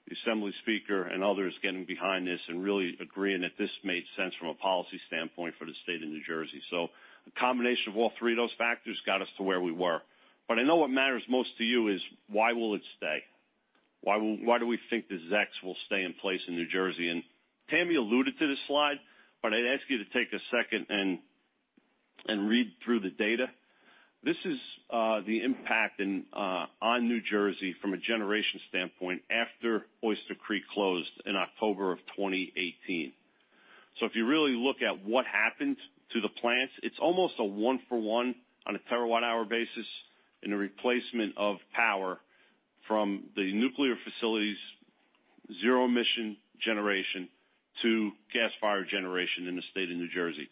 the Assembly speaker, and others getting behind this and really agreeing that this made sense from a policy standpoint for the State of New Jersey. A combination of all three of those factors got us to where we were. I know what matters most to you is why will it stay? Why do we think the ZECs will stay in place in New Jersey? Tammy alluded to this slide, but I'd ask you to take a second and read through the data. This is the impact on New Jersey from a generation standpoint after Oyster Creek closed in October of 2018. If you really look at what happened to the plants, it's almost a one for one on a terawatt hour basis in the replacement of power from the nuclear facilities, zero emission generation to gas-fired generation in the State of New Jersey.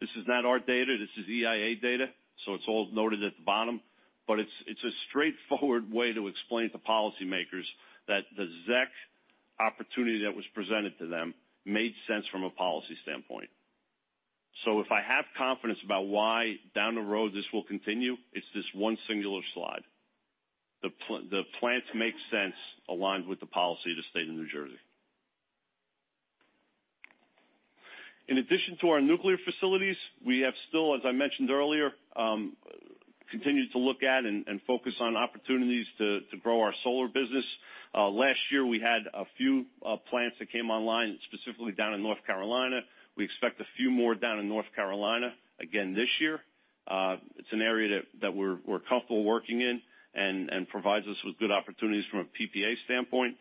This is not our data. This is EIA data, so it's all noted at the bottom. It's a straightforward way to explain to policymakers that the ZEC opportunity that was presented to them made sense from a policy standpoint. If I have confidence about why down the road this will continue, it's this one singular slide. The plants make sense aligned with the policy of the State of New Jersey. In addition to our nuclear facilities, we have still, as I mentioned earlier, continued to look at and focus on opportunities to grow our solar business. Last year, we had a few plants that came online, specifically down in North Carolina. We expect a few more down in North Carolina again this year. It's an area that we're comfortable working in and provides us with good opportunities from a PPA standpoint.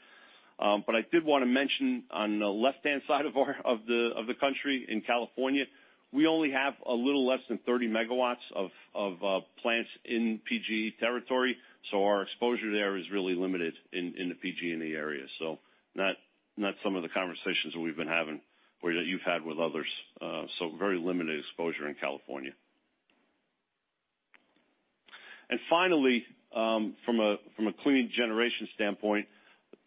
I did want to mention on the left-hand side of the country in California, we only have a little less than 30 MW of plants in PG territory. Our exposure there is really limited in the PG&E area. Not some of the conversations that we've been having or that you've had with others. Very limited exposure in California. Finally, from a clean generation standpoint,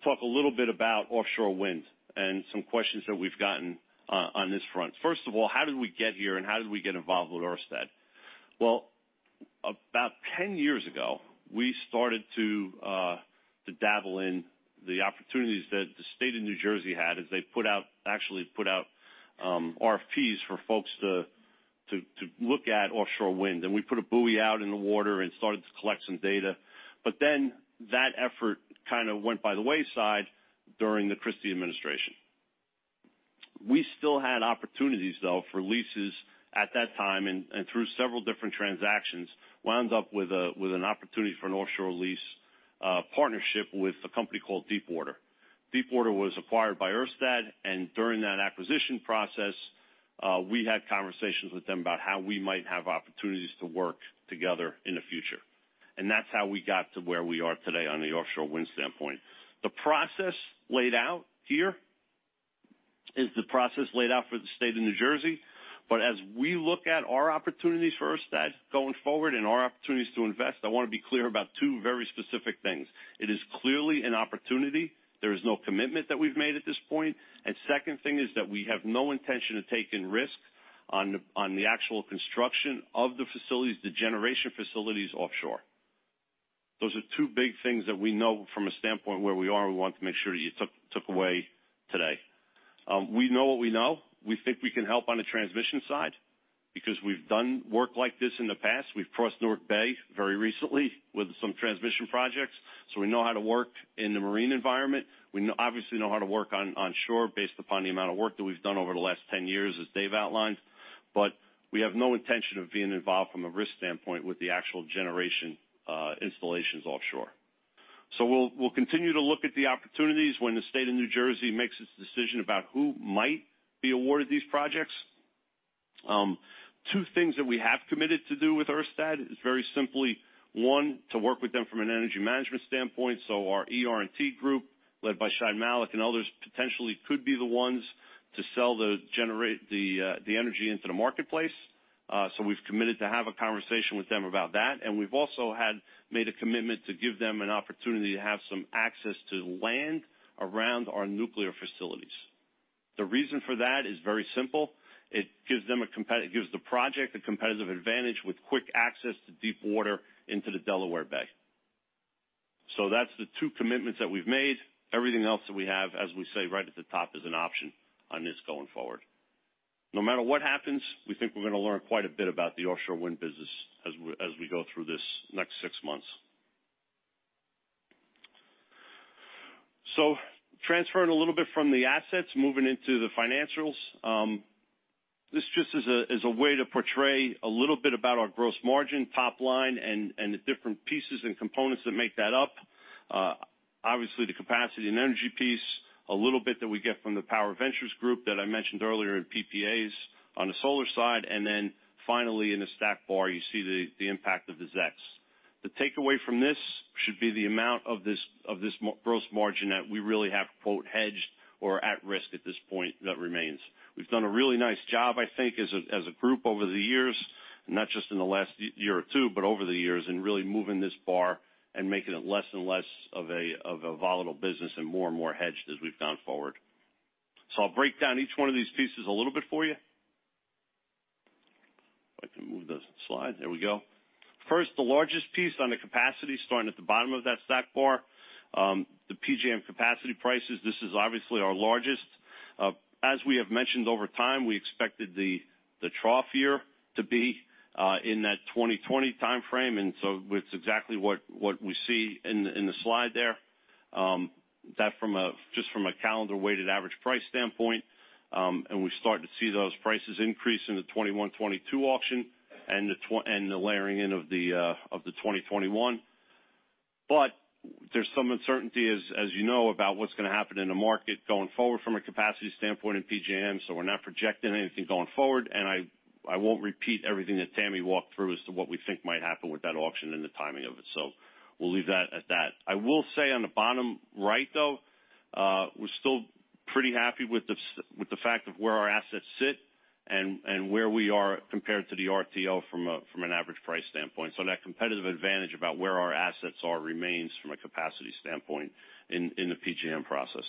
talk a little bit about offshore wind and some questions that we've gotten on this front. First of all, how did we get here and how did we get involved with Ørsted? About 10 years ago, we started to dabble in the opportunities that the State of New Jersey had as they actually put out RFPs for folks to look at offshore wind. We put a buoy out in the water and started to collect some data. That effort kind of went by the wayside during the Christie administration. We still had opportunities, though, for leases at that time, and through several different transactions, wound up with an opportunity for an offshore lease partnership with a company called Deepwater. Deepwater was acquired by Ørsted, during that acquisition process, we had conversations with them about how we might have opportunities to work together in the future. That's how we got to where we are today on the offshore wind standpoint. The process laid out here is the process laid out for the state of New Jersey. As we look at our opportunities for Ørsted going forward and our opportunities to invest, I want to be clear about two very specific things. It is clearly an opportunity. There is no commitment that we've made at this point. Second thing is that we have no intention to take in risk on the actual construction of the facilities, the generation facilities offshore. Those are two big things that we know from a standpoint where we are, and we want to make sure that you took away today. We know what we know. We think we can help on the transmission side because we've done work like this in the past. We've crossed Newark Bay very recently with some transmission projects, so we know how to work in the marine environment. We obviously know how to work onshore based upon the amount of work that we've done over the last 10 years as Dave outlined. We have no intention of being involved from a risk standpoint with the actual generation installations offshore. We'll continue to look at the opportunities when the state of New Jersey makes its decision about who might be awarded these projects. Two things that we have committed to do with Ørsted is very simply, one, to work with them from an energy management standpoint. Our ER&T group, led by Shai Malik and others, potentially could be the ones to sell the energy into the marketplace. We've committed to have a conversation with them about that. We've also made a commitment to give them an opportunity to have some access to land around our nuclear facilities. The reason for that is very simple. It gives the project a competitive advantage with quick access to deep water into the Delaware Bay. That's the two commitments that we've made. Everything else that we have, as we say right at the top, is an option on this going forward. No matter what happens, we think we're going to learn quite a bit about the offshore wind business as we go through these next six months. Transferring a little bit from the assets, moving into the financials. This just is a way to portray a little bit about our gross margin top line and the different pieces and components that make that up. Obviously, the capacity and energy piece, a little bit that we get from the power ventures group that I mentioned earlier in PPAs on the solar side. Then finally, in the stack bar, you see the impact of the ZECs. The takeaway from this should be the amount of this gross margin that we really have "hedged" or at risk at this point that remains. We've done a really nice job, I think, as a group over the years, not just in the last one or two, but over the years in really moving this bar and making it less and less of a volatile business and more and more hedged as we've gone forward. I'll break down each one of these pieces a little bit for you. If I can move the slide, there we go. First, the largest piece on the capacity, starting at the bottom of that stack bar, the PJM capacity prices. This is obviously our largest. As we have mentioned over time, we expected the trough year to be in that 2020 timeframe. It's exactly what we see in the slide there. That from a calendar-weighted average price standpoint, we start to see those prices increase in the 2021, 2022 auction and the layering in of the 2021. There's some uncertainty, as you know, about what's going to happen in the market going forward from a capacity standpoint in PJM. We're not projecting anything going forward. I won't repeat everything that Tammy walked through as to what we think might happen with that auction and the timing of it. We'll leave that at that. I will say on the bottom right, though, we're still pretty happy with the fact of where our assets sit and where we are compared to the RTO from an average price standpoint. That competitive advantage about where our assets are remains from a capacity standpoint in the PJM process.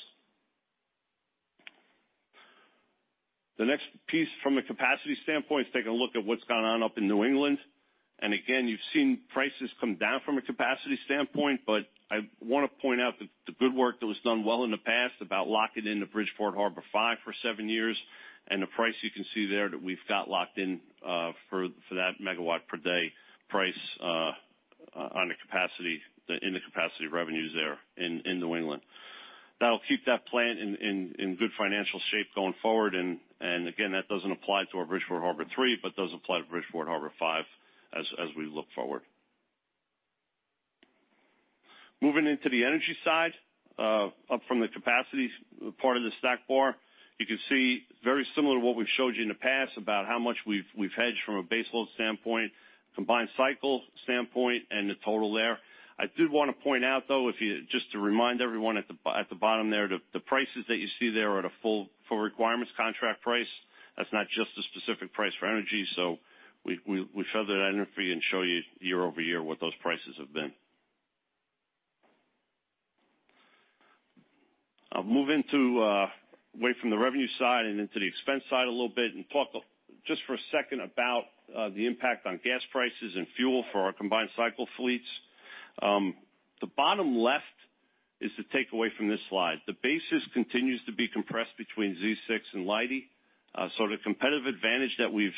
The next piece from a capacity standpoint is taking a look at what's gone on up in New England. Again, you've seen prices come down from a capacity standpoint, I want to point out the good work that was done well in the past about locking in the Bridgeport Harbor Five for 7 years, and the price you can see there that we've got locked in for that megawatt per day price in the capacity revenues there in New England. That'll keep that plant in good financial shape going forward, and again, that doesn't apply to our Bridgeport Harbor Three, but does apply to Bridgeport Harbor Five as we look forward. Moving into the energy side, up from the capacity part of the stack bar. You can see very similar to what we've showed you in the past about how much we've hedged from a base load standpoint, combined cycle standpoint, and the total there. I did want to point out, though, just to remind everyone at the bottom there, the prices that you see there are at a full requirements contract price. That's not just a specific price for energy. We feather that in for you and show you year-over-year what those prices have been. I'll move away from the revenue side and into the expense side a little bit and talk just for a second about the impact on gas prices and fuel for our combined cycle fleets. The bottom left is the takeaway from this slide. The basis continues to be compressed between Z6 and Leidy. The competitive advantage that we've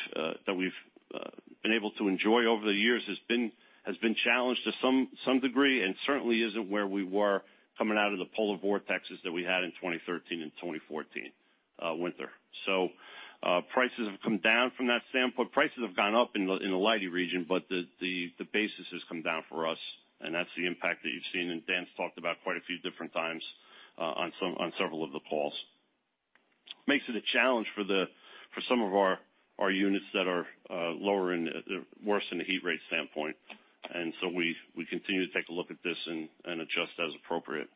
been able to enjoy over the years has been challenged to some degree, and certainly isn't where we were coming out of the polar vortexes that we had in 2013 and 2014 winter. Prices have come down from that standpoint. Prices have gone up in the Leidy region, but the basis has come down for us, and that's the impact that you've seen, and Dan's talked about quite a few different times on several of the calls. Makes it a challenge for some of our units that are worse in the heat rate standpoint, we continue to take a look at this and adjust as appropriate.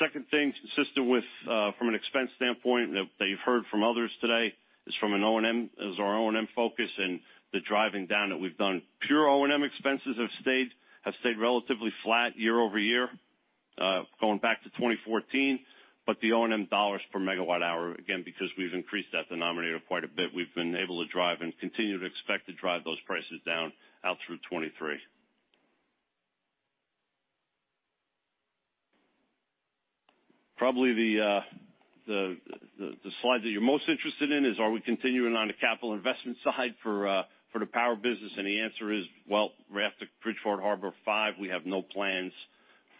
Second thing, consistent with from an expense standpoint that you've heard from others today is our O&M focus and the driving down that we've done. Pure O&M expenses have stayed relatively flat year-over-year going back to 2014. The O&M dollars per megawatt hour, again, because we've increased that denominator quite a bit, we've been able to drive and continue to expect to drive those prices down out through 2023. Probably the slide that you're most interested in is are we continuing on the capital investment side for the power business, the answer is, well, we're at the Bridgeport Harbor 5. We have no plans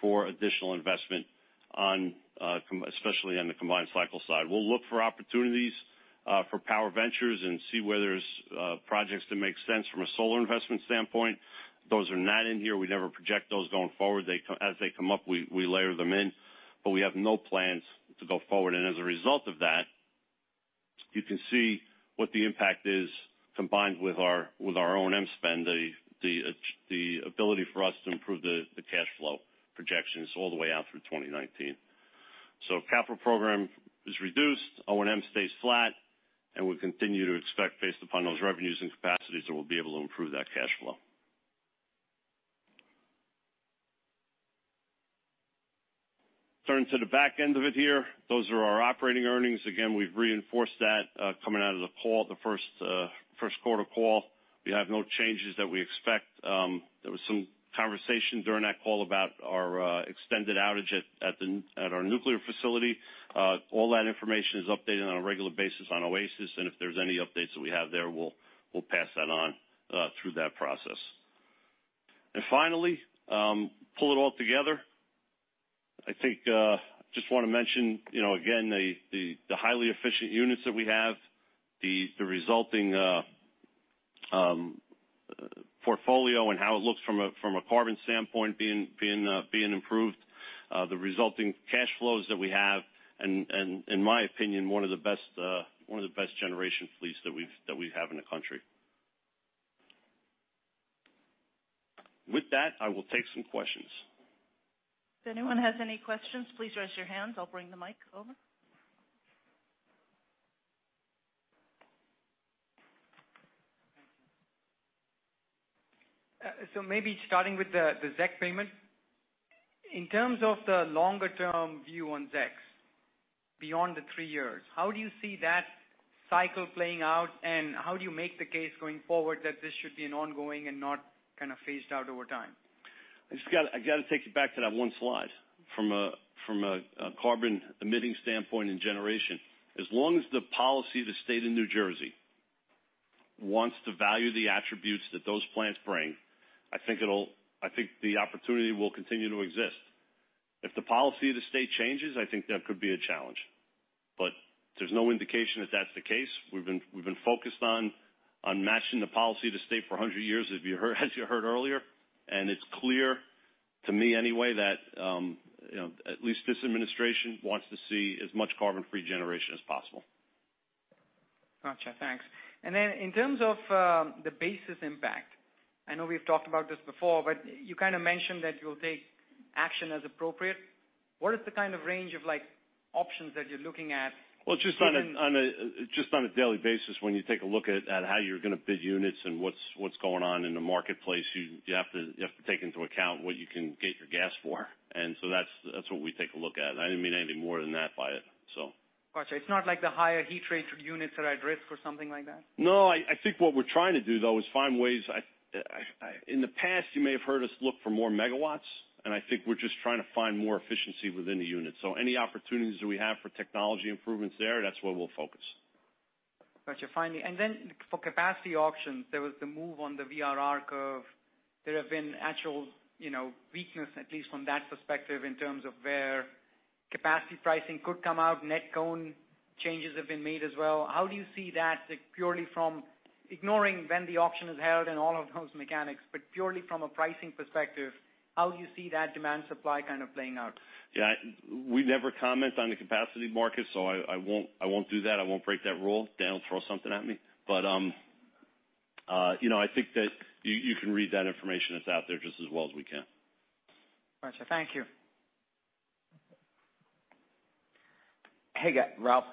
for additional investment, especially on the combined cycle side. We'll look for opportunities for power ventures and see where there's projects that make sense from a solar investment standpoint. Those are not in here. We never project those going forward. As they come up, we layer them in, we have no plans to go forward. As a result of that, you can see what the impact is combined with our O&M spend, the ability for us to improve the cash flow projections all the way out through 2019. Capital program is reduced, O&M stays flat, we continue to expect, based upon those revenues and capacities, that we'll be able to improve that cash flow. Turning to the back end of it here, those are our operating earnings. Again, we've reinforced that coming out of the call, the first quarter call. We have no changes that we expect. There was some conversation during that call about our extended outage at our nuclear facility. All that information is updated on a regular basis on OASIS, if there's any updates that we have there, we'll pass that on through that process. Finally, pull it all together. I think I just want to mention again, the highly efficient units that we have, the resulting portfolio and how it looks from a carbon standpoint being improved, the resulting cash flows that we have, and in my opinion, one of the best generation fleets that we have in the country. With that, I will take some questions. If anyone has any questions, please raise your hands. I'll bring the mic over. Maybe starting with the ZEC payment. In terms of the longer-term view on ZECs beyond the 3 years, how do you see that cycle playing out, and how do you make the case going forward that this should be an ongoing and not kind of phased out over time? I just got to take you back to that one slide from a carbon-emitting standpoint in generation. As long as the policy of the state of New Jersey wants to value the attributes that those plants bring, I think the opportunity will continue to exist. If the policy of the state changes, I think that could be a challenge, but there's no indication that that's the case. We've been focused on matching the policy of the state for 100 years, as you heard earlier, and it's clear, to me anyway, that at least this administration wants to see as much carbon-free generation as possible. Got you. Thanks. Then in terms of the basis impact, I know we've talked about this before, but you kind of mentioned that you'll take action as appropriate. What is the kind of range of options that you're looking at? Well, just on a daily basis, when you take a look at how you're going to bid units and what's going on in the marketplace, you have to take into account what you can get your gas for. That's what we take a look at. I didn't mean anything more than that by it. Got you. It's not like the higher heat rate units are at risk or something like that? No, I think what we're trying to do though, is find ways. In the past, you may have heard us look for more megawatts, I think we're just trying to find more efficiency within the unit. Any opportunities that we have for technology improvements there, that's where we'll focus. Got you. Finally. For capacity auctions, there was the move on the VRR curve. There have been actual weakness, at least from that perspective, in terms of where capacity pricing could come out. Net CONE changes have been made as well. How do you see that, purely from ignoring when the auction is held and all of those mechanics, but purely from a pricing perspective, how do you see that demand supply kind of playing out? Yeah. We never comment on the capacity market, I won't do that. I won't break that rule. Dan will throw something at me. I think that you can read that information that's out there just as well as we can. Got you. Thank you. Hey, Ralph.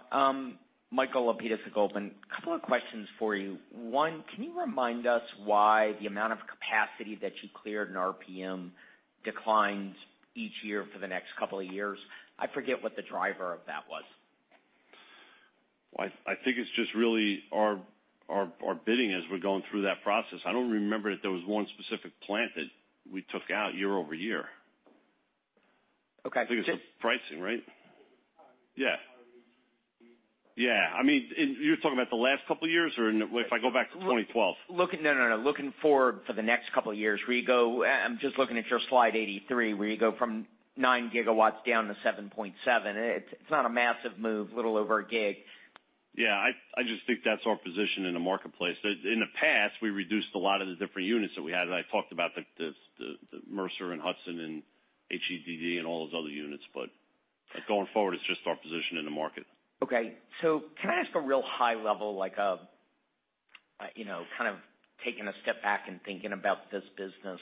Michael Lapides at Goldman. Couple of questions for you. One, can you remind us why the amount of capacity that you cleared in RPM declines each year for the next couple of years? I forget what the driver of that was. I think it's just really our bidding as we're going through that process. I don't remember that there was one specific plant that we took out year-over-year. Okay. I think it's just pricing, right? Yeah. You're talking about the last couple of years, or if I go back to 2012? No. Looking forward for the next couple of years. I'm just looking at your slide 83, where you go from nine gigawatts down to 7.7. It's not a massive move, a little over a gig. I just think that's our position in the marketplace. In the past, we reduced a lot of the different units that we had, and I talked about the Mercer and Hudson and all those other units, but going forward, it's just our position in the market. Okay. Can I ask a real high level, kind of taking a step back and thinking about this business.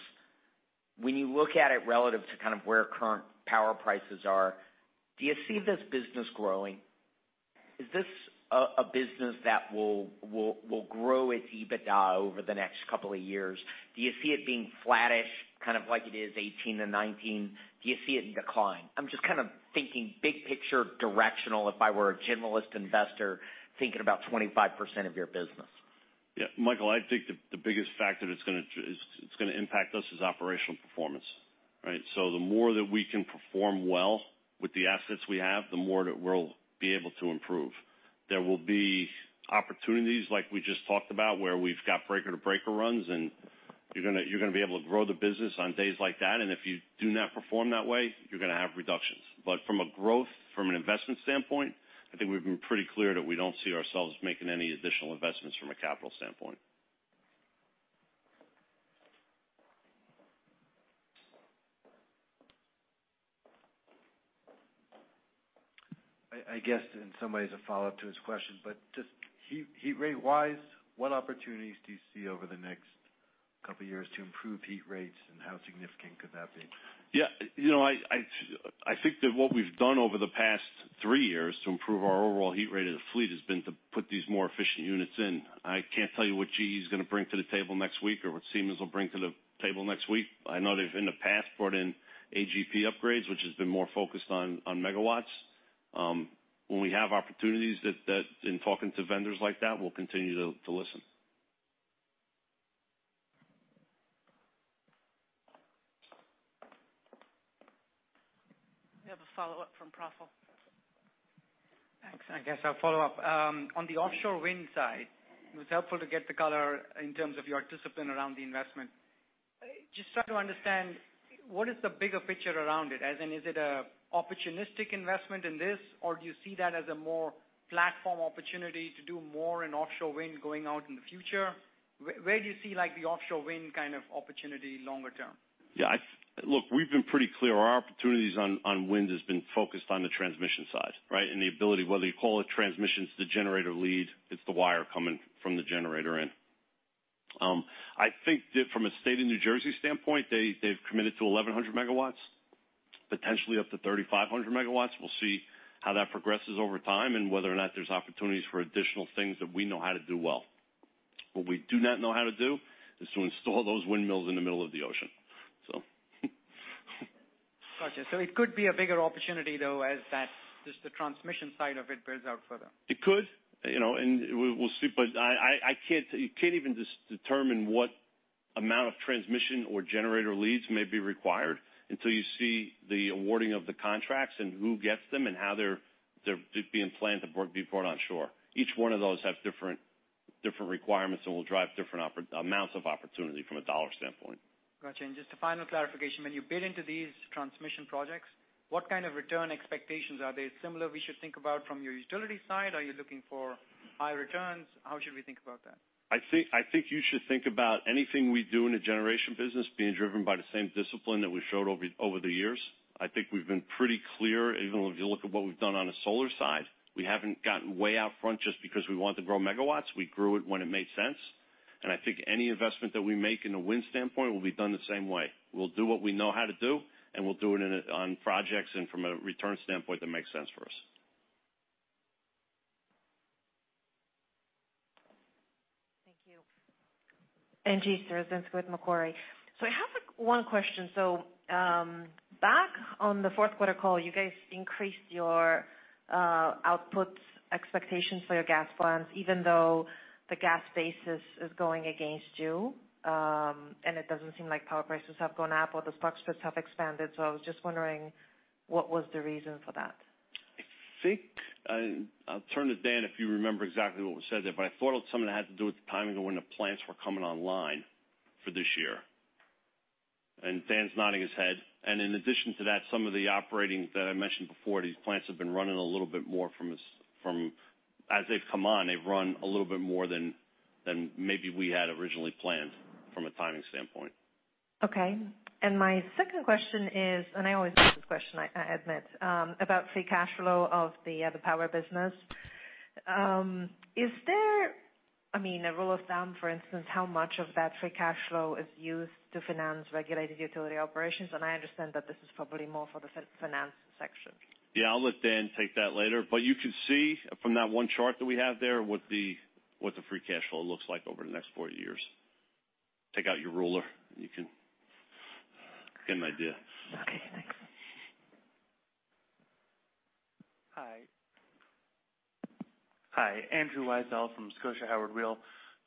When you look at it relative to kind of where current power prices are, do you see this business growing? Is this a business that will grow its EBITDA over the next couple of years? Do you see it being flattish, kind of like it is 2018 to 2019? Do you see it in decline? I'm just kind of thinking big picture directional, if I were a generalist investor thinking about 25% of your business. Yeah. Michael, I think the biggest factor that's going to impact us is operational performance, right? The more that we can perform well with the assets we have, the more that we'll be able to improve. There will be opportunities like we just talked about, where we've got breaker to breaker runs, you're going to be able to grow the business on days like that. If you do not perform that way, you're going to have reductions. From a growth, from an investment standpoint, I think we've been pretty clear that we don't see ourselves making any additional investments from a capital standpoint. I guess in some ways a follow-up to his question, just heat rate-wise, what opportunities do you see over the next couple of years to improve heat rates, and how significant could that be? Yeah. I think that what we've done over the past three years to improve our overall heat rate of the fleet has been to put these more efficient units in. I can't tell you what GE is going to bring to the table next week or what Siemens will bring to the table next week. I know they've in the past brought in AGP upgrades, which has been more focused on megawatts. When we have opportunities in talking to vendors like that, we'll continue to listen. We have a follow-up from Praful. Thanks. I guess I'll follow up. On the offshore wind side, it was helpful to get the color in terms of your discipline around the investment. Just trying to understand, what is the bigger picture around it? As in, is it an opportunistic investment in this, or do you see that as a more platform opportunity to do more in offshore wind going out in the future? Where do you see the offshore wind kind of opportunity longer term? Yeah. Look, we've been pretty clear. Our opportunities on wind has been focused on the transmission side, right? The ability, whether you call it transmissions to generator lead, it's the wire coming from the generator in. I think that from a State of New Jersey standpoint, they've committed to 1,100 megawatts. Potentially up to 3,500 megawatts. We'll see how that progresses over time and whether or not there's opportunities for additional things that we know how to do well. What we do not know how to do is to install those windmills in the middle of the ocean. Got you. It could be a bigger opportunity, though, as the transmission side of it builds out further. It could, and we'll see. You can't even determine what amount of transmission or generator leads may be required until you see the awarding of the contracts and who gets them and how they're being planned to be brought onshore. Each one of those have different requirements and will drive different amounts of opportunity from a dollar standpoint. Got you. Just a final clarification. When you bid into these transmission projects, what kind of return expectations are they? Similar we should think about from your utility side? Are you looking for high returns? How should we think about that? I think you should think about anything we do in the generation business being driven by the same discipline that we've showed over the years. I think we've been pretty clear, even if you look at what we've done on the solar side, we haven't gotten way out front just because we want to grow megawatts. We grew it when it made sense. I think any investment that we make in the wind standpoint will be done the same way. We'll do what we know how to do, and we'll do it on projects and from a return standpoint that makes sense for us. Thank you. Angie Storozynski with Macquarie. I have one question. Back on the fourth quarter call, you guys increased your outputs expectations for your gas plants, even though the gas basis is going against you, and it doesn't seem like power prices have gone up or the spot spreads have expanded. I was just wondering what was the reason for that? I think I'll turn to Dan if you remember exactly what was said there, but I thought it was something that had to do with the timing of when the plants were coming online for this year. Dan's nodding his head. In addition to that, some of the operating that I mentioned before, these plants have been running a little bit more as they've come on, they've run a little bit more than maybe we had originally planned from a timing standpoint. Okay. My second question is, I always ask this question, I admit, about free cash flow of the other power business. Is there a rule of thumb, for instance, how much of that free cash flow is used to finance regulated utility operations? I understand that this is probably more for the finance section. Yeah, I'll let Dan take that later. You could see from that one chart that we have there, what the free cash flow looks like over the next four years. Take out your ruler, you can get an idea. Okay, thanks. Hi. Andrew Weisel from Scotia Howard Weil.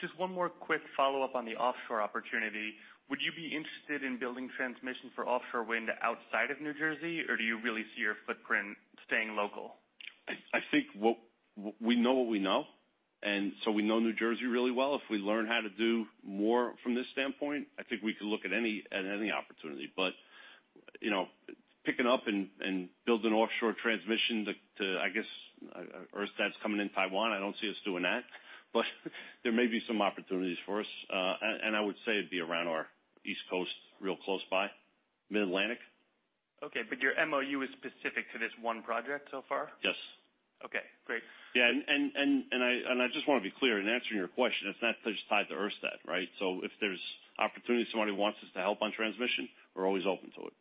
Just one more quick follow-up on the offshore opportunity. Would you be interested in building transmission for offshore wind outside of New Jersey, or do you really see your footprint staying local? I think we know what we know. We know New Jersey really well. If we learn how to do more from this standpoint, I think we could look at any opportunity. Picking up and building offshore transmission to, I guess, Ørsted's coming in Taiwan, I don't see us doing that. There may be some opportunities for us. I would say it'd be around our East Coast, real close by, Mid-Atlantic. Okay. Your MOU is specific to this one project so far? Yes. Okay, great. I just want to be clear in answering your question, it's not just tied to Ørsted, right? If there's opportunity, somebody wants us to help on transmission, we're always open to it.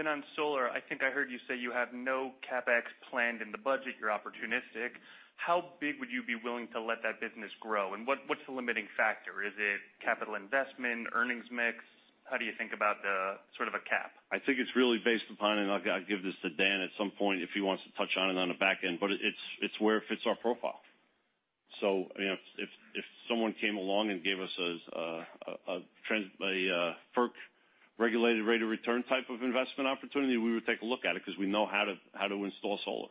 On solar, I think I heard you say you have no CapEx planned in the budget. You're opportunistic. How big would you be willing to let that business grow? What's the limiting factor? Is it capital investment, earnings mix? How do you think about the sort of a cap? I think it's really based upon, and I'll give this to Dan at some point if he wants to touch on it on the back end, but it's where it fits our profile. If someone came along and gave us a FERC-regulated rate of return type of investment opportunity, we would take a look at it because we know how to install solar.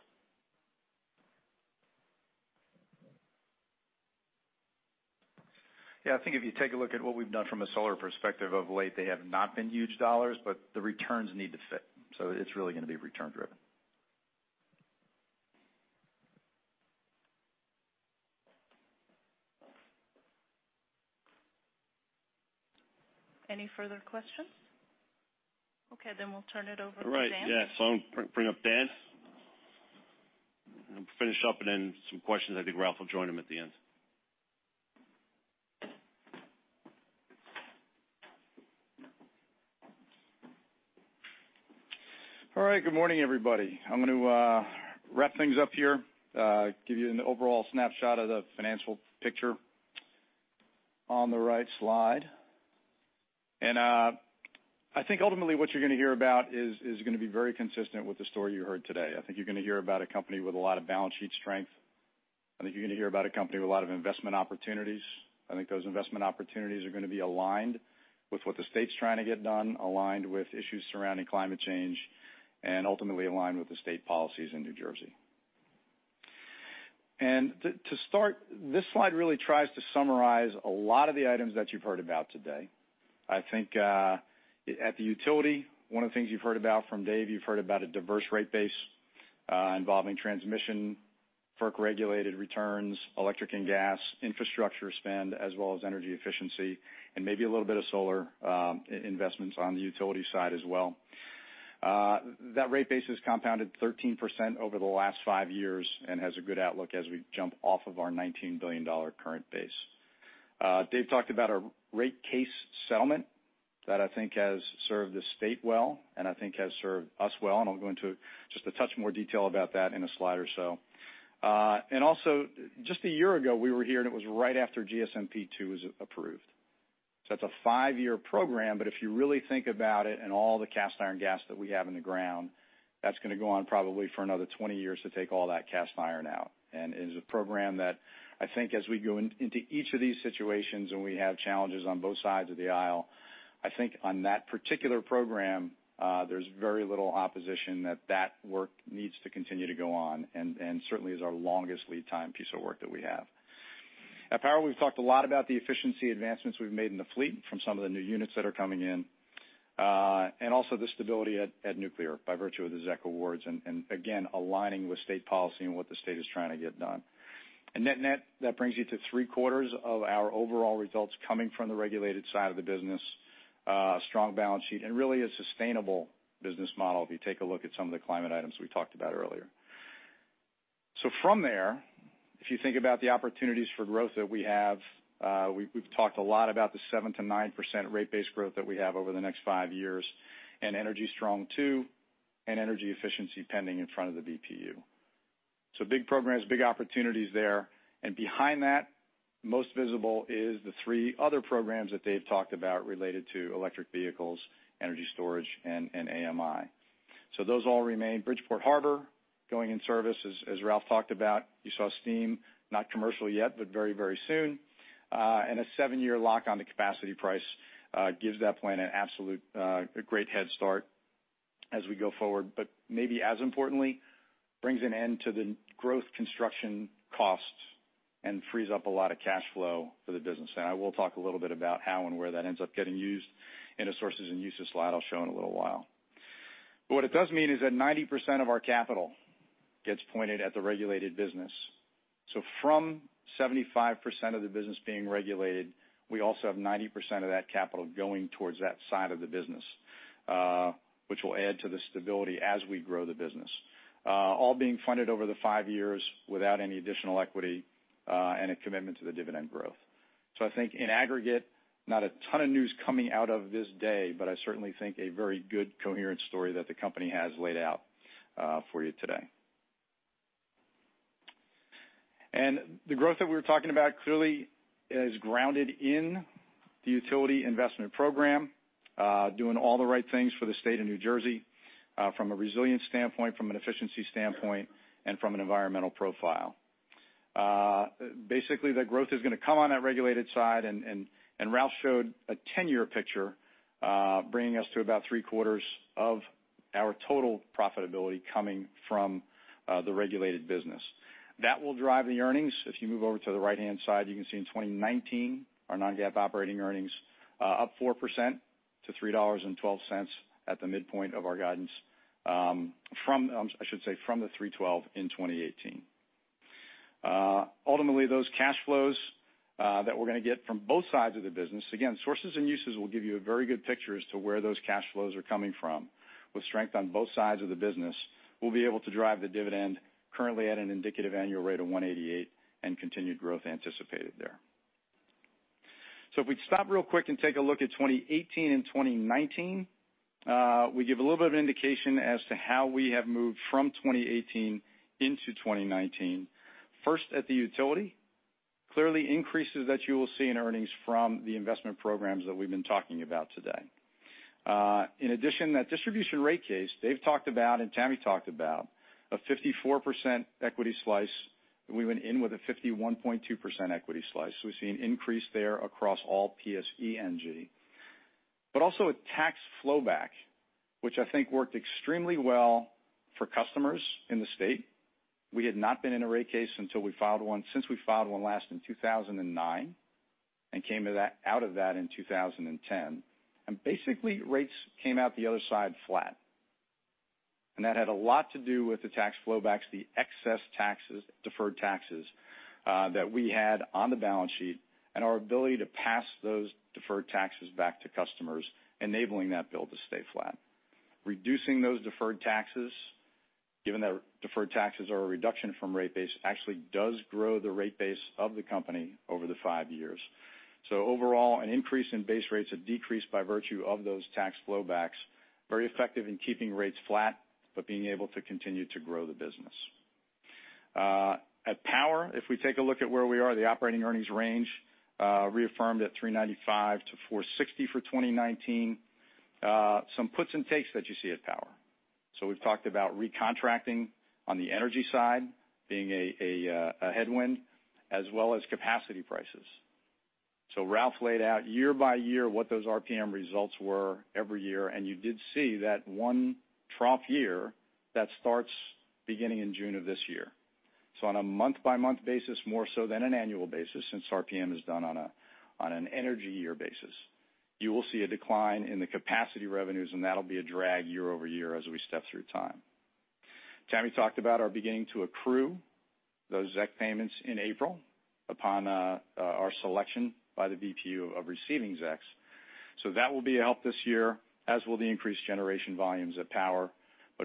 I think if you take a look at what we've done from a solar perspective of late, they have not been huge dollars, but the returns need to fit. It's really going to be return-driven. Any further questions? Then we'll turn it over to Dan. All right. Yeah. I'll bring up Dan. Finish up and then some questions, I think Ralph will join him at the end. All right. Good morning, everybody. I'm going to wrap things up here, give you an overall snapshot of the financial picture on the right slide. I think ultimately what you're going to hear about is going to be very consistent with the story you heard today. I think you're going to hear about a company with a lot of balance sheet strength. I think you're going to hear about a company with a lot of investment opportunities. I think those investment opportunities are going to be aligned with what the state's trying to get done, aligned with issues surrounding climate change, and ultimately aligned with the state policies in New Jersey. To start, this slide really tries to summarize a lot of the items that you've heard about today. I think at the utility, one of the things you've heard about from Dave, you've heard about a diverse rate base involving transmission, FERC-regulated returns, electric and gas infrastructure spend, as well as energy efficiency, and maybe a little bit of solar investments on the utility side as well. That rate base has compounded 13% over the last five years and has a good outlook as we jump off of our $19 billion current base. Dave talked about a rate case settlement that I think has served the state well, and I think has served us well, and I'll go into just a touch more detail about that in a slide or so. Also just a year ago, we were here, and it was right after GSMP 2 was approved. It's a 5-year program, if you really think about it and all the cast iron gas that we have in the ground, that's going to go on probably for another 20 years to take all that cast iron out. It is a program that I think as we go into each of these situations and we have challenges on both sides of the aisle, I think on that particular program, there's very little opposition that work needs to continue to go on, and certainly is our longest lead time piece of work that we have. At Power, we've talked a lot about the efficiency advancements we've made in the fleet from some of the new units that are coming in. Also the stability at nuclear by virtue of the ZEC awards, and again, aligning with state policy and what the State is trying to get done. Net-net, that brings you to three-quarters of our overall results coming from the regulated side of the business, a strong balance sheet, and really a sustainable business model if you take a look at some of the climate items we talked about earlier. From there, if you think about the opportunities for growth that we have, we've talked a lot about the 7%-9% rate base growth that we have over the next 5 years, and Energy Strong II, and energy efficiency pending in front of the BPU. Big programs, big opportunities there. Behind that, most visible is the three other programs that Dave talked about related to electric vehicles, energy storage, and AMI. Those all remain. Bridgeport Harbor going in service, as Ralph talked about. You saw steam, not commercial yet, but very soon. A 7-year lock on the capacity price gives that plant a great head start as we go forward. Maybe as importantly, brings an end to the growth construction costs and frees up a lot of cash flow for the business. I will talk a little bit about how and where that ends up getting used in the sources and uses slide I'll show in a little while. What it does mean is that 90% of our capital gets pointed at the regulated business. From 75% of the business being regulated, we also have 90% of that capital going towards that side of the business, which will add to the stability as we grow the business. All being funded over the 5 years without any additional equity, a commitment to the dividend growth. I think in aggregate, not a ton of news coming out of this day, I certainly think a very good coherent story that the company has laid out for you today. The growth that we were talking about clearly is grounded in the utility investment program, doing all the right things for the State of New Jersey, from a resilience standpoint, from an efficiency standpoint, and from an environmental profile. Basically, the growth is going to come on that regulated side and Ralph showed a 10-year picture, bringing us to about three-quarters of our total profitability coming from the regulated business. That will drive the earnings. If you move over to the right-hand side, you can see in 2019, our non-GAAP operating earnings up 4% to $3.12 at the midpoint of our guidance from the $3.12 in 2018. Ultimately, those cash flows that we're going to get from both sides of the business, again, sources and uses will give you a very good picture as to where those cash flows are coming from. With strength on both sides of the business, we'll be able to drive the dividend currently at an indicative annual rate of $1.88 and continued growth anticipated there. If we stop real quick and take a look at 2018 and 2019, we give a little bit of indication as to how we have moved from 2018 into 2019. First at the utility. Clearly, increases that you will see in earnings from the investment programs that we've been talking about today. In addition, that distribution rate case, David Daly talked about and Tamara Linde talked about, a 54% equity slice. We went in with a 51.2% equity slice. We see an increase there across all PSE&G. Also a tax flow back, which I think worked extremely well for customers in the state. We had not been in a rate case since we filed one last in 2009 and came out of that in 2010. Basically, rates came out the other side flat. That had a lot to do with the tax flow backs, the excess taxes, deferred taxes, that we had on the balance sheet, and our ability to pass those deferred taxes back to customers, enabling that bill to stay flat. Reducing those deferred taxes, given that deferred taxes are a reduction from rate base, actually does grow the rate base of the company over the five years. Overall, an increase in base rates, a decrease by virtue of those tax flow backs, very effective in keeping rates flat, but being able to continue to grow the business. At Power, if we take a look at where we are, the operating earnings range reaffirmed at $395 million-$460 million for 2019. Some puts and takes that you see at Power. We've talked about recontracting on the energy side being a headwind, as well as capacity prices. Ralph LaRossa laid out year by year what those RPM results were every year, and you did see that one trough year that starts beginning in June of this year. On a month-by-month basis, more so than an annual basis, since RPM is done on an energy year basis. You will see a decline in the capacity revenues, and that'll be a drag year-over-year as we step through time. Tamara Linde talked about our beginning to accrue those ZEC payments in April upon our selection by the BPU of receiving ZECs. That will be a help this year, as will the increased generation volumes at Power.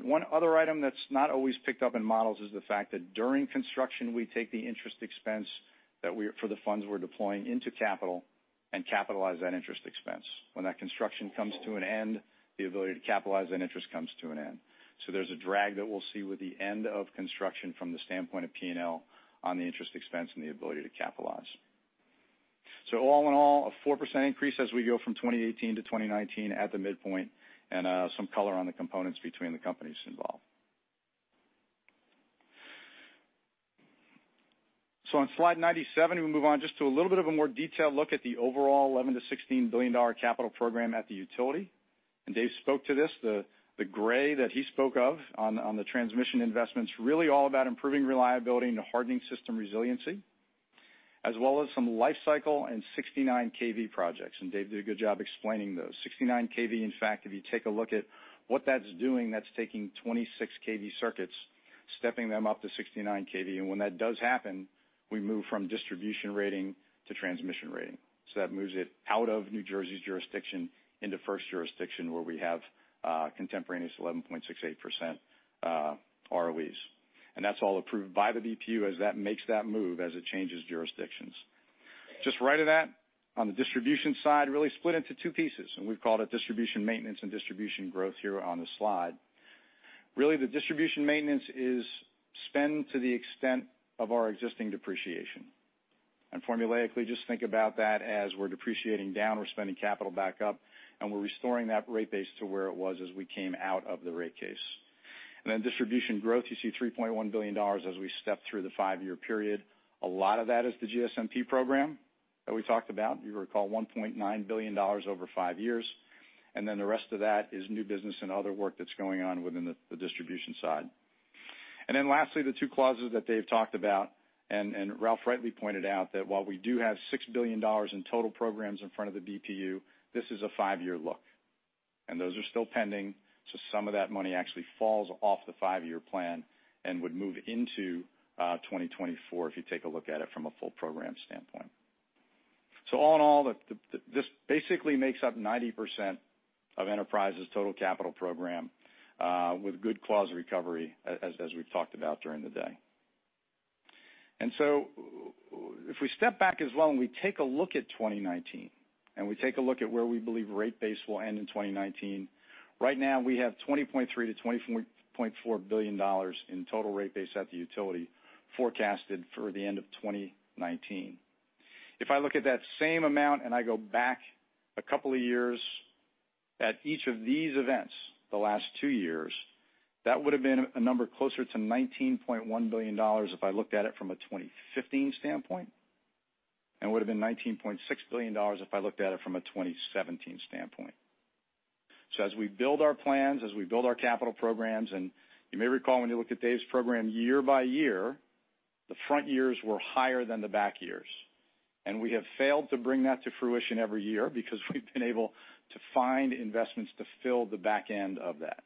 One other item that's not always picked up in models is the fact that during construction, we take the interest expense for the funds we're deploying into capital and capitalize that interest expense. When that construction comes to an end, the ability to capitalize that interest comes to an end. There's a drag that we'll see with the end of construction from the standpoint of P&L on the interest expense and the ability to capitalize. All in all, a 4% increase as we go from 2018 to 2019 at the midpoint, and some color on the components between the companies involved. On slide 97, we move on just to a little bit of a more detailed look at the overall $11 billion-$16 billion capital program at the utility. Dave spoke to this. The gray that he spoke of on the transmission investments, really all about improving reliability and hardening system resiliency, as well as some life cycle and 69 kV projects. Dave did a good job explaining those. 69 kV, in fact, if you take a look at what that's doing, that's taking 26 kV circuits, stepping them up to 69 kV. When that does happen, we move from distribution rating to transmission rating. That moves it out of New Jersey's jurisdiction into FERC jurisdiction where we have contemporaneous 11.68% ROEs. That's all approved by the BPU as that makes that move as it changes jurisdictions. Just right of that, on the distribution side, really split into two pieces, we've called it distribution maintenance and distribution growth here on the slide. Really, the distribution maintenance is spend to the extent of our existing depreciation. Formulaically, just think about that as we're depreciating down, we're spending capital back up, and we're restoring that rate base to where it was as we came out of the rate case. Distribution growth, you see $3.1 billion as we step through the five-year period. A lot of that is the GSMP program that we talked about. You recall $1.9 billion over five years. The rest of that is new business and other work that's going on within the distribution side. Lastly, the two clauses that Dave talked about, Ralph rightly pointed out, that while we do have $6 billion in total programs in front of the BPU, this is a five-year look. Those are still pending, so some of that money actually falls off the five-year plan and would move into 2024 if you take a look at it from a full program standpoint. All in all, this basically makes up 90% of Enterprise's total capital program with good clause recovery as we've talked about during the day. If we step back as well and we take a look at 2019, and we take a look at where we believe rate base will end in 2019, right now we have $20.3 billion-$24.4 billion in total rate base at the utility forecasted for the end of 2019. If I look at that same amount and I go back a couple of years at each of these events, the last two years, that would've been a number closer to $19.1 billion if I looked at it from a 2015 standpoint. Would've been $19.6 billion if I looked at it from a 2017 standpoint. As we build our plans, as we build our capital programs, and you may recall when you look at Dave's program year by year, the front years were higher than the back years. We have failed to bring that to fruition every year because we've been able to find investments to fill the back end of that.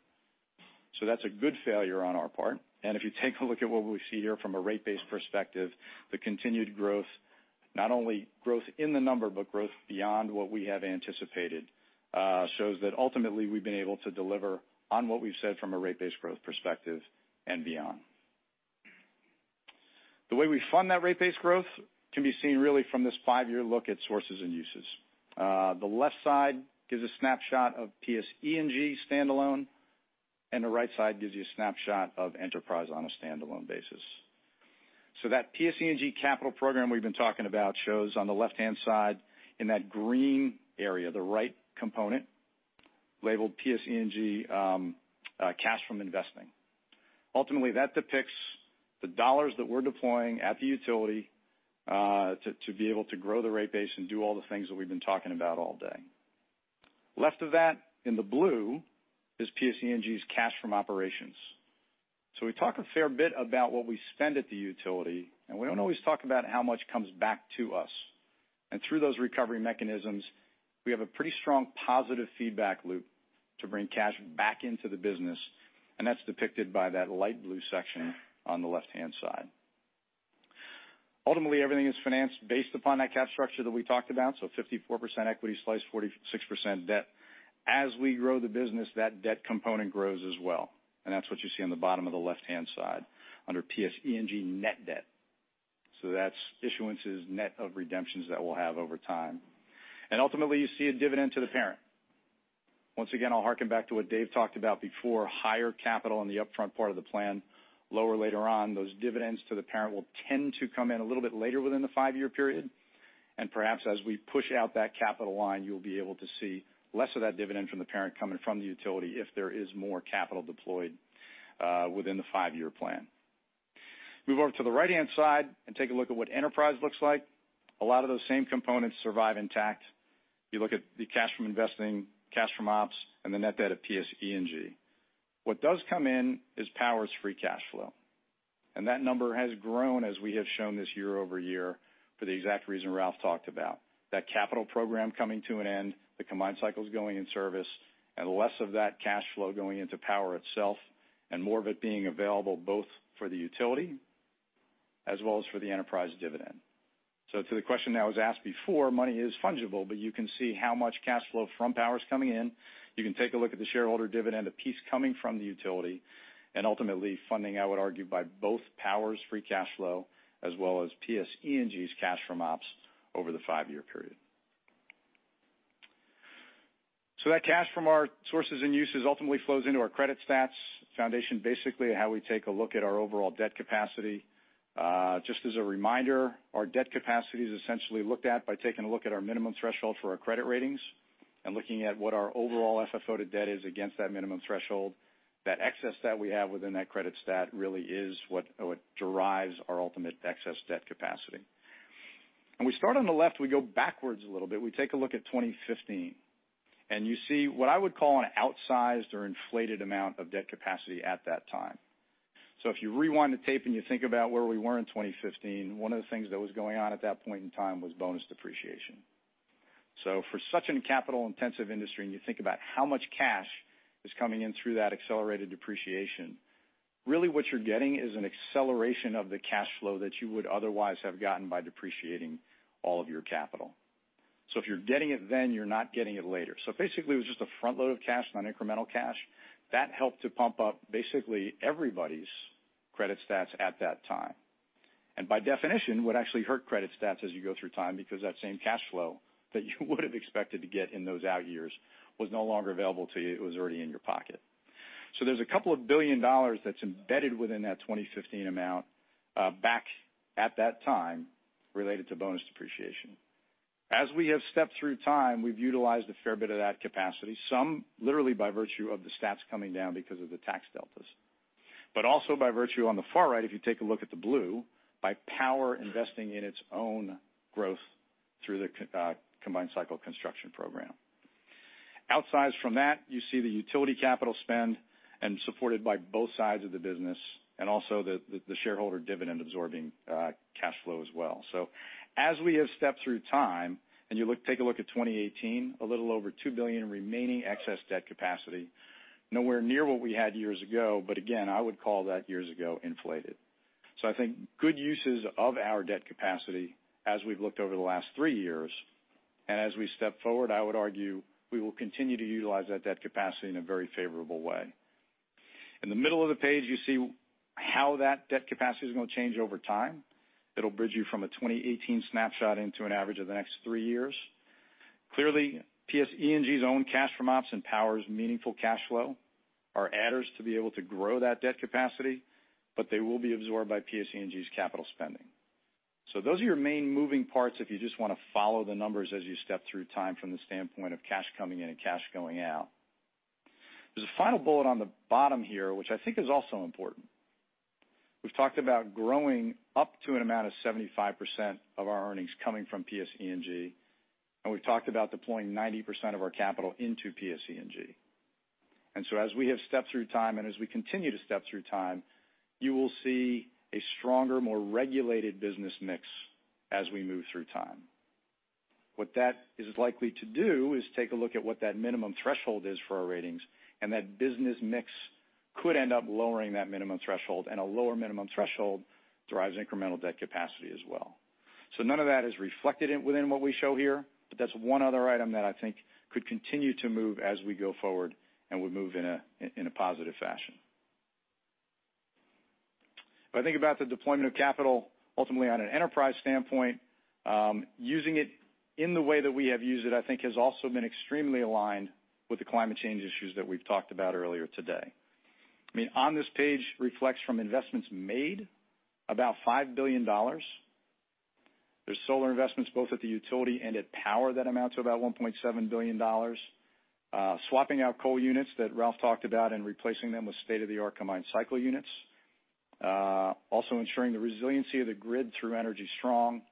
That's a good failure on our part. If you take a look at what we see here from a rate base perspective, the continued growth, not only growth in the number, but growth beyond what we have anticipated, shows that ultimately we've been able to deliver on what we've said from a rate base growth perspective and beyond. The way we fund that rate base growth can be seen really from this 5-year look at sources and uses. The left side gives a snapshot of PSE&G standalone, and the right side gives you a snapshot of Enterprise on a standalone basis. That PSE&G capital program we've been talking about shows on the left-hand side in that green area, the right component labeled PSE&G cash from investing. Ultimately, that depicts the dollars that we're deploying at the utility to be able to grow the rate base and do all the things that we've been talking about all day. Left of that in the blue is PSE&G's cash from operations. We talk a fair bit about what we spend at the utility, and we don't always talk about how much comes back to us. Through those recovery mechanisms, we have a pretty strong positive feedback loop to bring cash back into the business, and that's depicted by that light blue section on the left-hand side. Ultimately, everything is financed based upon that cap structure that we talked about, 54% equity slice, 46% debt. As we grow the business, that debt component grows as well, and that's what you see on the bottom of the left-hand side under PSE&G net debt. That's issuances net of redemptions that we'll have over time. Ultimately, you see a dividend to the parent. Once again, I'll harken back to what Dave talked about before, higher capital on the upfront part of the plan, lower later on. Those dividends to the parent will tend to come in a little bit later within the 5-year period. Perhaps as we push out that capital line, you'll be able to see less of that dividend from the parent coming from the utility if there is more capital deployed within the 5-year plan. Move over to the right-hand side and take a look at what Enterprise looks like. A lot of those same components survive intact. You look at the cash from investing, cash from ops, and the net debt of PSE&G. What does come in is Power's free cash flow. That number has grown as we have shown this year over year for the exact reason Ralph talked about. That capital program coming to an end, the combined cycles going in service, and less of that cash flow going into Power itself, and more of it being available both for the utility as well as for the enterprise dividend. To the question that was asked before, money is fungible, but you can see how much cash flow from Power's coming in. You can take a look at the shareholder dividend, a piece coming from the utility, and ultimately funding, I would argue, by both Power's free cash flow as well as PSE&G's cash from ops over the 5-year period. That cash from our sources and uses ultimately flows into our credit stats foundation, basically how we take a look at our overall debt capacity. Just as a reminder, our debt capacity is essentially looked at by taking a look at our minimum threshold for our credit ratings and looking at what our overall FFO to debt is against that minimum threshold. That excess that we have within that credit stat really is what derives our ultimate excess debt capacity. When we start on the left, we go backwards a little bit. We take a look at 2015, and you see what I would call an outsized or inflated amount of debt capacity at that time. If you rewind the tape and you think about where we were in 2015, one of the things that was going on at that point in time was bonus depreciation. For such a capital-intensive industry, and you think about how much cash is coming in through that accelerated depreciation, really what you're getting is an acceleration of the cash flow that you would otherwise have gotten by depreciating all of your capital. If you're getting it then, you're not getting it later. Basically, it was just a front load of cash, non-incremental cash. That helped to pump up basically everybody's credit stats at that time. By definition, would actually hurt credit stats as you go through time because that same cash flow that you would have expected to get in those out years was no longer available to you. It was already in your pocket. There's a couple of billion dollars that's embedded within that 2015 amount back at that time related to bonus depreciation. As we have stepped through time, we've utilized a fair bit of that capacity, some literally by virtue of the stats coming down because of the tax deltas. Also by virtue on the far right, if you take a look at the blue, by PSEG Power investing in its own growth through the combined cycle construction program. Outsized from that, you see the utility capital spend and supported by both sides of the business and also the shareholder dividend absorbing cash flow as well. As we have stepped through time and you take a look at 2018, a little over $2 billion in remaining excess debt capacity. Nowhere near what we had years ago, but again, I would call that years ago inflated. I think good uses of our debt capacity as we've looked over the last three years, and as we step forward, I would argue we will continue to utilize that debt capacity in a very favorable way. In the middle of the page, you see how that debt capacity is going to change over time. It'll bridge you from a 2018 snapshot into an average of the next three years. Clearly, PSE&G's own cash from ops and PSEG Power's meaningful cash flow are adders to be able to grow that debt capacity, but they will be absorbed by PSE&G's capital spending. Those are your main moving parts if you just want to follow the numbers as you step through time from the standpoint of cash coming in and cash going out. There's a final bullet on the bottom here, which I think is also important. We've talked about growing up to an amount of 75% of our earnings coming from PSE&G. We've talked about deploying 90% of our capital into PSE&G. As we have stepped through time, and as we continue to step through time, you will see a stronger, more regulated business mix as we move through time. What that is likely to do is take a look at what that minimum threshold is for our ratings. That business mix could end up lowering that minimum threshold. A lower minimum threshold drives incremental debt capacity as well. None of that is reflected within what we show here. That's one other item that I think could continue to move as we go forward and would move in a positive fashion. If I think about the deployment of capital, ultimately on an enterprise standpoint, using it in the way that we have used it, I think has also been extremely aligned with the climate change issues that we've talked about earlier today. On this page reflects from investments made about $5 billion. There's solar investments both at the utility and at Power that amount to about $1.7 billion. Swapping out coal units that Ralph talked about and replacing them with state-of-the-art combined cycle units. Also ensuring the resiliency of the grid through Energy Strong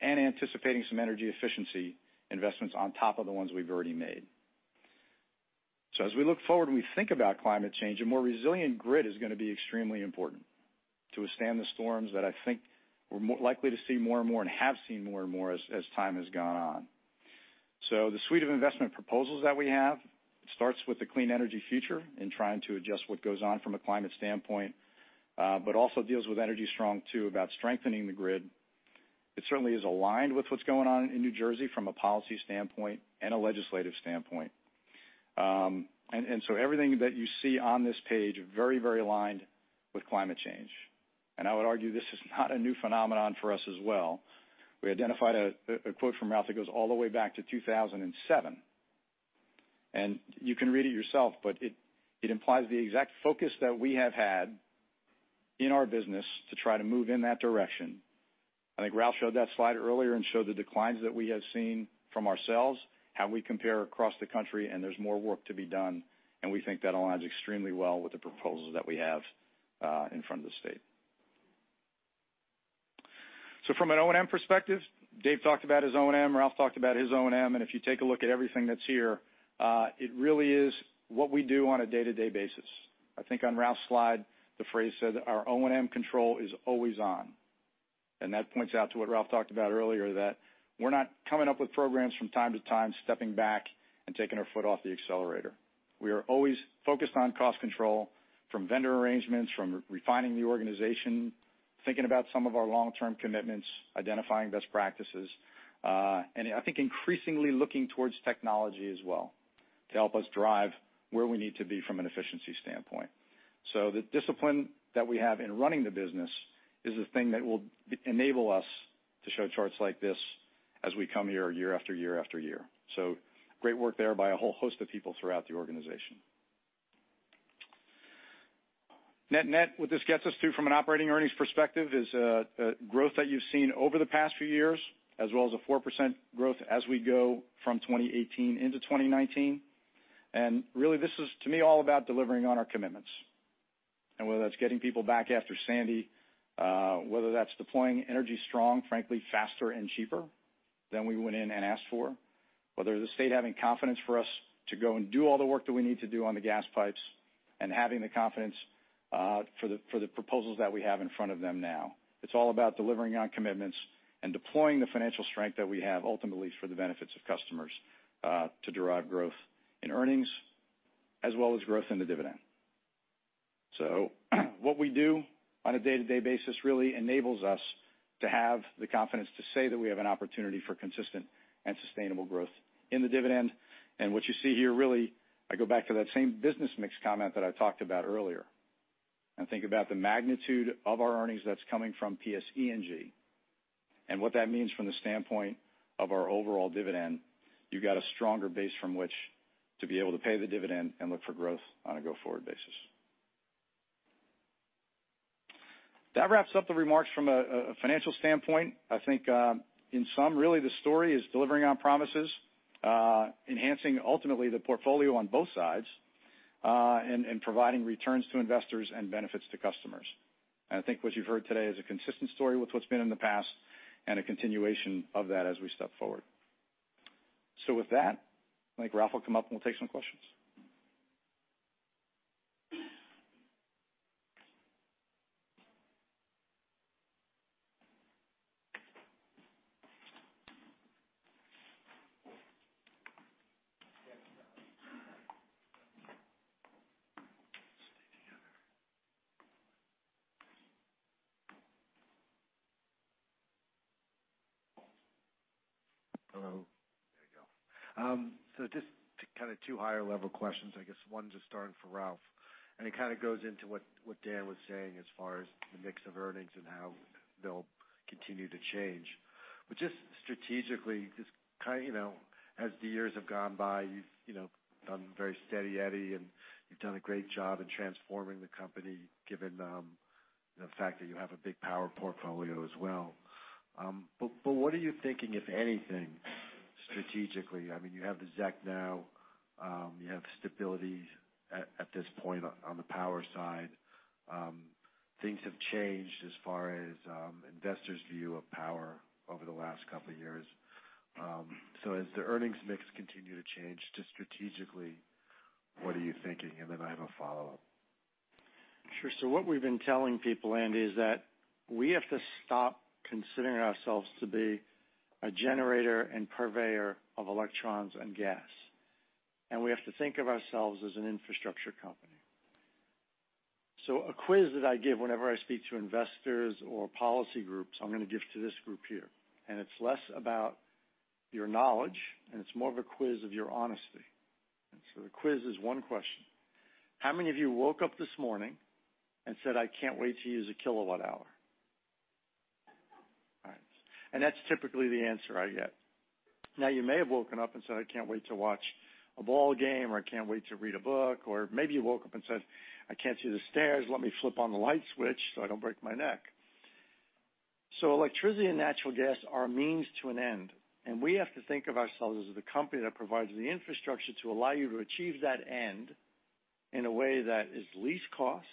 and anticipating some energy efficiency investments on top of the ones we've already made. As we look forward and we think about climate change, a more resilient grid is going to be extremely important to withstand the storms that I think we're likely to see more and more and have seen more and more as time has gone on. The suite of investment proposals that we have starts with the Clean Energy Future in trying to adjust what goes on from a climate standpoint, but also deals with Energy Strong II about strengthening the grid. It certainly is aligned with what's going on in New Jersey from a policy standpoint and a legislative standpoint. Everything that you see on this page, very aligned with climate change. I would argue this is not a new phenomenon for us as well. We identified a quote from Ralph that goes all the way back to 2007. You can read it yourself. It implies the exact focus that we have had in our business to try to move in that direction. I think Ralph showed that slide earlier and showed the declines that we have seen from ourselves, how we compare across the country. There's more work to be done. We think that aligns extremely well with the proposals that we have in front of the state. From an O&M perspective, Dave talked about his O&M. Ralph talked about his O&M. If you take a look at everything that's here, it really is what we do on a day-to-day basis. I think on Ralph's slide, the phrase said, "Our O&M control is always on." That points out to what Ralph talked about earlier, that we're not coming up with programs from time to time, stepping back and taking our foot off the accelerator. We are always focused on cost control from vendor arrangements, from refining the organization, thinking about some of our long-term commitments, identifying best practices. I think increasingly looking towards technology as well to help us drive where we need to be from an efficiency standpoint. The discipline that we have in running the business is the thing that will enable us to show charts like this as we come here year after year after year. Great work there by a whole host of people throughout the organization. Net, what this gets us to from an operating earnings perspective is growth that you've seen over the past few years, as well as a 4% growth as we go from 2018 into 2019. Really, this is, to me, all about delivering on our commitments. Whether that's getting people back after Sandy, whether that's deploying Energy Strong, frankly, faster and cheaper than we went in and asked for, whether the state having confidence for us to go and do all the work that we need to do on the gas pipes and having the confidence for the proposals that we have in front of them now. It's all about delivering on commitments and deploying the financial strength that we have ultimately for the benefits of customers, to derive growth in earnings as well as growth in the dividend. What we do on a day-to-day basis really enables us to have the confidence to say that we have an opportunity for consistent and sustainable growth in the dividend. What you see here, really, I go back to that same business mix comment that I talked about earlier. Think about the magnitude of our earnings that's coming from PSE&G. What that means from the standpoint of our overall dividend, you've got a stronger base from which to be able to pay the dividend and look for growth on a go-forward basis. That wraps up the remarks from a financial standpoint. I think, in sum, really the story is delivering on promises, enhancing ultimately the portfolio on both sides, and providing returns to investors and benefits to customers. I think what you've heard today is a consistent story with what's been in the past and a continuation of that as we step forward. With that, I think Ralph will come up, and we'll take some questions. Stay together. Hello. There you go. Just kind of two higher-level questions. I guess one just starting for Ralph, and it kind of goes into what Dan was saying as far as the mix of earnings and how they'll continue to change. Just strategically, just as the years have gone by, you've done very steady eddy, and you've done a great job in transforming the company, given the fact that you have a big power portfolio as well. What are you thinking, if anything, strategically? I mean, you have the ZEC now. You have stability at this point on the power side. Things have changed as far as investors' view of power over the last couple of years. As the earnings mix continue to change, just strategically, what are you thinking? I have a follow-up. Sure. What we've been telling people, Andy, is that we have to stop considering ourselves to be a generator and purveyor of electrons and gas. We have to think of ourselves as an infrastructure company. A quiz that I give whenever I speak to investors or policy groups, I'm going to give to this group here, and it's less about your knowledge, and it's more of a quiz of your honesty. The quiz is one question. How many of you woke up this morning and said, "I can't wait to use a kilowatt hour?" All right. That's typically the answer I get. Now, you may have woken up and said, "I can't wait to watch a ball game," or, "I can't wait to read a book." Or maybe you woke up and said, "I can't see the stairs. Let me flip on the light switch so I don't break my neck." Electricity and natural gas are a means to an end, and we have to think of ourselves as the company that provides the infrastructure to allow you to achieve that end in a way that is least cost,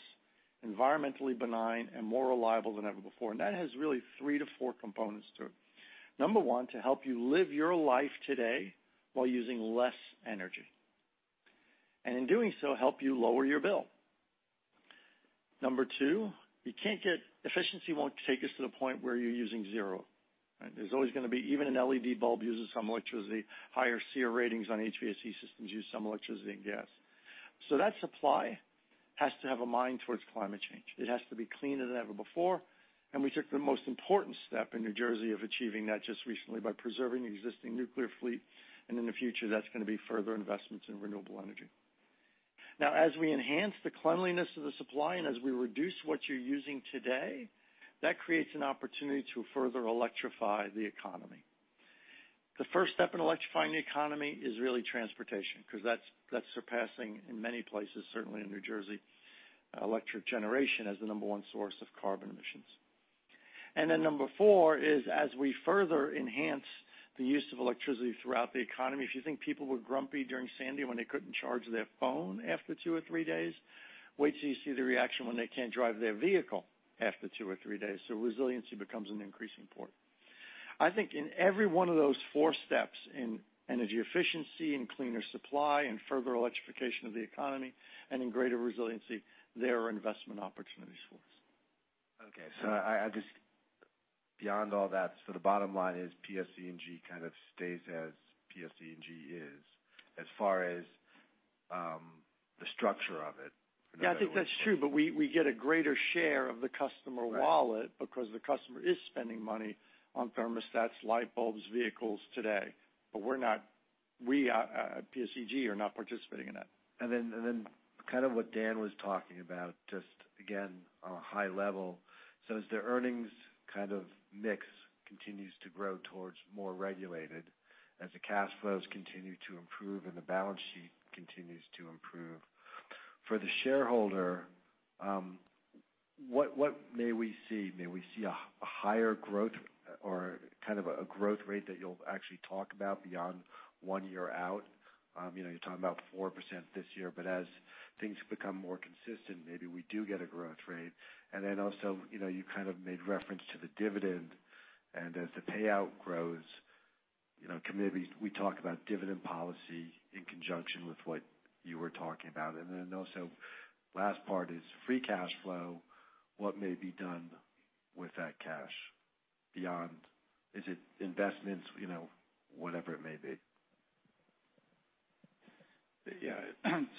environmentally benign, and more reliable than ever before. That has really three to four components to it. Number one, to help you live your life today while using less energy. In doing so, help you lower your bill. Number two, efficiency won't take us to the point where you're using zero, right? There's always going to be, even an LED bulb uses some electricity. Higher SEER ratings on HVAC systems use some electricity and gas. That supply has to have a mind towards climate change. It has to be cleaner than ever before, we took the most important step in New Jersey of achieving that just recently by preserving the existing nuclear fleet, in the future, that's going to be further investments in renewable energy. As we enhance the cleanliness of the supply and as we reduce what you're using today, that creates an opportunity to further electrify the economy. The first step in electrifying the economy is really transportation, because that's surpassing in many places, certainly in New Jersey, electric generation as the number 1 source of carbon emissions. Then number 4 is as we further enhance the use of electricity throughout the economy, if you think people were grumpy during Sandy when they couldn't charge their phone after two or three days, wait till you see the reaction when they can't drive their vehicle after two or three days. Resiliency becomes increasingly important. I think in every one of those four steps, in energy efficiency, in cleaner supply, in further electrification of the economy, in greater resiliency, there are investment opportunities for us. Okay. Beyond all that, the bottom line is PSEG kind of stays as PSEG is as far as the structure of it. Yeah, I think that's true, we get a greater share of the customer wallet because the customer is spending money on thermostats, light bulbs, vehicles today, we, at PSEG, are not participating in that. Kind of what Dan was talking about, just again, on a high level. As the earnings kind of mix continues to grow towards more regulated, as the cash flows continue to improve and the balance sheet continues to improve, for the shareholder, what may we see? May we see a higher growth or kind of a growth rate that you'll actually talk about beyond one year out? You're talking about 4% this year, but as things become more consistent, maybe we do get a growth rate. Also, you kind of made reference to the dividend, and as the payout grows, can maybe we talk about dividend policy in conjunction with what you were talking about. Also last part is free cash flow. What may be done with that cash beyond, is it investments? Whatever it may be.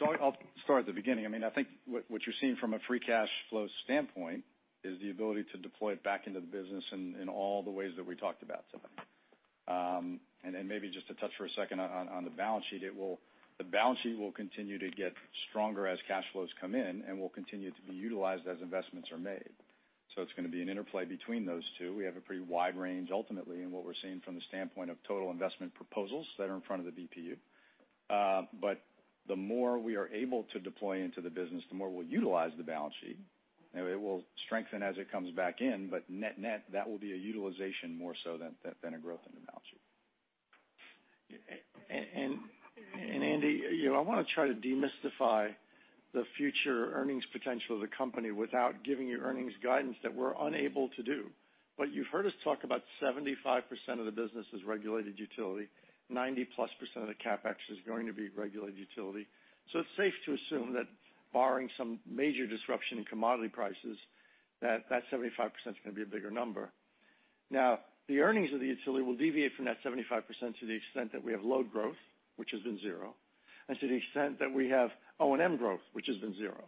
I'll start at the beginning. I think what you're seeing from a free cash flow standpoint is the ability to deploy it back into the business in all the ways that we talked about today. Maybe just to touch for a second on the balance sheet. The balance sheet will continue to get stronger as cash flows come in and will continue to be utilized as investments are made. It's going to be an interplay between those two. We have a pretty wide range ultimately in what we're seeing from the standpoint of total investment proposals that are in front of the BPU. The more we are able to deploy into the business, the more we'll utilize the balance sheet. It will strengthen as it comes back in. Net net, that will be a utilization more so than a growth in the balance sheet. Andy, I want to try to demystify the future earnings potential of the company without giving you earnings guidance that we're unable to do. You've heard us talk about 75% of the business is regulated utility, 90-plus % of the CapEx is going to be regulated utility. It's safe to assume that barring some major disruption in commodity prices, that 75% is going to be a bigger number. Now, the earnings of the utility will deviate from that 75% to the extent that we have load growth, which has been zero, and to the extent that we have O&M growth, which has been zero.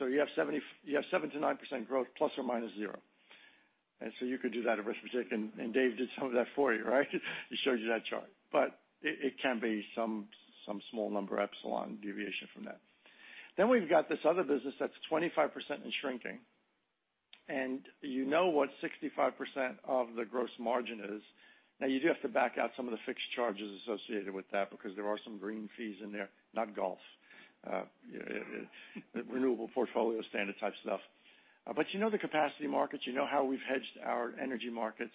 You have 7%-9% growth plus or minus zero. You could do that arithmetic, and Dave did some of that for you, right? He showed you that chart. It can be some small number epsilon deviation from that. We've got this other business that's 25% and shrinking, and you know what 65% of the gross margin is. You do have to back out some of the fixed charges associated with that because there are some green fees in there. Not golf. Renewable portfolio standard type stuff. You know the capacity markets, you know how we've hedged our energy markets.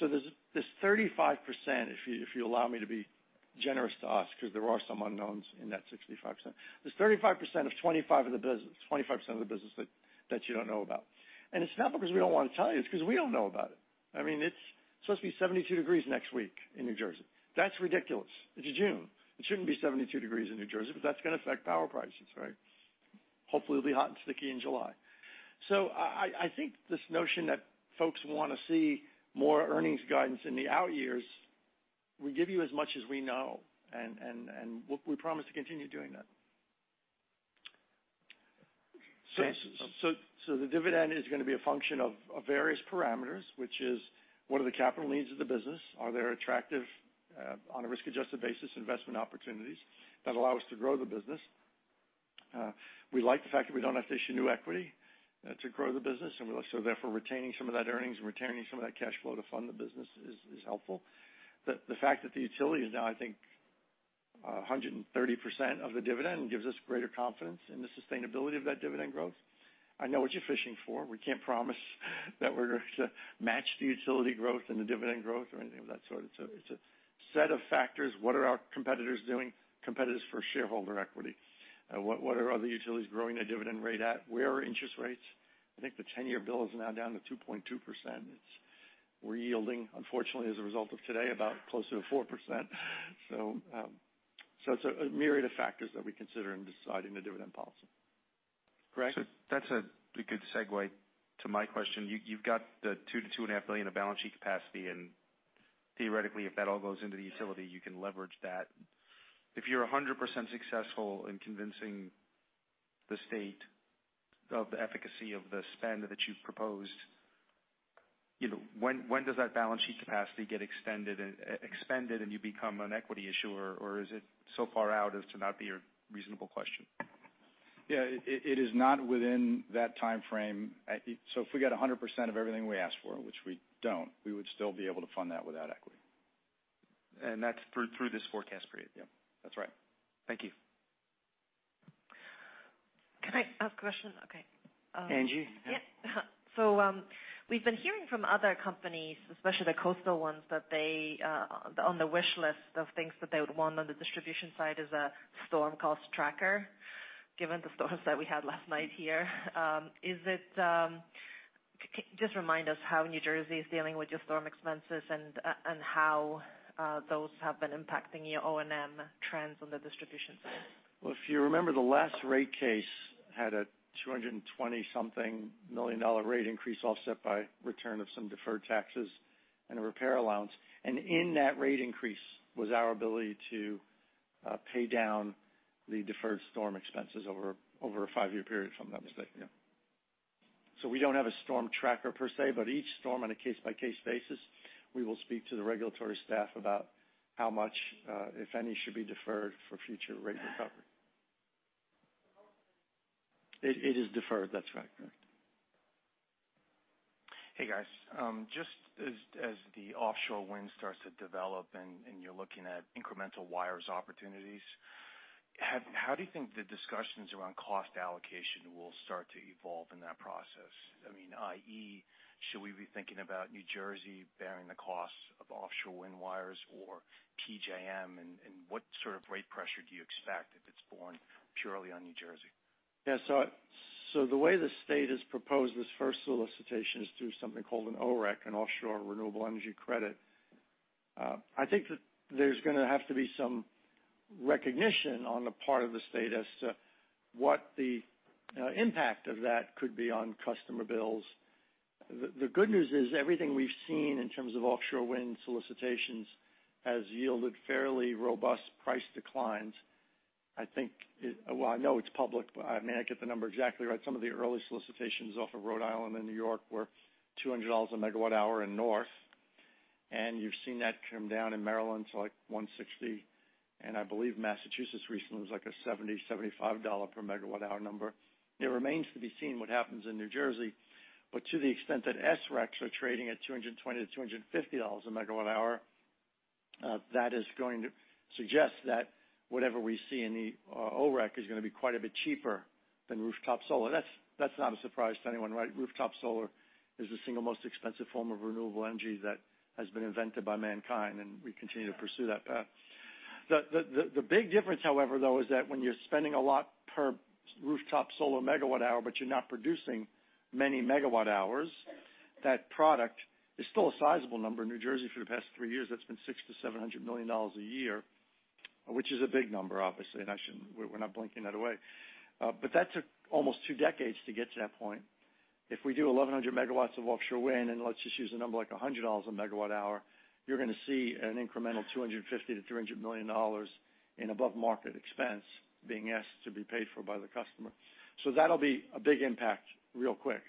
There's this 35%, if you allow me to be generous to us, because there are some unknowns in that 65%. There's 35% of 25 of the business, 25% of the business that you don't know about. And it's not because we don't want to tell you, it's because we don't know about it. It's supposed to be 72 degrees next week in New Jersey. That's ridiculous. It's June. It shouldn't be 72 degrees in New Jersey, but that's going to affect power prices, right? Hopefully it'll be hot and sticky in July. I think this notion that folks want to see more earnings guidance in the out years, we give you as much as we know, and we promise to continue doing that. The dividend is going to be a function of various parameters, which is what are the capital needs of the business? Are there attractive, on a risk-adjusted basis, investment opportunities that allow us to grow the business? We like the fact that we don't have to issue new equity to grow the business, and therefore, retaining some of that earnings and retaining some of that cash flow to fund the business is helpful. The fact that the utility is now, I think, 130% of the dividend gives us greater confidence in the sustainability of that dividend growth. I know what you're fishing for. We can't promise that we're going to match the utility growth and the dividend growth or anything of that sort. It's a set of factors. What are our competitors doing? Competitors for shareholder equity. What are other utilities growing their dividend rate at? Where are interest rates? I think the 10-year bill is now down to 2.2%. We're yielding, unfortunately, as a result of today, about close to 4%. It's a myriad of factors that we consider in deciding the dividend policy. Greg? That's a good segue to my question. You've got the $2 billion-$2.5 billion of balance sheet capacity, and theoretically, if that all goes into the utility, you can leverage that. If you're 100% successful in convincing the state of the efficacy of the spend that you've proposed, when does that balance sheet capacity get expanded, and you become an equity issuer? Or is it so far out as to not be a reasonable question? Yeah. It is not within that timeframe. If we get 100% of everything we ask for, which we don't, we would still be able to fund that without equity. That's through this forecast period? Yeah. That's right. Thank you. Can I ask a question? Okay. Angie? Yeah. We've been hearing from other companies, especially the coastal ones, that on the wish list of things that they would want on the distribution side is a storm cost tracker. Given the storms that we had last night here, just remind us how New Jersey is dealing with your storm expenses and how those have been impacting your O&M trends on the distribution side. Well, if you remember, the last rate case had a $220-something million rate increase offset by return of some deferred taxes and a repair allowance. In that rate increase was our ability to pay down the deferred storm expenses over a five-year period from that mistake. We don't have a storm tracker per se, but each storm, on a case-by-case basis, we will speak to the regulatory staff about how much, if any, should be deferred for future rate recovery. It is deferred. That's right. Correct. Hey, guys. Just as the offshore wind starts to develop and you're looking at incremental wires opportunities, how do you think the discussions around cost allocation will start to evolve in that process? I.e., should we be thinking about New Jersey bearing the cost of offshore wind wires or PJM? What sort of rate pressure do you expect if it's borne purely on New Jersey? Yeah. The way the state has proposed this first solicitation is through something called an OREC, an Offshore Renewable Energy Credit. I think that there's going to have to be some recognition on the part of the state as to what the impact of that could be on customer bills. The good news is everything we've seen in terms of offshore wind solicitations has yielded fairly robust price declines. I know it's public, but I may not get the number exactly right. Some of the early solicitations off of Rhode Island and New York were $200 a megawatt hour in north, and you've seen that come down in Maryland to like $160. I believe Massachusetts recently was like a $70, $75 per megawatt hour number. It remains to be seen what happens in New Jersey. To the extent that SRECs are trading at $220-$250 a megawatt hour, that is going to suggest that whatever we see in the OREC is going to be quite a bit cheaper than rooftop solar. That's not a surprise to anyone, right? Rooftop solar is the single most expensive form of renewable energy that has been invented by mankind, and we continue to pursue that path. The big difference, however, though, is that when you're spending a lot per rooftop solar megawatt hour, but you're not producing many megawatt hours, that product is still a sizable number in New Jersey for the past three years. That's been $600 million-$700 million a year, which is a big number, obviously, and we're not blinking that away. That took almost two decades to get to that point. If we do 1,100 megawatts of offshore wind, and let's just use a number like $100 a megawatt hour, you're going to see an incremental $250 million-$300 million in above-market expense being asked to be paid for by the customer. That'll be a big impact real quick.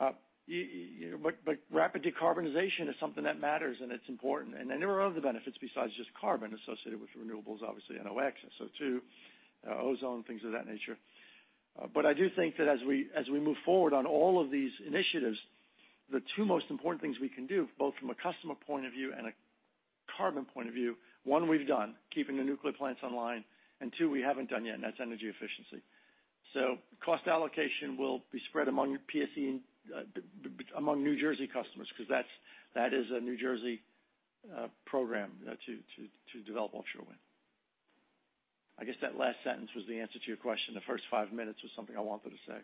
Rapid decarbonization is something that matters, and it's important. There are other benefits besides just carbon associated with renewables, obviously, NOx, SO2, ozone, things of that nature. I do think that as we move forward on all of these initiatives, the two most important things we can do, both from a customer point of view and a carbon point of view, one we've done, keeping the nuclear plants online, and two we haven't done yet, and that's energy efficiency. Cost allocation will be spread among New Jersey customers, because that is a New Jersey program to develop offshore wind. I guess that last sentence was the answer to your question. The first five minutes was something I wanted to say.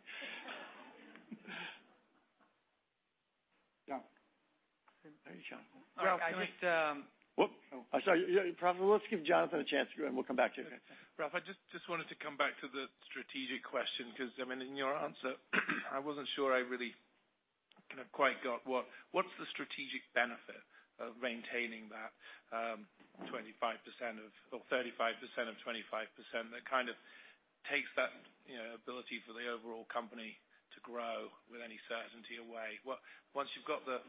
John. There you go. Ralph, can I just Whoop. I'm sorry. Praful, let's give Jonathan a chance here, and we'll come back to you, okay? Ralph, I just wanted to come back to the strategic question because in your answer, I wasn't sure I really kind of quite got what's the strategic benefit of maintaining that 35% of 25% that kind of takes that ability for the overall company to grow with any certainty away. Once you've got the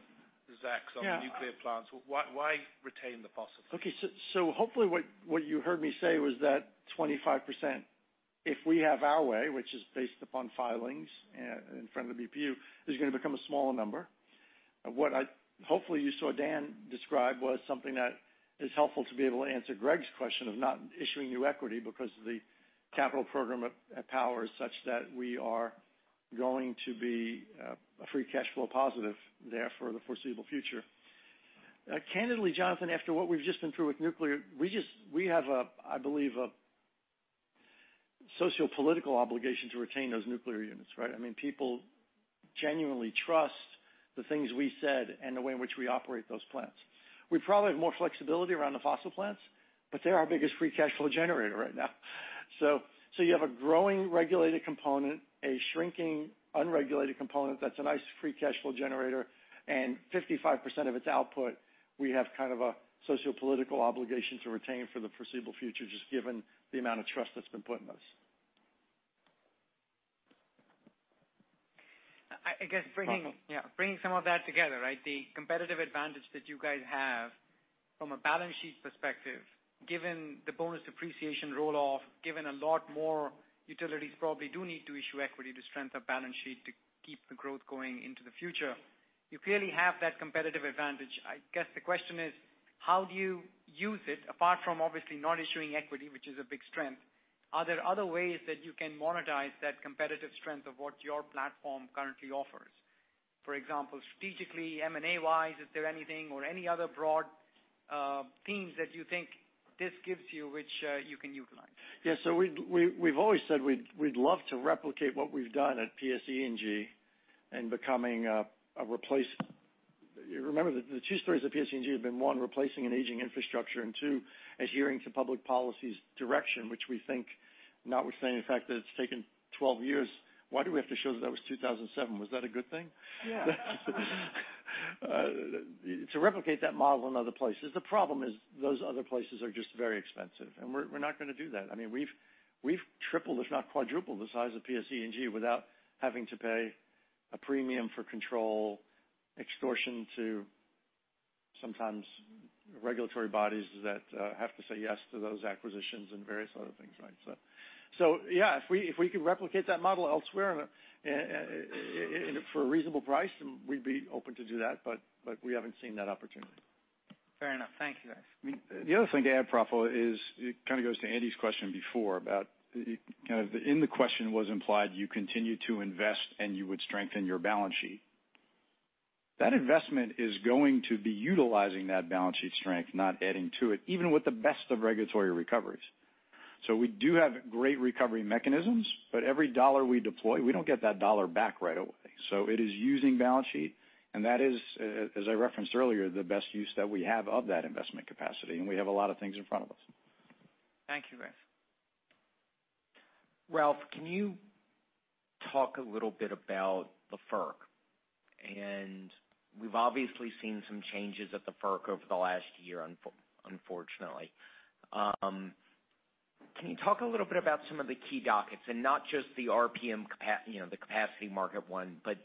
ZECs on Yeah nuclear plants, why retain the fossil? Hopefully what you heard me say was that 25%, if we have our way, which is based upon filings in front of the BPU, is going to become a smaller number. What hopefully you saw Dan describe was something that is helpful to be able to answer Greg's question of not issuing new equity because the capital program at Power is such that we are going to be a free cash flow positive there for the foreseeable future. Candidly, Jonathan, after what we've just been through with nuclear, we have, I believe, a sociopolitical obligation to retain those nuclear units, right? People genuinely trust the things we said and the way in which we operate those plants. We probably have more flexibility around the fossil plants, but they're our biggest free cash flow generator right now. You have a growing regulated component, a shrinking unregulated component that's a nice free cash flow generator, and 55% of its output we have kind of a sociopolitical obligation to retain for the foreseeable future, just given the amount of trust that's been put in us. I guess bringing- Praful. Yeah. Bringing some of that together, right? The competitive advantage that you guys have from a balance sheet perspective, given the bonus depreciation roll-off, given a lot more utilities probably do need to issue equity to strengthen balance sheet to keep the growth going into the future. You clearly have that competitive advantage. I guess the question is, how do you use it, apart from obviously not issuing equity, which is a big strength? Are there other ways that you can monetize that competitive strength of what your platform currently offers? For example, strategically, M&A-wise, is there anything or any other broad themes that you think this gives you, which you can utilize? Yes. We've always said we'd love to replicate what we've done at PSE&G in becoming. Remember the two stories of PSE&G have been, one, replacing an aging infrastructure, and two, adhering to public policies direction, which we think, notwithstanding the fact that it's taken 12 years, why do we have to show that was 2007? Was that a good thing? Yeah. To replicate that model in other places, the problem is those other places are just very expensive, and we're not going to do that. We've tripled, if not quadrupled, the size of PSE&G without having to pay a premium for control, extortion to sometimes regulatory bodies that have to say yes to those acquisitions and various other things. Yeah, if we could replicate that model elsewhere and for a reasonable price, then we'd be open to do that, but we haven't seen that opportunity. Fair enough. Thank you, guys. The other thing to add, Praful, is it kind of goes to Andy's question before about kind of in the question was implied you continue to invest, and you would strengthen your balance sheet. That investment is going to be utilizing that balance sheet strength, not adding to it, even with the best of regulatory recoveries. We do have great recovery mechanisms, but every $1 we deploy, we don't get that $1 back right away. It is using balance sheet, and that is, as I referenced earlier, the best use that we have of that investment capacity, and we have a lot of things in front of us. Thank you, guys. Ralph, can you talk a little bit about the FERC? We've obviously seen some changes at the FERC over the last year, unfortunately. Can you talk a little bit about some of the key dockets, not just the RPM, the capacity market one, but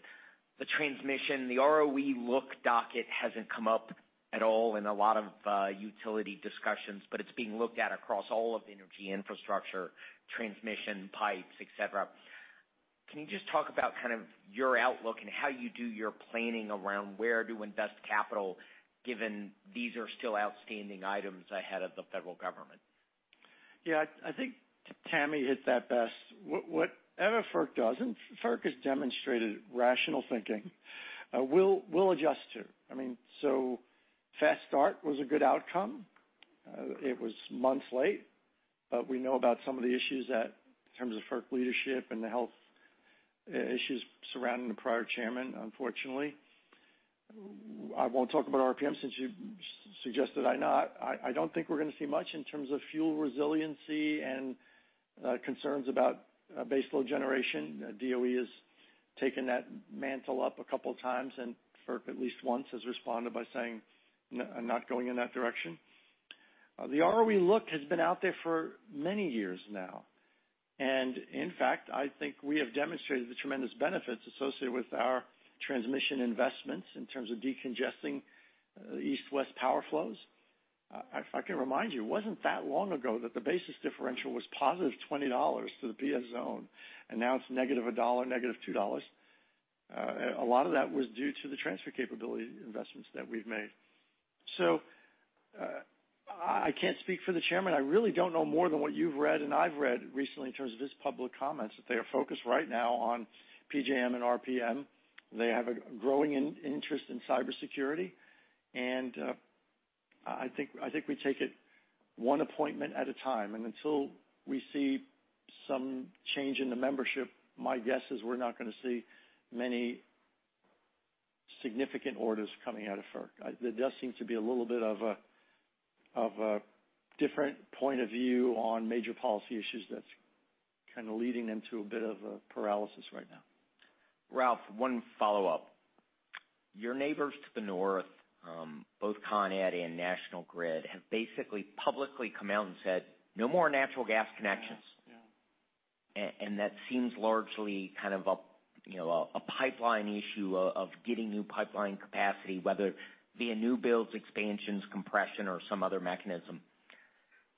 the transmission? The ROE look docket hasn't come up at all in a lot of utility discussions, but it's being looked at across all of energy infrastructure, transmission pipes, et cetera. Can you just talk about kind of your outlook and how you do your planning around where to invest capital, given these are still outstanding items ahead of the federal government? Yeah. I think Tammy hits that best. Whatever FERC does, FERC has demonstrated rational thinking, we'll adjust to. Fast start was a good outcome. It was months late, but we know about some of the issues that in terms of FERC leadership and the health issues surrounding the prior chairman, unfortunately. I won't talk about RPM since you suggested I not. I don't think we're going to see much in terms of fuel resiliency and concerns about baseload generation. DOE has taken that mantle up a couple of times, FERC at least once has responded by saying, "I'm not going in that direction." The ROE look has been out there for many years now, in fact, I think we have demonstrated the tremendous benefits associated with our transmission investments in terms of decongesting east-west power flows. If I can remind you, it wasn't that long ago that the basis differential was positive $20 to the PSE&G zone, now it's negative $1, negative $2. A lot of that was due to the transfer capability investments that we've made. I can't speak for the chairman. I really don't know more than what you've read and I've read recently in terms of his public comments, that they are focused right now on PJM and RPM. They have a growing interest in cybersecurity, and I think we take it one appointment at a time. Until we see some change in the membership, my guess is we're not going to see many significant orders coming out of FERC. There does seem to be a little bit of a different point of view on major policy issues that's kind of leading them to a bit of a paralysis right now. Ralph, one follow-up. Your neighbors to the north, both Consolidated Edison and National Grid, have basically publicly come out and said, "No more natural gas connections. Yeah. That seems largely kind of a pipeline issue of getting new pipeline capacity, whether via new builds, expansions, compression, or some other mechanism.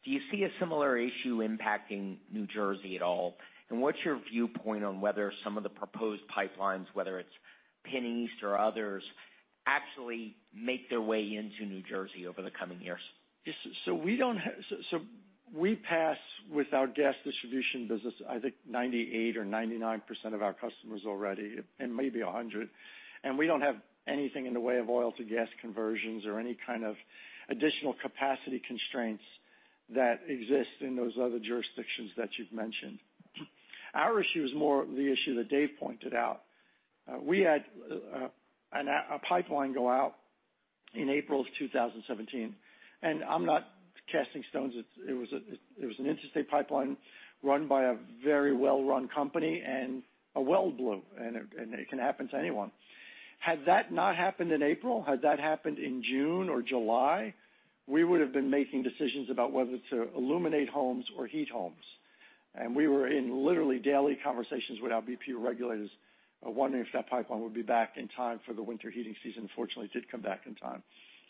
Do you see a similar issue impacting New Jersey at all? What's your viewpoint on whether some of the proposed pipelines, whether it's PennEast or others, actually make their way into New Jersey over the coming years? we pass with our gas distribution business, I think 98% or 99% of our customers already, and maybe 100, and we don't have anything in the way of oil to gas conversions or any kind of additional capacity constraints that exist in those other jurisdictions that you've mentioned. Our issue is more the issue that Dave pointed out. We had a pipeline go out in April of 2017, and I'm not casting stones. It was an interstate pipeline run by a very well-run company and a well blew, and it can happen to anyone. Had that not happened in April, had that happened in June or July, we would have been making decisions about whether to illuminate homes or heat homes. We were in literally daily conversations with our BPU regulators wondering if that pipeline would be back in time for the winter heating season. Fortunately, it did come back in time.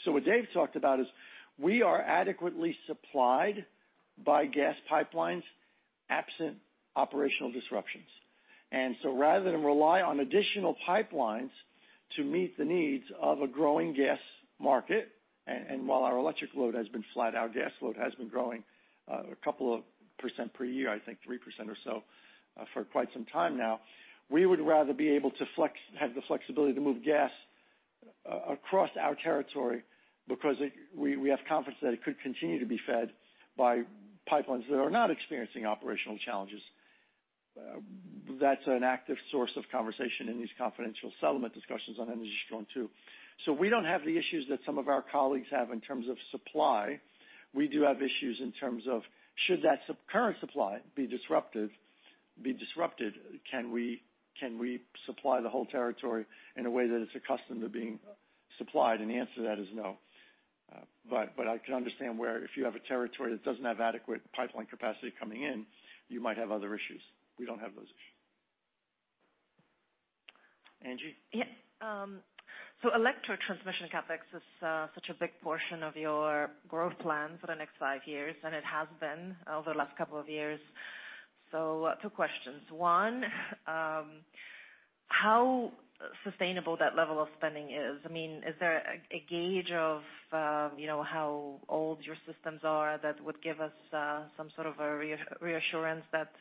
What Dave talked about is we are adequately supplied by gas pipelines absent operational disruptions. Rather than rely on additional pipelines to meet the needs of a growing gas market, and while our electric load has been flat, our gas load has been growing a couple of percent per year, I think 3% or so for quite some time now. We would rather be able to have the flexibility to move gas across our territory, because we have confidence that it could continue to be fed by pipelines that are not experiencing operational challenges. That's an active source of conversation in these confidential settlement discussions on Energy Strong II. We don't have the issues that some of our colleagues have in terms of supply. We do have issues in terms of, should that current supply be disrupted, can we supply the whole territory in a way that it's accustomed to being supplied? The answer to that is no. I can understand where if you have a territory that doesn't have adequate pipeline capacity coming in, you might have other issues. We don't have those issues. Angie? Yeah. electro transmission CapEx is such a big portion of your growth plan for the next five years, and it has been over the last couple of years. Two questions. One, how sustainable that level of spending is. Is there a gauge of how old your systems are that would give us some sort of a reassurance that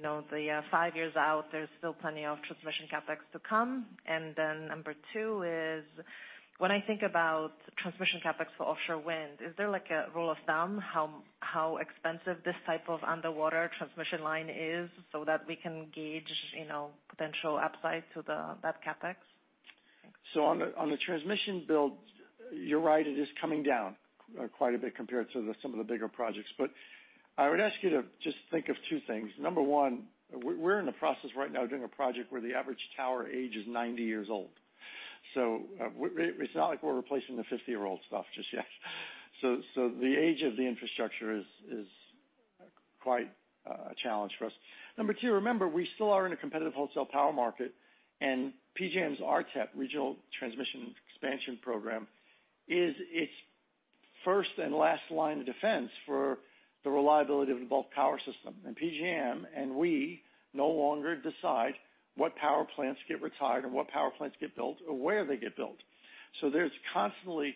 the five years out, there's still plenty of transmission CapEx to come? Number 2 is when I think about transmission CapEx for offshore wind, is there like a rule of thumb how expensive this type of underwater transmission line is so that we can gauge potential upside to that CapEx? On the transmission build, you're right, it is coming down quite a bit compared to some of the bigger projects. I would ask you to just think of two things. Number one, we're in the process right now doing a project where the average tower age is 90 years old. It's not like we're replacing the 50-year-old stuff just yet. The age of the infrastructure is quite a challenge for us. Number two, remember, we still are in a competitive wholesale power market, and PJM's RTEP, Regional Transmission Expansion Plan, is its first and last line of defense for the reliability of the bulk power system. PJM, and we, no longer decide what power plants get retired and what power plants get built or where they get built. There's constantly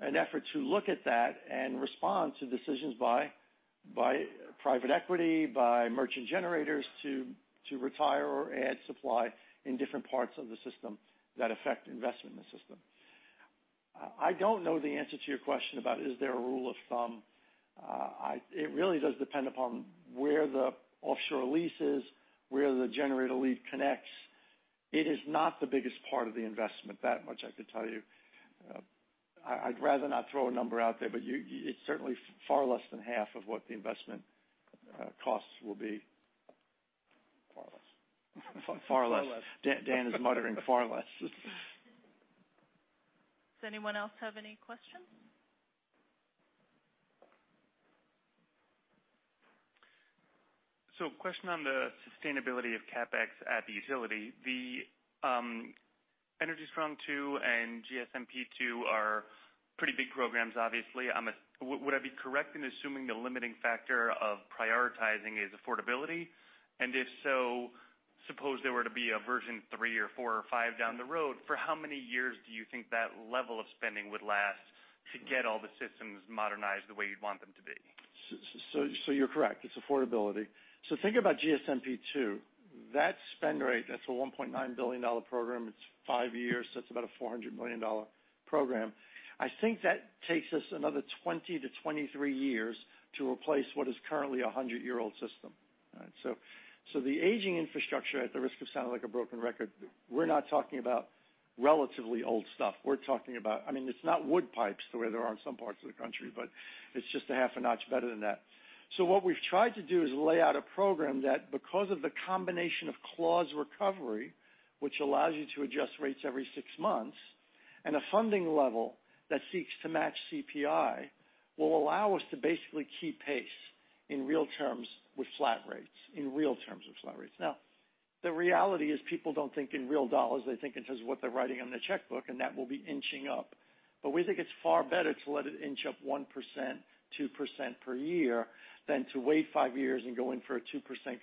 an effort to look at that and respond to decisions by private equity, by merchant generators to retire or add supply in different parts of the system that affect investment in the system. I don't know the answer to your question about is there a rule of thumb. It really does depend upon where the offshore lease is, where the generator lead connects. It is not the biggest part of the investment, that much I could tell you. I'd rather not throw a number out there, but it's certainly far less than half of what the investment costs will be. Far less. Far less. Far less. Dan is muttering far less. Does anyone else have any questions? Question on the sustainability of CapEx at the utility. The Energy Strong II and GSMP 2 are pretty big programs, obviously. Would I be correct in assuming the limiting factor of prioritizing is affordability? If so, suppose there were to be a version three or four or five down the road, for how many years do you think that level of spending would last to get all the systems modernized the way you'd want them to be? You're correct. It's affordability. Think about GSMP 2. That spend rate, that's a $1.9 billion program. It's 5 years, so that's about a $400 million program. I think that takes us another 20-23 years to replace what is currently a 100-year-old system. The aging infrastructure, at the risk of sounding like a broken record, we're not talking about relatively old stuff. We're talking about-- It's not wood pipes the way there are in some parts of the country, but it's just a half a notch better than that. What we've tried to do is lay out a program that because of the combination of clause recovery, which allows you to adjust rates every 6 months, and a funding level that seeks to match CPI, will allow us to basically keep pace in real terms with flat rates. Now, the reality is people don't think in real dollars, they think in terms of what they're writing on their checkbook, and that will be inching up. But we think it's far better to let it inch up 1%-2% per year than to wait 5 years and go in for a 2%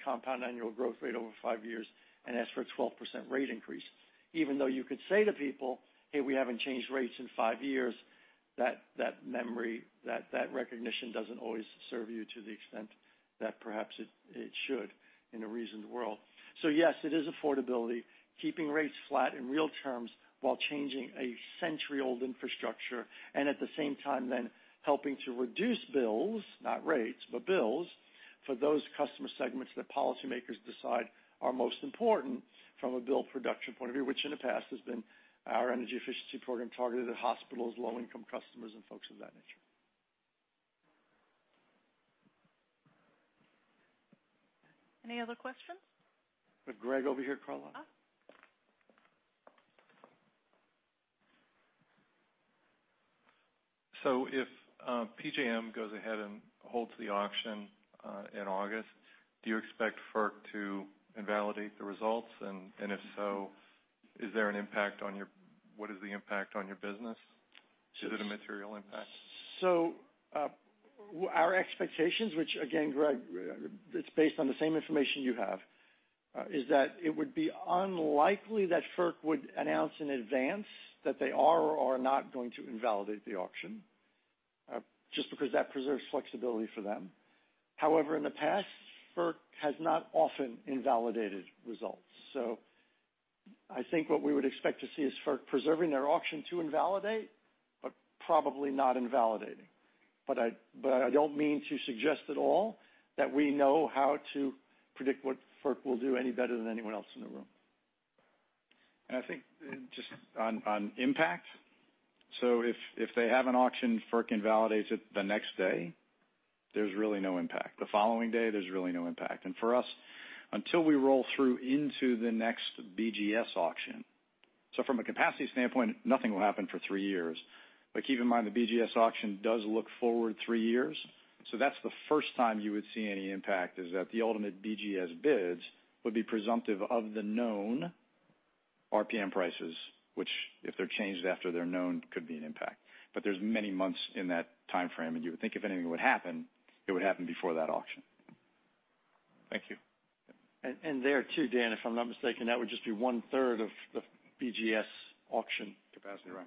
compound annual growth rate over 5 years and ask for a 12% rate increase. Even though you could say to people, "Hey, we haven't changed rates in 5 years," that memory, that recognition doesn't always serve you to the extent that perhaps it should in a reasoned world. Yes, it is affordability, keeping rates flat in real terms while changing a century-old infrastructure, and at the same time then helping to reduce bills, not rates, but bills, for those customer segments that policymakers decide are most important from a bill production point of view, which in the past has been our energy efficiency program targeted at hospitals, low-income customers, and folks of that nature. Any other questions? Greg over here, Carla. Oh. If PJM goes ahead and holds the auction in August, do you expect FERC to invalidate the results? If so, what is the impact on your business? Is it a material impact? Our expectations, which again, Greg, it's based on the same information you have, is that it would be unlikely that FERC would announce in advance that they are or are not going to invalidate the auction, just because that preserves flexibility for them. However, in the past, FERC has not often invalidated results. I think what we would expect to see is FERC preserving their option to invalidate, but probably not invalidating. I don't mean to suggest at all that we know how to predict what FERC will do any better than anyone else in the room. I think just on impact. If they have an auction, FERC invalidates it the next day, there's really no impact. The following day, there's really no impact. For us, until we roll through into the next BGS auction. From a capacity standpoint, nothing will happen for three years. Keep in mind, the BGS auction does look forward three years. That's the first time you would see any impact, is that the ultimate BGS bids would be presumptive of the known RPM prices, which if they're changed after they're known, could be an impact. There's many months in that timeframe, and you would think if anything would happen, it would happen before that auction. Thank you. There too, Dan, if I'm not mistaken, that would just be one-third of the BGS auction capacity. Right.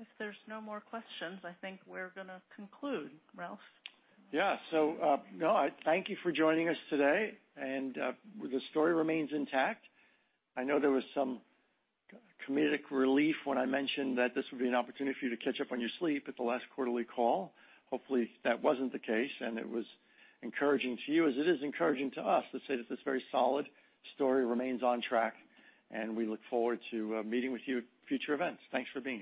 If there's no more questions, I think we're going to conclude, Ralph. Thank you for joining us today, and the story remains intact. I know there was some comedic relief when I mentioned that this would be an opportunity for you to catch up on your sleep at the last quarterly call. Hopefully, that wasn't the case, and it was encouraging to you as it is encouraging to us to say that this very solid story remains on track, and we look forward to meeting with you at future events. Thanks for being here.